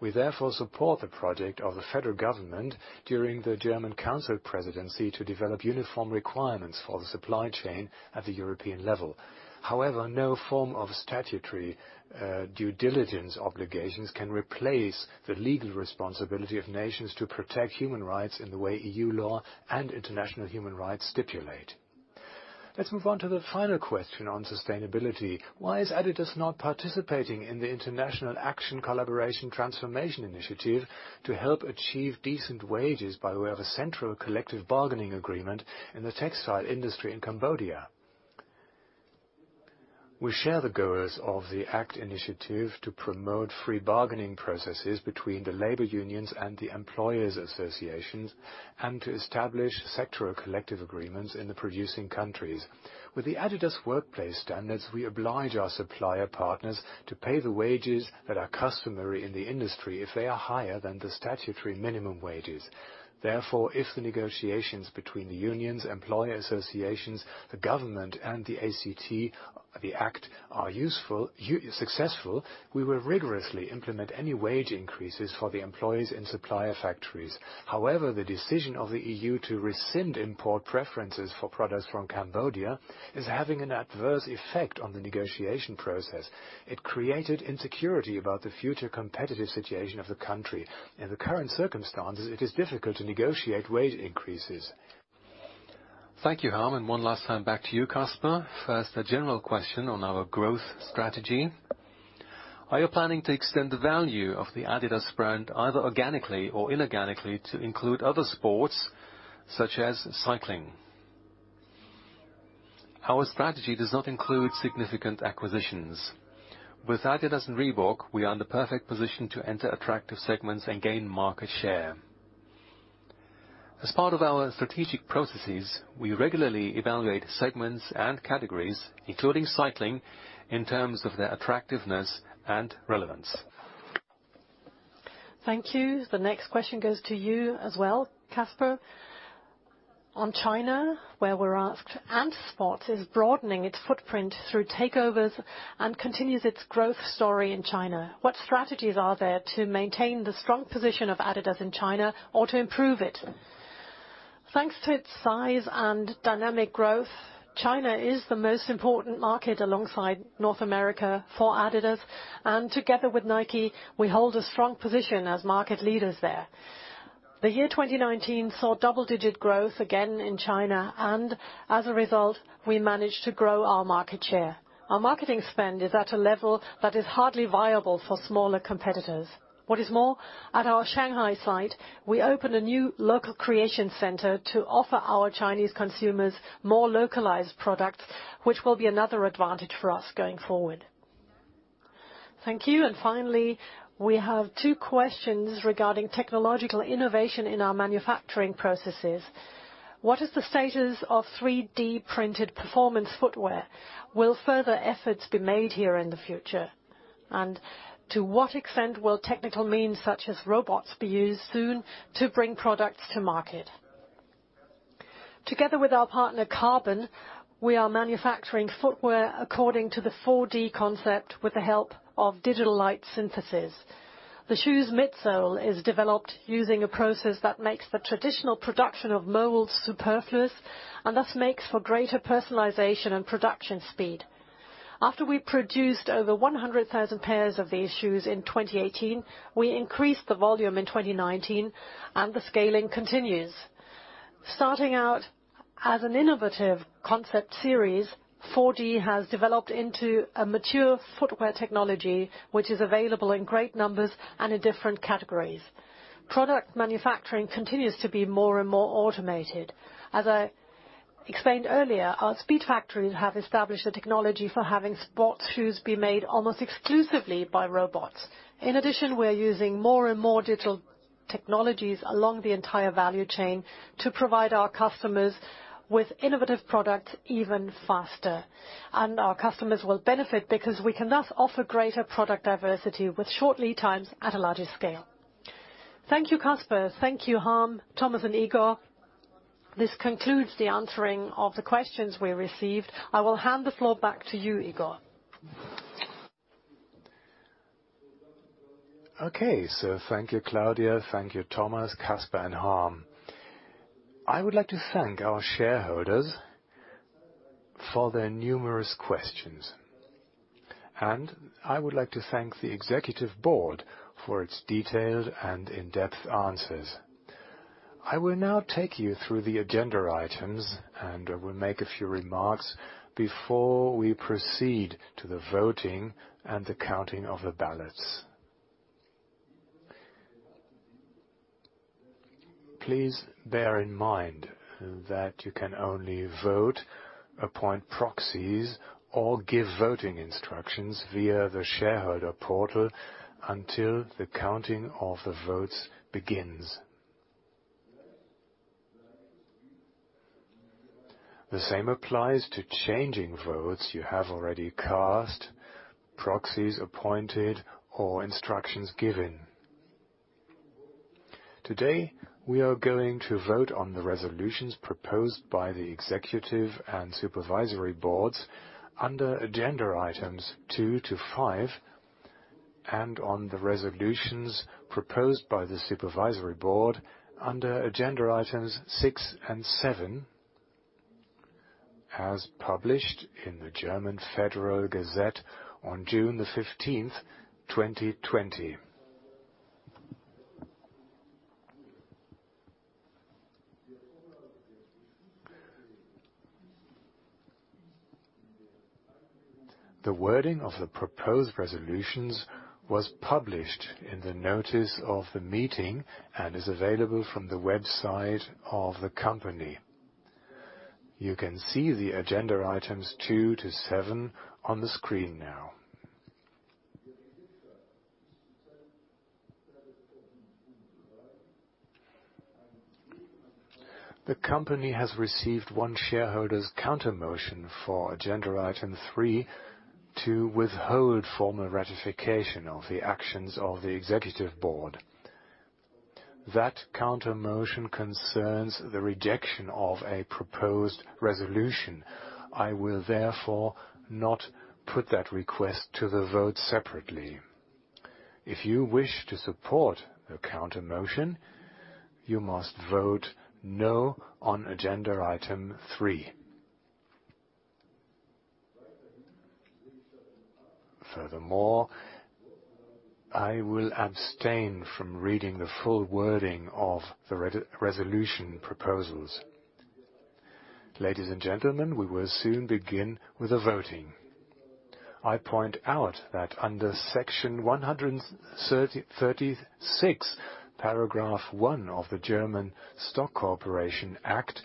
We therefore support the project of the federal government during the German Council presidency to develop uniform requirements for the supply chain at the European level. However, no form of statutory due diligence obligations can replace the legal responsibility of nations to protect human rights in the way EU law and international human rights stipulate. Let's move on to the final question on sustainability. Why is adidas not participating in the International Action, Collaboration, Transformation Initiative to help achieve decent wages by way of a central collective bargaining agreement in the textile industry in Cambodia? We share the goals of the ACT initiative to promote free bargaining processes between the labor unions and the employers' associations, and to establish sectoral collective agreements in the producing countries. With the adidas workplace standards, we oblige our supplier partners to pay the wages that are customary in the industry if they are higher than the statutory minimum wages. Therefore, if the negotiations between the unions, employer associations, the government, and the ACT are successful, we will rigorously implement any wage increases for the employees in supplier factories. However, the decision of the EU to rescind import preferences for products from Cambodia is having an adverse effect on the negotiation process. It created insecurity about the future competitive situation of the country. In the current circumstances, it is difficult to negotiate wage increases. Thank you, Harm, and one last time back to you, Kasper. First, a general question on our growth strategy. Are you planning to extend the value of the adidas brand, either organically or inorganically, to include other sports such as cycling? Our strategy does not include significant acquisitions. With adidas and Reebok, we are in the perfect position to enter attractive segments and gain market share. As part of our strategic processes, we regularly evaluate segments and categories, including cycling, in terms of their attractiveness and relevance. Thank you. The next question goes to you as well, Kasper. On China, where we're asked, Anta Sports is broadening its footprint through takeovers and continues its growth story in China. What strategies are there to maintain the strong position of adidas in China or to improve it? Thanks to its size and dynamic growth, China is the most important market alongside North America for adidas, and together with Nike, we hold a strong position as market leaders there. As a result, the year 2019 saw double-digit growth again in China, we managed to grow our market share. Our marketing spend is at a level that is hardly viable for smaller competitors. What is more, at our Shanghai site, we opened a new local creation center to offer our Chinese consumers more localized products, which will be another advantage for us going forward. Thank you. Finally, we have two questions regarding technological innovation in our manufacturing processes. What is the status of 3D-printed performance footwear? Will further efforts be made here in the future? To what extent will technical means such as robots be used soon to bring products to market? Together with our partner, Carbon, we are manufacturing footwear according to the 4D concept with the help of Digital Light Synthesis. The shoe's midsole is developed using a process that makes the traditional production of molds superfluous and thus makes for greater personalization and production speed. After we produced over 100,000 pairs of these shoes in 2018, we increased the volume in 2019, and the scaling continues. Starting out as an innovative concept series, 4D has developed into a mature footwear technology, which is available in great numbers and in different categories. Product manufacturing continues to be more and more automated. As I explained earlier, our Speedfactories have established a technology for having sports shoes be made almost exclusively by robots. In addition, we're using more and more digital technologies along the entire value chain to provide our customers with innovative products even faster. Our customers will benefit because we can thus offer greater product diversity with short lead times at a larger scale. Thank you, Kasper. Thank you Harm, Thomas, and Igor. This concludes the answering of the questions we received. I will hand the floor back to you, Igor. Okay. Thank you, Claudia. Thank you, Thomas, Kasper, and Harm. I would like to thank our shareholders for their numerous questions, and I would like to thank the executive board for its detailed and in-depth answers. I will now take you through the agenda items, and I will make a few remarks before we proceed to the voting and the counting of the ballots. Please bear in mind that you can only vote, appoint proxies, or give voting instructions via the shareholder portal until the counting of the votes begins. The same applies to changing votes you have already cast, proxies appointed, or instructions given. Today, we are going to vote on the resolutions proposed by the executive and supervisory boards under agenda items 2 to 5, and on the resolutions proposed by the supervisory board under agenda items 6 and 7, as published in the German Federal Gazette on June the 15th, 2020. The wording of the proposed resolutions was published in the notice of the meeting and is available from the website of the company. You can see the agenda items 2 to 7 on the screen now. The company has received one shareholder's countermotion for agenda item 3 to withhold formal ratification of the actions of the executive board. That countermotion concerns the rejection of a proposed resolution. I will therefore not put that request to the vote separately. If you wish to support the countermotion, you must vote no on agenda item 3. Furthermore, I will abstain from reading the full wording of the resolution proposals. Ladies and gentlemen, we will soon begin with the voting. I point out that under Section 136, paragraph one of the German Stock Corporation Act,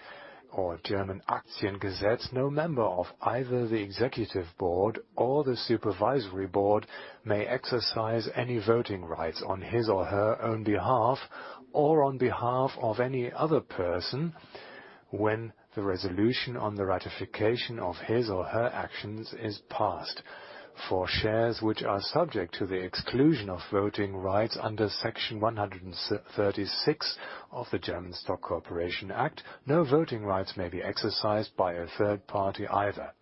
or German Aktiengesetz, no member of either the executive board or the supervisory board may exercise any voting rights on his or her own behalf or on behalf of any other person when the resolution on the ratification of his or her actions is passed. For shares which are subject to the exclusion of voting rights under Section 136 of the German Stock Corporation Act, no voting rights may be exercised by a third party either.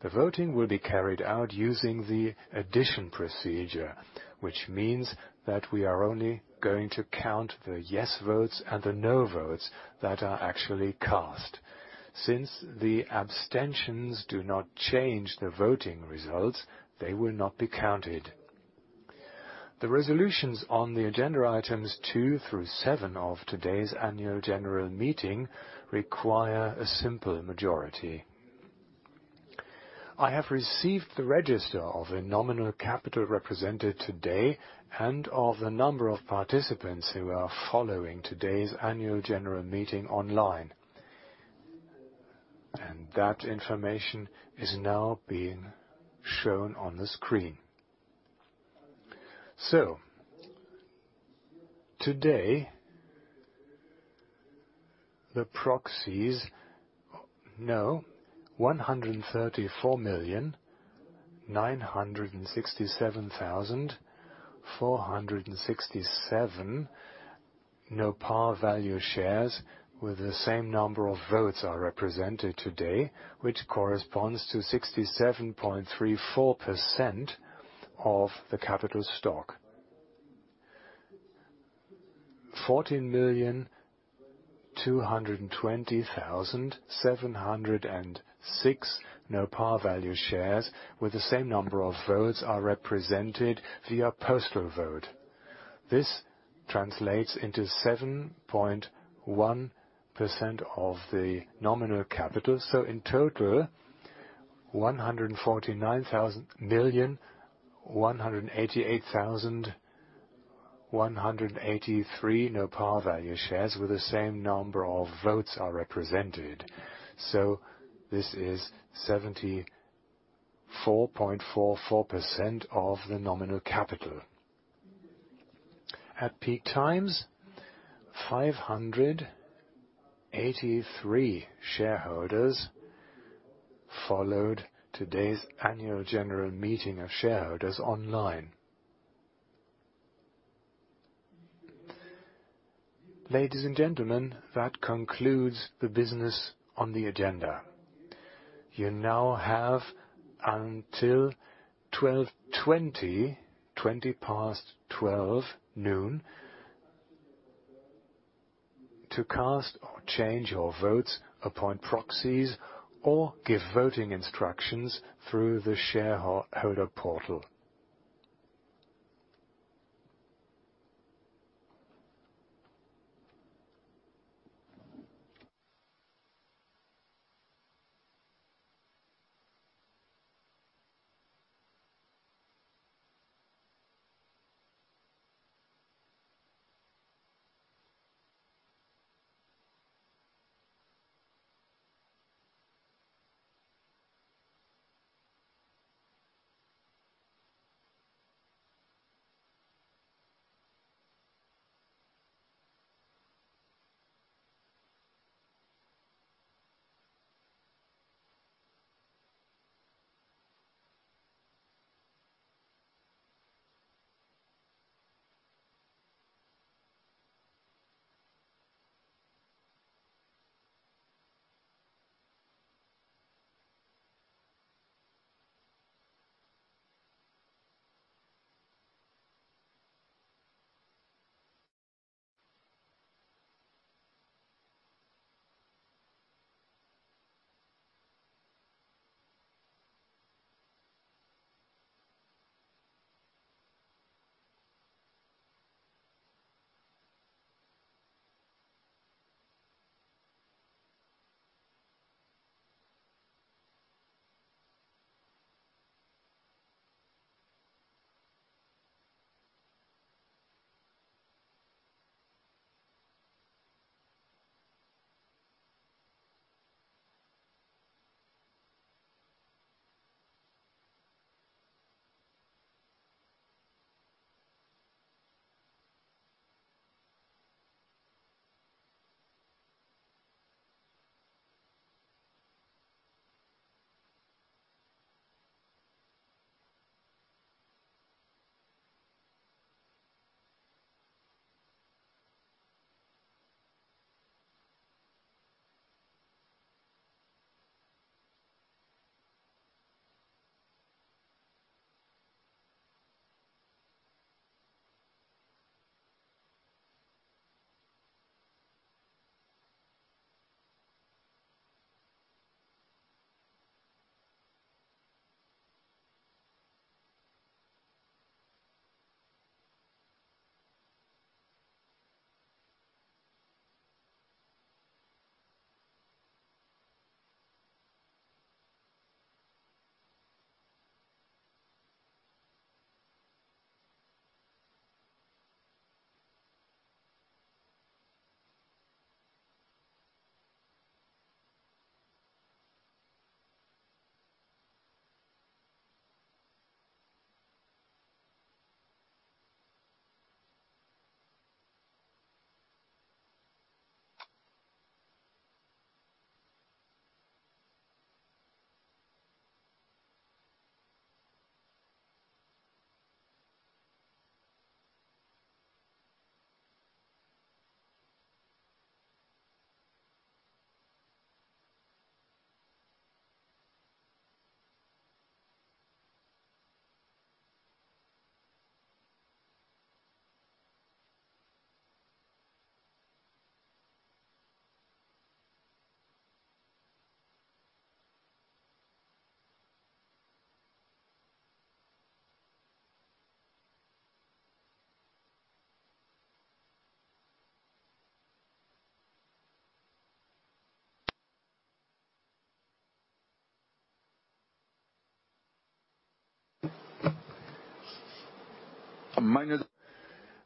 The voting will be carried out using the addition procedure, which means that we are only going to count the yes votes and the no votes that are actually cast. Since the abstentions do not change the voting results, they will not be counted. The resolutions on the agenda items 2 through 7 of today's annual general meeting require a simple majority. I have received the register of the nominal capital represented today and of the number of participants who are following today's annual general meeting online. That information is now being shown on the screen. Today, the proxies-- No. 134,967,467 no-par value shares with the same number of votes are represented today, which corresponds to 67.34% of the capital stock. 14,220,706 no-par value shares with the same number of votes are represented via postal vote. This translates into 7.1% of the nominal capital. In total, 149,188,183 no-par value shares with the same number of votes are represented. This is 74.44% of the nominal capital. At peak times, 583 shareholders followed today's annual general meeting of shareholders online. Ladies and gentlemen, that concludes the business on the agenda. You now have until 12:20 P.M., 12:20 P.M., to cast or change your votes, appoint proxies, or give voting instructions through the shareholder portal.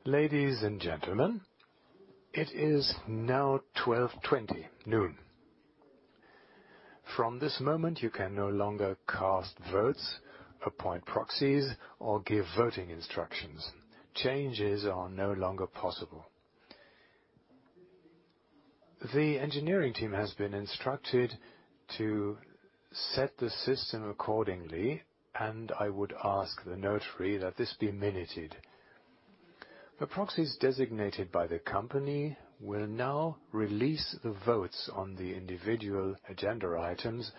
Ladies and gentlemen, it is now 12:20 P.M. From this moment, you can no longer cast votes, appoint proxies, or give voting instructions. Changes are no longer possible. The engineering team has been instructed to set the system accordingly. I would ask the notary that this be minuted. The proxies designated by the company will now release the votes on the individual agenda items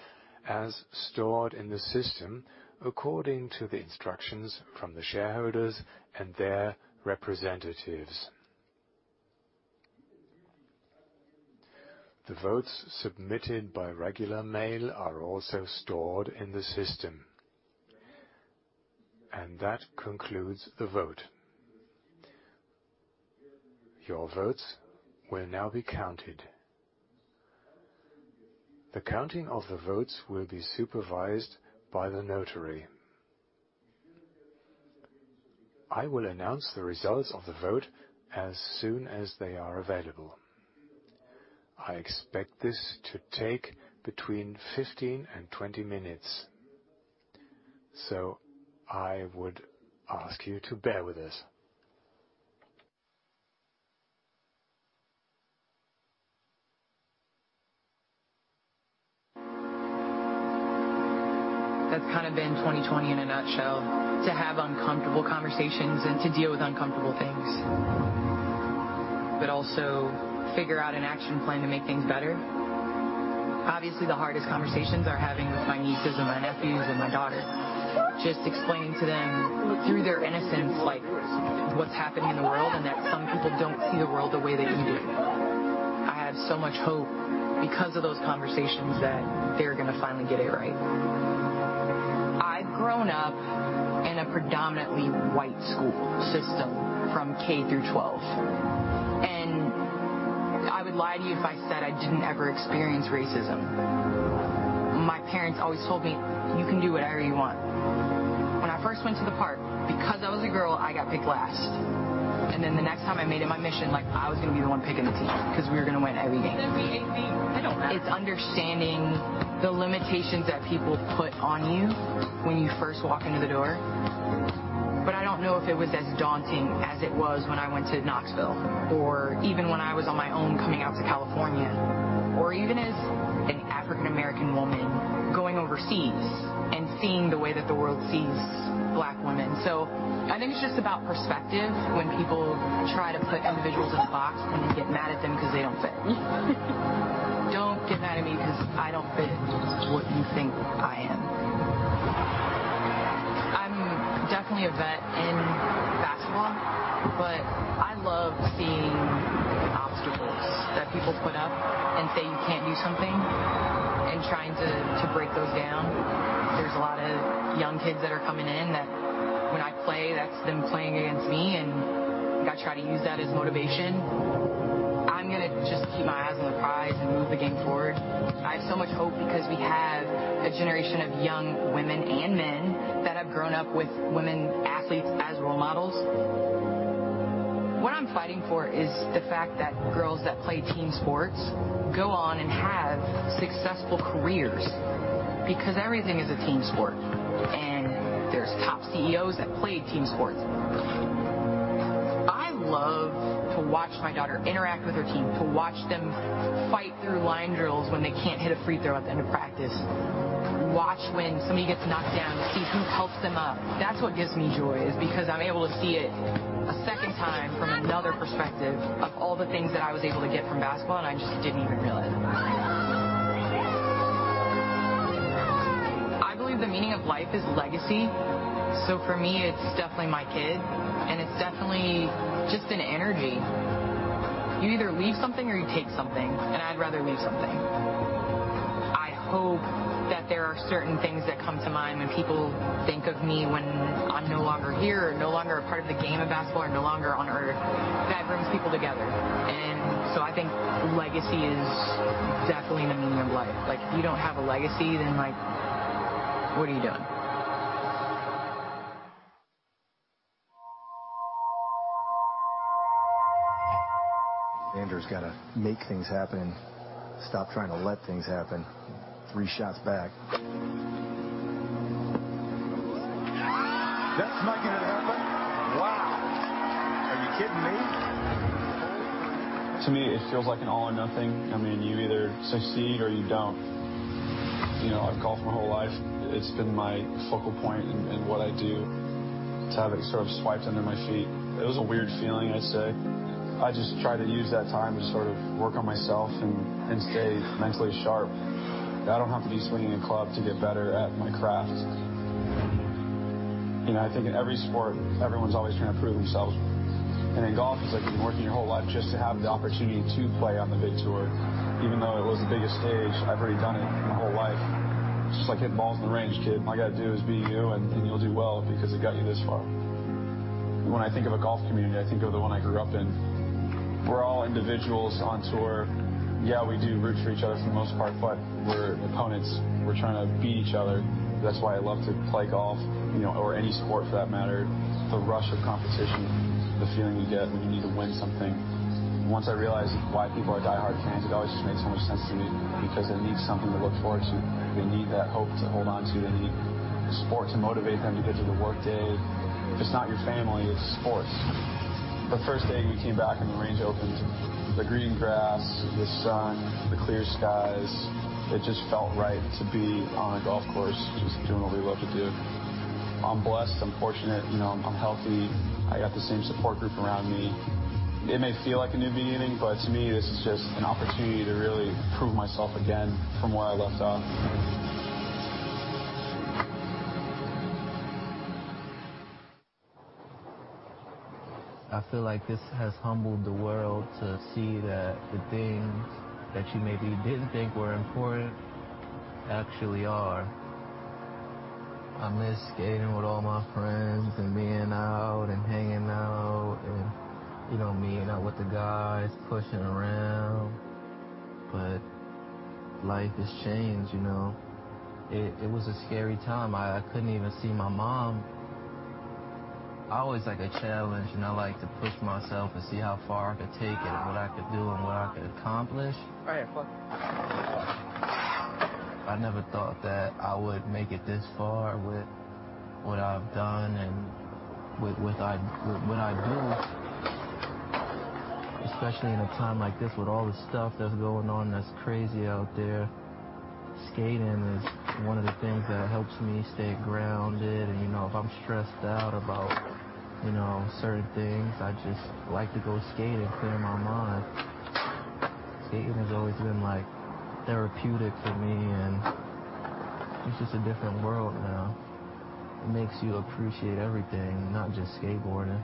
as stored in the system according to the instructions from the shareholders and their representatives. The votes submitted by regular mail are also stored in the system. That concludes the vote. Your votes will now be counted. The counting of the votes will be supervised by the notary. I will announce the results of the vote as soon as they are available. I expect this to take between 15-20 minutes. I would ask you to bear with us. That's kind of been 2020 in a nutshell, to have uncomfortable conversations and to deal with uncomfortable things. Also figure out an action plan to make things better. Obviously, the hardest conversations are having with my nieces, and my nephews, and my daughter. Just explaining to them through their innocence what's happening in the world, and that some people don't see the world the way that we do. I have so much hope because of those conversations that they're going to finally get it right. I've grown up in a predominantly white school system from K through 12, and I would lie to you if I said I didn't ever experience racism. My parents always told me, "You can do whatever you want." When I first went to the park, because I was a girl, I got picked last. The next time I made it my mission, like I was going to be the one picking the team because we were going to win every game. Does that mean anything? I don't know. It's understanding the limitations that people put on you when you first walk into the door. I don't know if it was as daunting as it was when I went to Knoxville, or even when I was on my own coming out to California, or even as an African American woman going overseas and seeing the way that the world sees Black women. I think it's just about perspective when people try to put individuals in a box and then get mad at them because they don't fit. Don't get mad at me because I don't fit what you think I am. I'm definitely a vet in basketball, but I love seeing obstacles that people put up and say you can't do something, and trying to break those down. There's a lot of young kids that are coming in that when I play, that's them playing against me. I try to use that as motivation. I'm going to just keep my eyes on the prize and move the game forward. I have so much hope because we have a generation of young women and men that have grown up with women athletes as role models. What I'm fighting for is the fact that girls that play team sports go on and have successful careers, because everything is a team sport, and there's top CEOs that played team sports. I love to watch my daughter interact with her team, to watch them fight through line drills when they can't hit a free throw at the end of practice. Watch when somebody gets knocked down, see who helps them up. That's what gives me joy, is because I'm able to see it a second time from another perspective of all the things that I was able to get from basketball, and I just didn't even realize. Yeah. Come on. I believe the meaning of life is legacy. For me, it's definitely my kids, and it's definitely just an energy. You either leave something or you take something, and I'd rather leave something. I hope that there are certain things that come to mind when people think of me when I'm no longer here, or no longer a part of the game of basketball, or no longer on Earth, that brings people together. I think legacy is definitely the meaning of life. If you don't have a legacy, then what are you doing? Xander's got to make things happen, stop trying to let things happen. Three shots back. That's making it happen. Wow. Are you kidding me? To me, it feels like an all or nothing. You either succeed or you don't. I've golfed my whole life. It's been my focal point in what I do. To have it sort of swiped under my feet, it was a weird feeling, I'd say. I just try to use that time to sort of work on myself and stay mentally sharp. I don't have to be swinging a club to get better at my craft. I think in every sport, everyone's always trying to prove themselves, and in golf, it's like you've been working your whole life just to have the opportunity to play on the big tour. Even though it was the biggest stage, I've already done it my whole life. It's just like hitting balls in the range, kid. All you got to do is be you, and you'll do well because it got you this far. When I think of a golf community, I think of the one I grew up in. We're all individuals on tour. Yeah, we do root for each other for the most part, but we're opponents. We're trying to beat each other. That's why I love to play golf, or any sport for that matter. The rush of competition, the feeling you get when you need to win something. Once I realized why people are diehard fans, it always just made so much sense to me, because they need something to look forward to. They need that hope to hold onto. They need a sport to motivate them to get through the workday. Just not your family, it's sports. The first day we came back and the range opened, the green grass, the sun, the clear skies, it just felt right to be on a golf course just doing what we love to do. I'm blessed, I'm fortunate. I'm healthy. I got the same support group around me. It may feel like a new beginning, but to me, this is just an opportunity to really prove myself again from where I left off. I feel like this has humbled the world to see that the things that you maybe didn't think were important actually are. I miss skating with all my friends, and being out, and hanging out, and meeting up with the guys, pushing around. Life has changed. It was a scary time. I couldn't even see my mom. I always like a challenge, and I like to push myself and see how far I could take it, what I could do, and what I could accomplish. All right. I never thought that I would make it this far with what I've done and with what I do. Especially in a time like this with all the stuff that's going on that's crazy out there, skating is one of the things that helps me stay grounded. If I'm stressed out about certain things, I just like to go skate and clear my mind. Skating has always been therapeutic for me, and it's just a different world now. It makes you appreciate everything, not just skateboarding.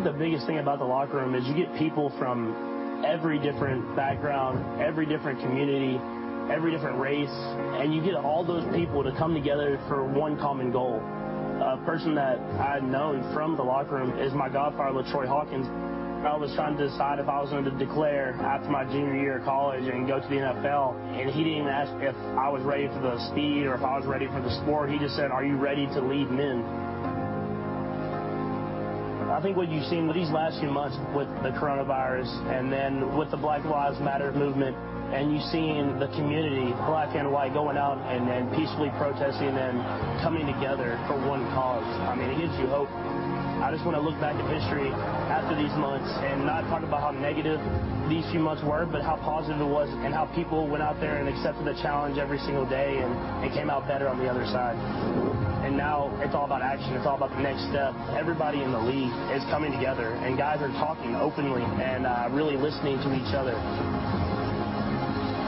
I think the biggest thing about the Locker Room is you get people from every different background, every different community, every different race, and you get all those people to come together for one common goal. A person that I've known from the Locker Room is my godfather, LaTroy Hawkins. I was trying to decide if I was going to declare after my junior year of college and go to the NFL, and he didn't ask if I was ready for the speed or if I was ready for the sport. He just said, "Are you ready to lead men?" I think what you've seen these last few months with the coronavirus and then with the Black Lives Matter movement, and you've seen the community, black and white, going out and peacefully protesting and coming together for one cause. It gives you hope. I just want to look back at history after these months and not talk about how negative these few months were, but how positive it was, and how people went out there and accepted the challenge every single day and came out better on the other side. Now it's all about action. It's all about the next step. Everybody in the league is coming together, and guys are talking openly and really listening to each other.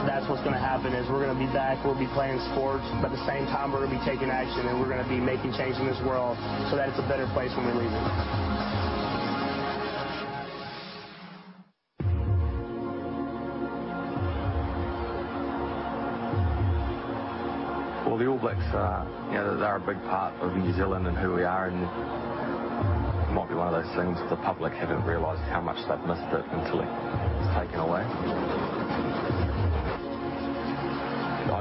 That's what's going to happen, is we're going to be back, we'll be playing sports, but at the same time, we're going to be taking action and we're going to be making change in this world so that it's a better place when we leave it. Well, the All Blacks are a big part of New Zealand and who we are and it might be one of those things the public haven't realized how much they've missed it until it's taken away.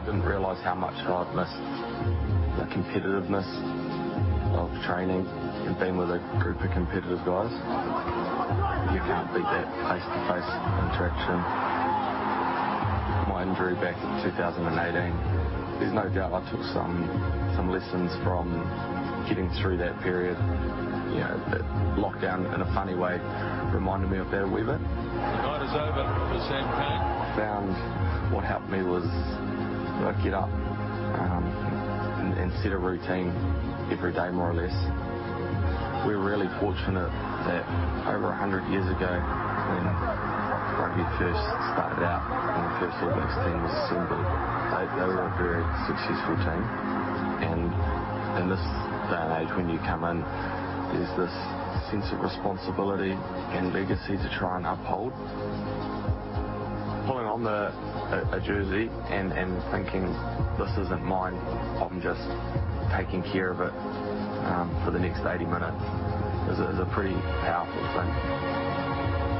I didn't realize how much I'd missed the competitiveness of training and being with a group of competitive guys. You can't beat that face-to-face interaction. My injury back in 2018, there's no doubt I took some lessons from getting through that period. lockdown, in a funny way, reminded me a bit of it. The night is over for Sam Cane. I found what helped me was get up and set a routine every day, more or less. We're really fortunate that over 100 years ago, when rugby first started out and the first All Blacks team was assembled. They were a very successful team. In this day and age, when you come in, there's this sense of responsibility and legacy to try and uphold. Putting on a jersey and thinking, "This isn't mine. I'm just taking care of it for the next 80 minutes," is a pretty powerful thing.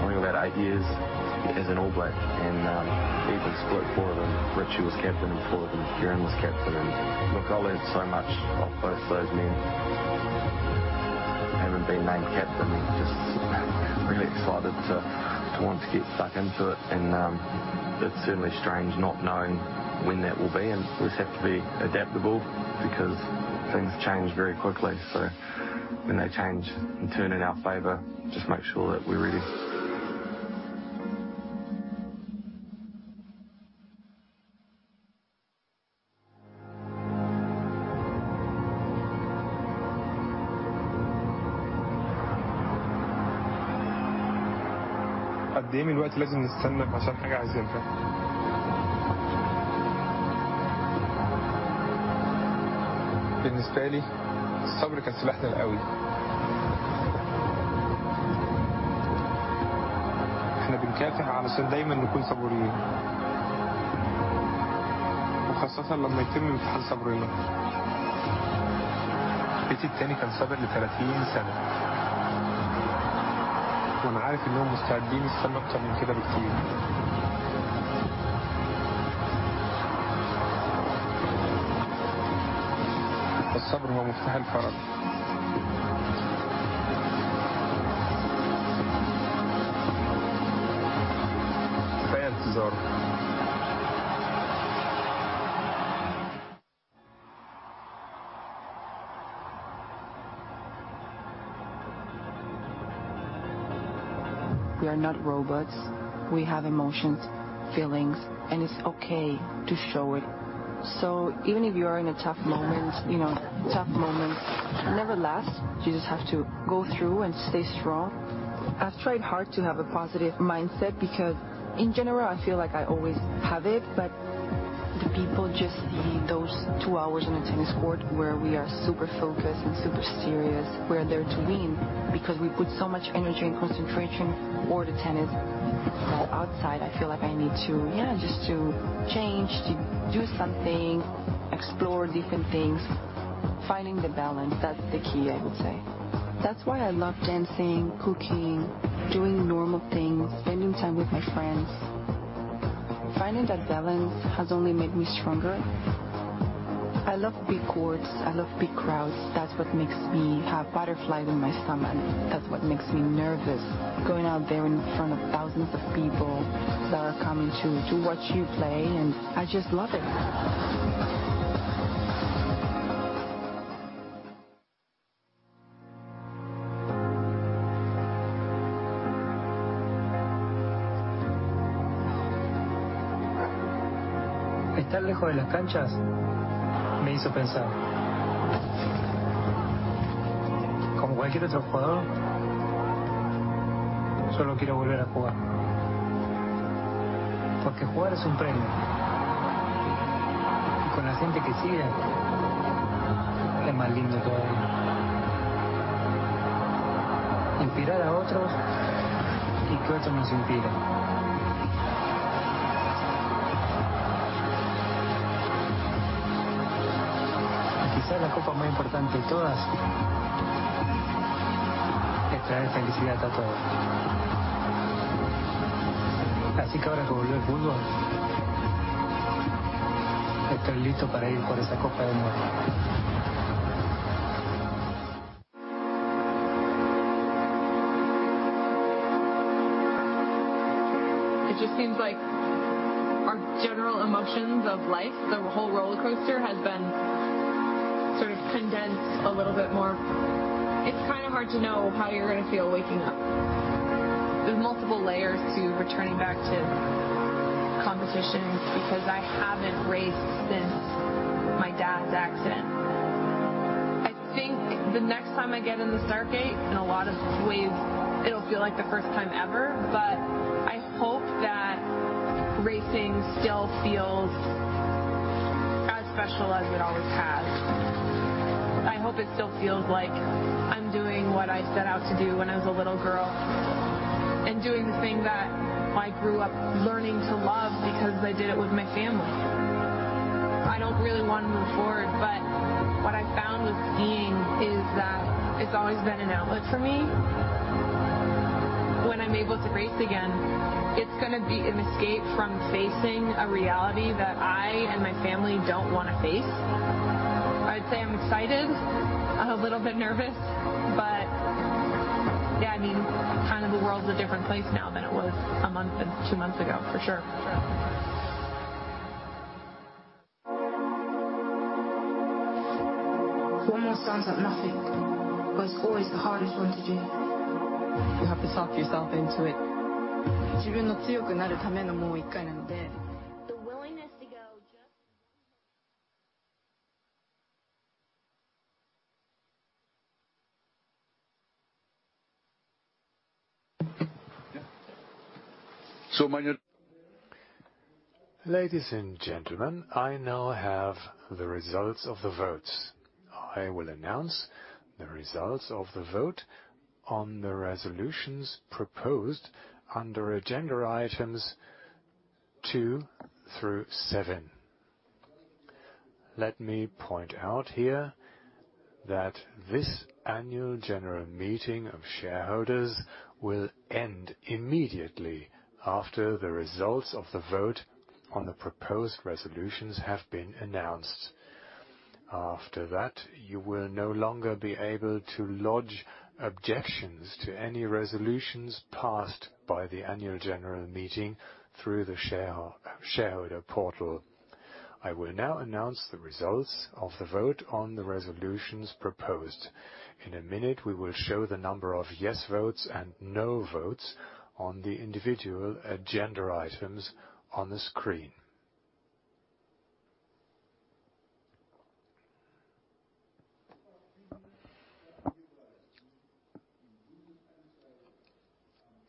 Only about eight years as an All Black, and even split four of them, Richie was captain in four of them, Kieran was captain. Look, I learned so much off both those men. Haven't been named captain yet, just really excited to want to get stuck into it, and it's certainly strange not knowing when that will be. We just have to be adaptable because things change very quickly. When they change and turn in our favor, just make sure that we're ready. How long do we have to wait for something we want? For me, patience was our strongest weapon. We train to always be patient. Especially when our patience is tested. Petit was patient for 30 years. I know they are ready to wait much longer than that. Patience is the test of a man. Wait. We are not robots. We have emotions, feelings, and it's okay to show it. Even if you are in a tough moment, tough moments never last. You just have to go through and stay strong. I've tried hard to have a positive mindset because in general, I feel like I always have it, but the people just see those two hours on the tennis court where we are super focused and super serious. We're there to win because we put so much energy and concentration for the tennis that outside I feel like I need to, yeah, just to change, to do something, explore different things. Finding the balance, that's the key, I would say. That's why I love dancing, cooking, doing normal things, spending time with my friends. Finding that balance has only made me stronger. I love big courts. I love big crowds. That's what makes me have butterflies in my stomach. That's what makes me nervous, going out there in front of thousands of people that are coming to watch you play, and I just love it. Estar lejos de las canchas me hizo pensar. Como cualquier otro jugador, solo quiero volver a jugar. Jugar es un premio. Con la gente que siga, es más lindo todavía. Inspirar a otros y que otros nos inspiren. Quizás la copa más importante de todas es traer felicidad a todos. Ahora que volvió el fútbol, estoy listo para ir por esa copa de nuevo. It just seems like our general emotions of life, the whole rollercoaster has been sort of condensed a little bit more. It's kind of hard to know how you're gonna feel waking up. There's multiple layers to returning back to competitions because I haven't raced since my dad's accident. I think the next time I get in the start gate, in a lot of ways, it'll feel like the first time ever, but I hope that racing still feels as special as it always has. I hope it still feels like I'm doing what I set out to do when I was a little girl and doing the thing that I grew up learning to love because I did it with my family. I don't really wanna move forward. What I found with skiing is that it's always been an outlet for me. When I'm able to race again, it's gonna be an escape from facing a reality that I and my family don't wanna face. I'd say I'm excited, a little bit nervous, but yeah, I mean, kind of the world's a different place now than it was a month, two months ago, for sure. One more sounds like nothing, but it is always the hardest one to do. You have to psych yourself into it. 自分の強くなるためのもう一回なので。The willingness to go just- My Ladies and gentlemen, I now have the results of the votes. I will announce the results of the vote on the resolutions proposed under agenda items two through seven. Let me point out here that this annual general meeting of shareholders will end immediately after the results of the vote on the proposed resolutions have been announced. After that, you will no longer be able to lodge objections to any resolutions passed by the annual general meeting through the shareholder portal. I will now announce the results of the vote on the resolutions proposed. In a minute, we will show the number of yes votes and no votes on the individual agenda items on the screen.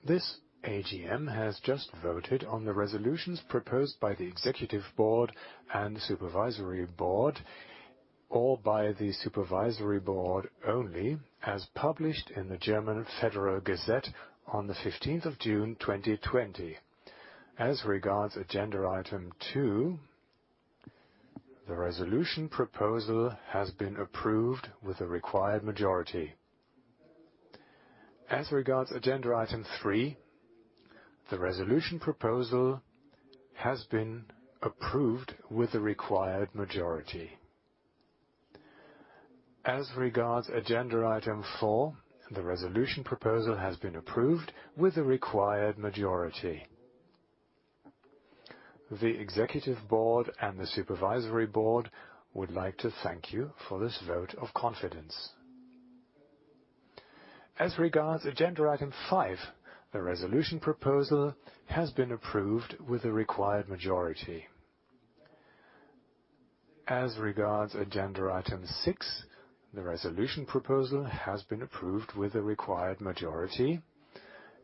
This AGM has just voted on the resolutions proposed by the executive board and the supervisory board or by the supervisory board only, as published in the Federal Gazette on the 15th of June 2020. As regards agenda item 2, the resolution proposal has been approved with the required majority. As regards agenda item 3, the resolution proposal has been approved with the required majority. As regards agenda item 4, the resolution proposal has been approved with the required majority. The executive board and the supervisory board would like to thank you for this vote of confidence. As regards agenda item 5, the resolution proposal has been approved with the required majority. As regards agenda item 6, the resolution proposal has been approved with the required majority,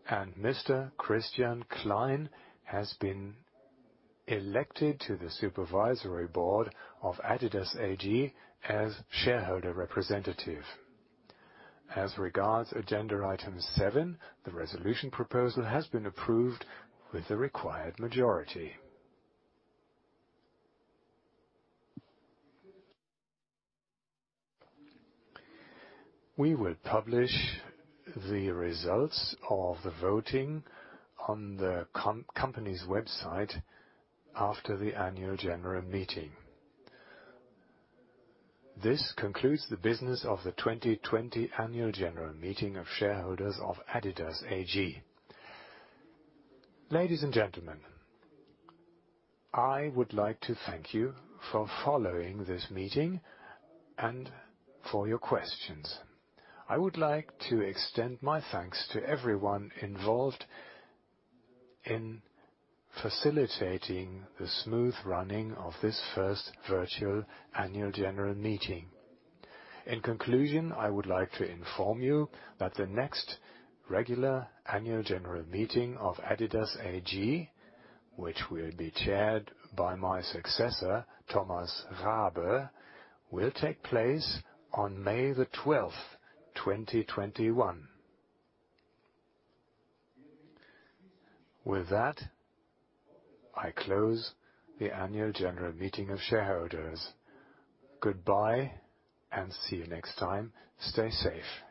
and Mr. Christian Klein has been elected to the supervisory board of adidas AG as shareholder representative. As regards agenda item seven, the resolution proposal has been approved with the required majority. We will publish the results of the voting on the company's website after the annual general meeting. This concludes the business of the 2020 annual general meeting of shareholders of adidas AG. Ladies and gentlemen, I would like to thank you for following this meeting and for your questions. I would like to extend my thanks to everyone involved in facilitating the smooth running of this first virtual annual general meeting. In conclusion, I would like to inform you that the next regular annual general meeting of adidas AG, which will be chaired by my successor, Thomas Rabe, will take place on May the 12th, 2021. With that, I close the annual general meeting of shareholders. Goodbye and see you next time. Stay safe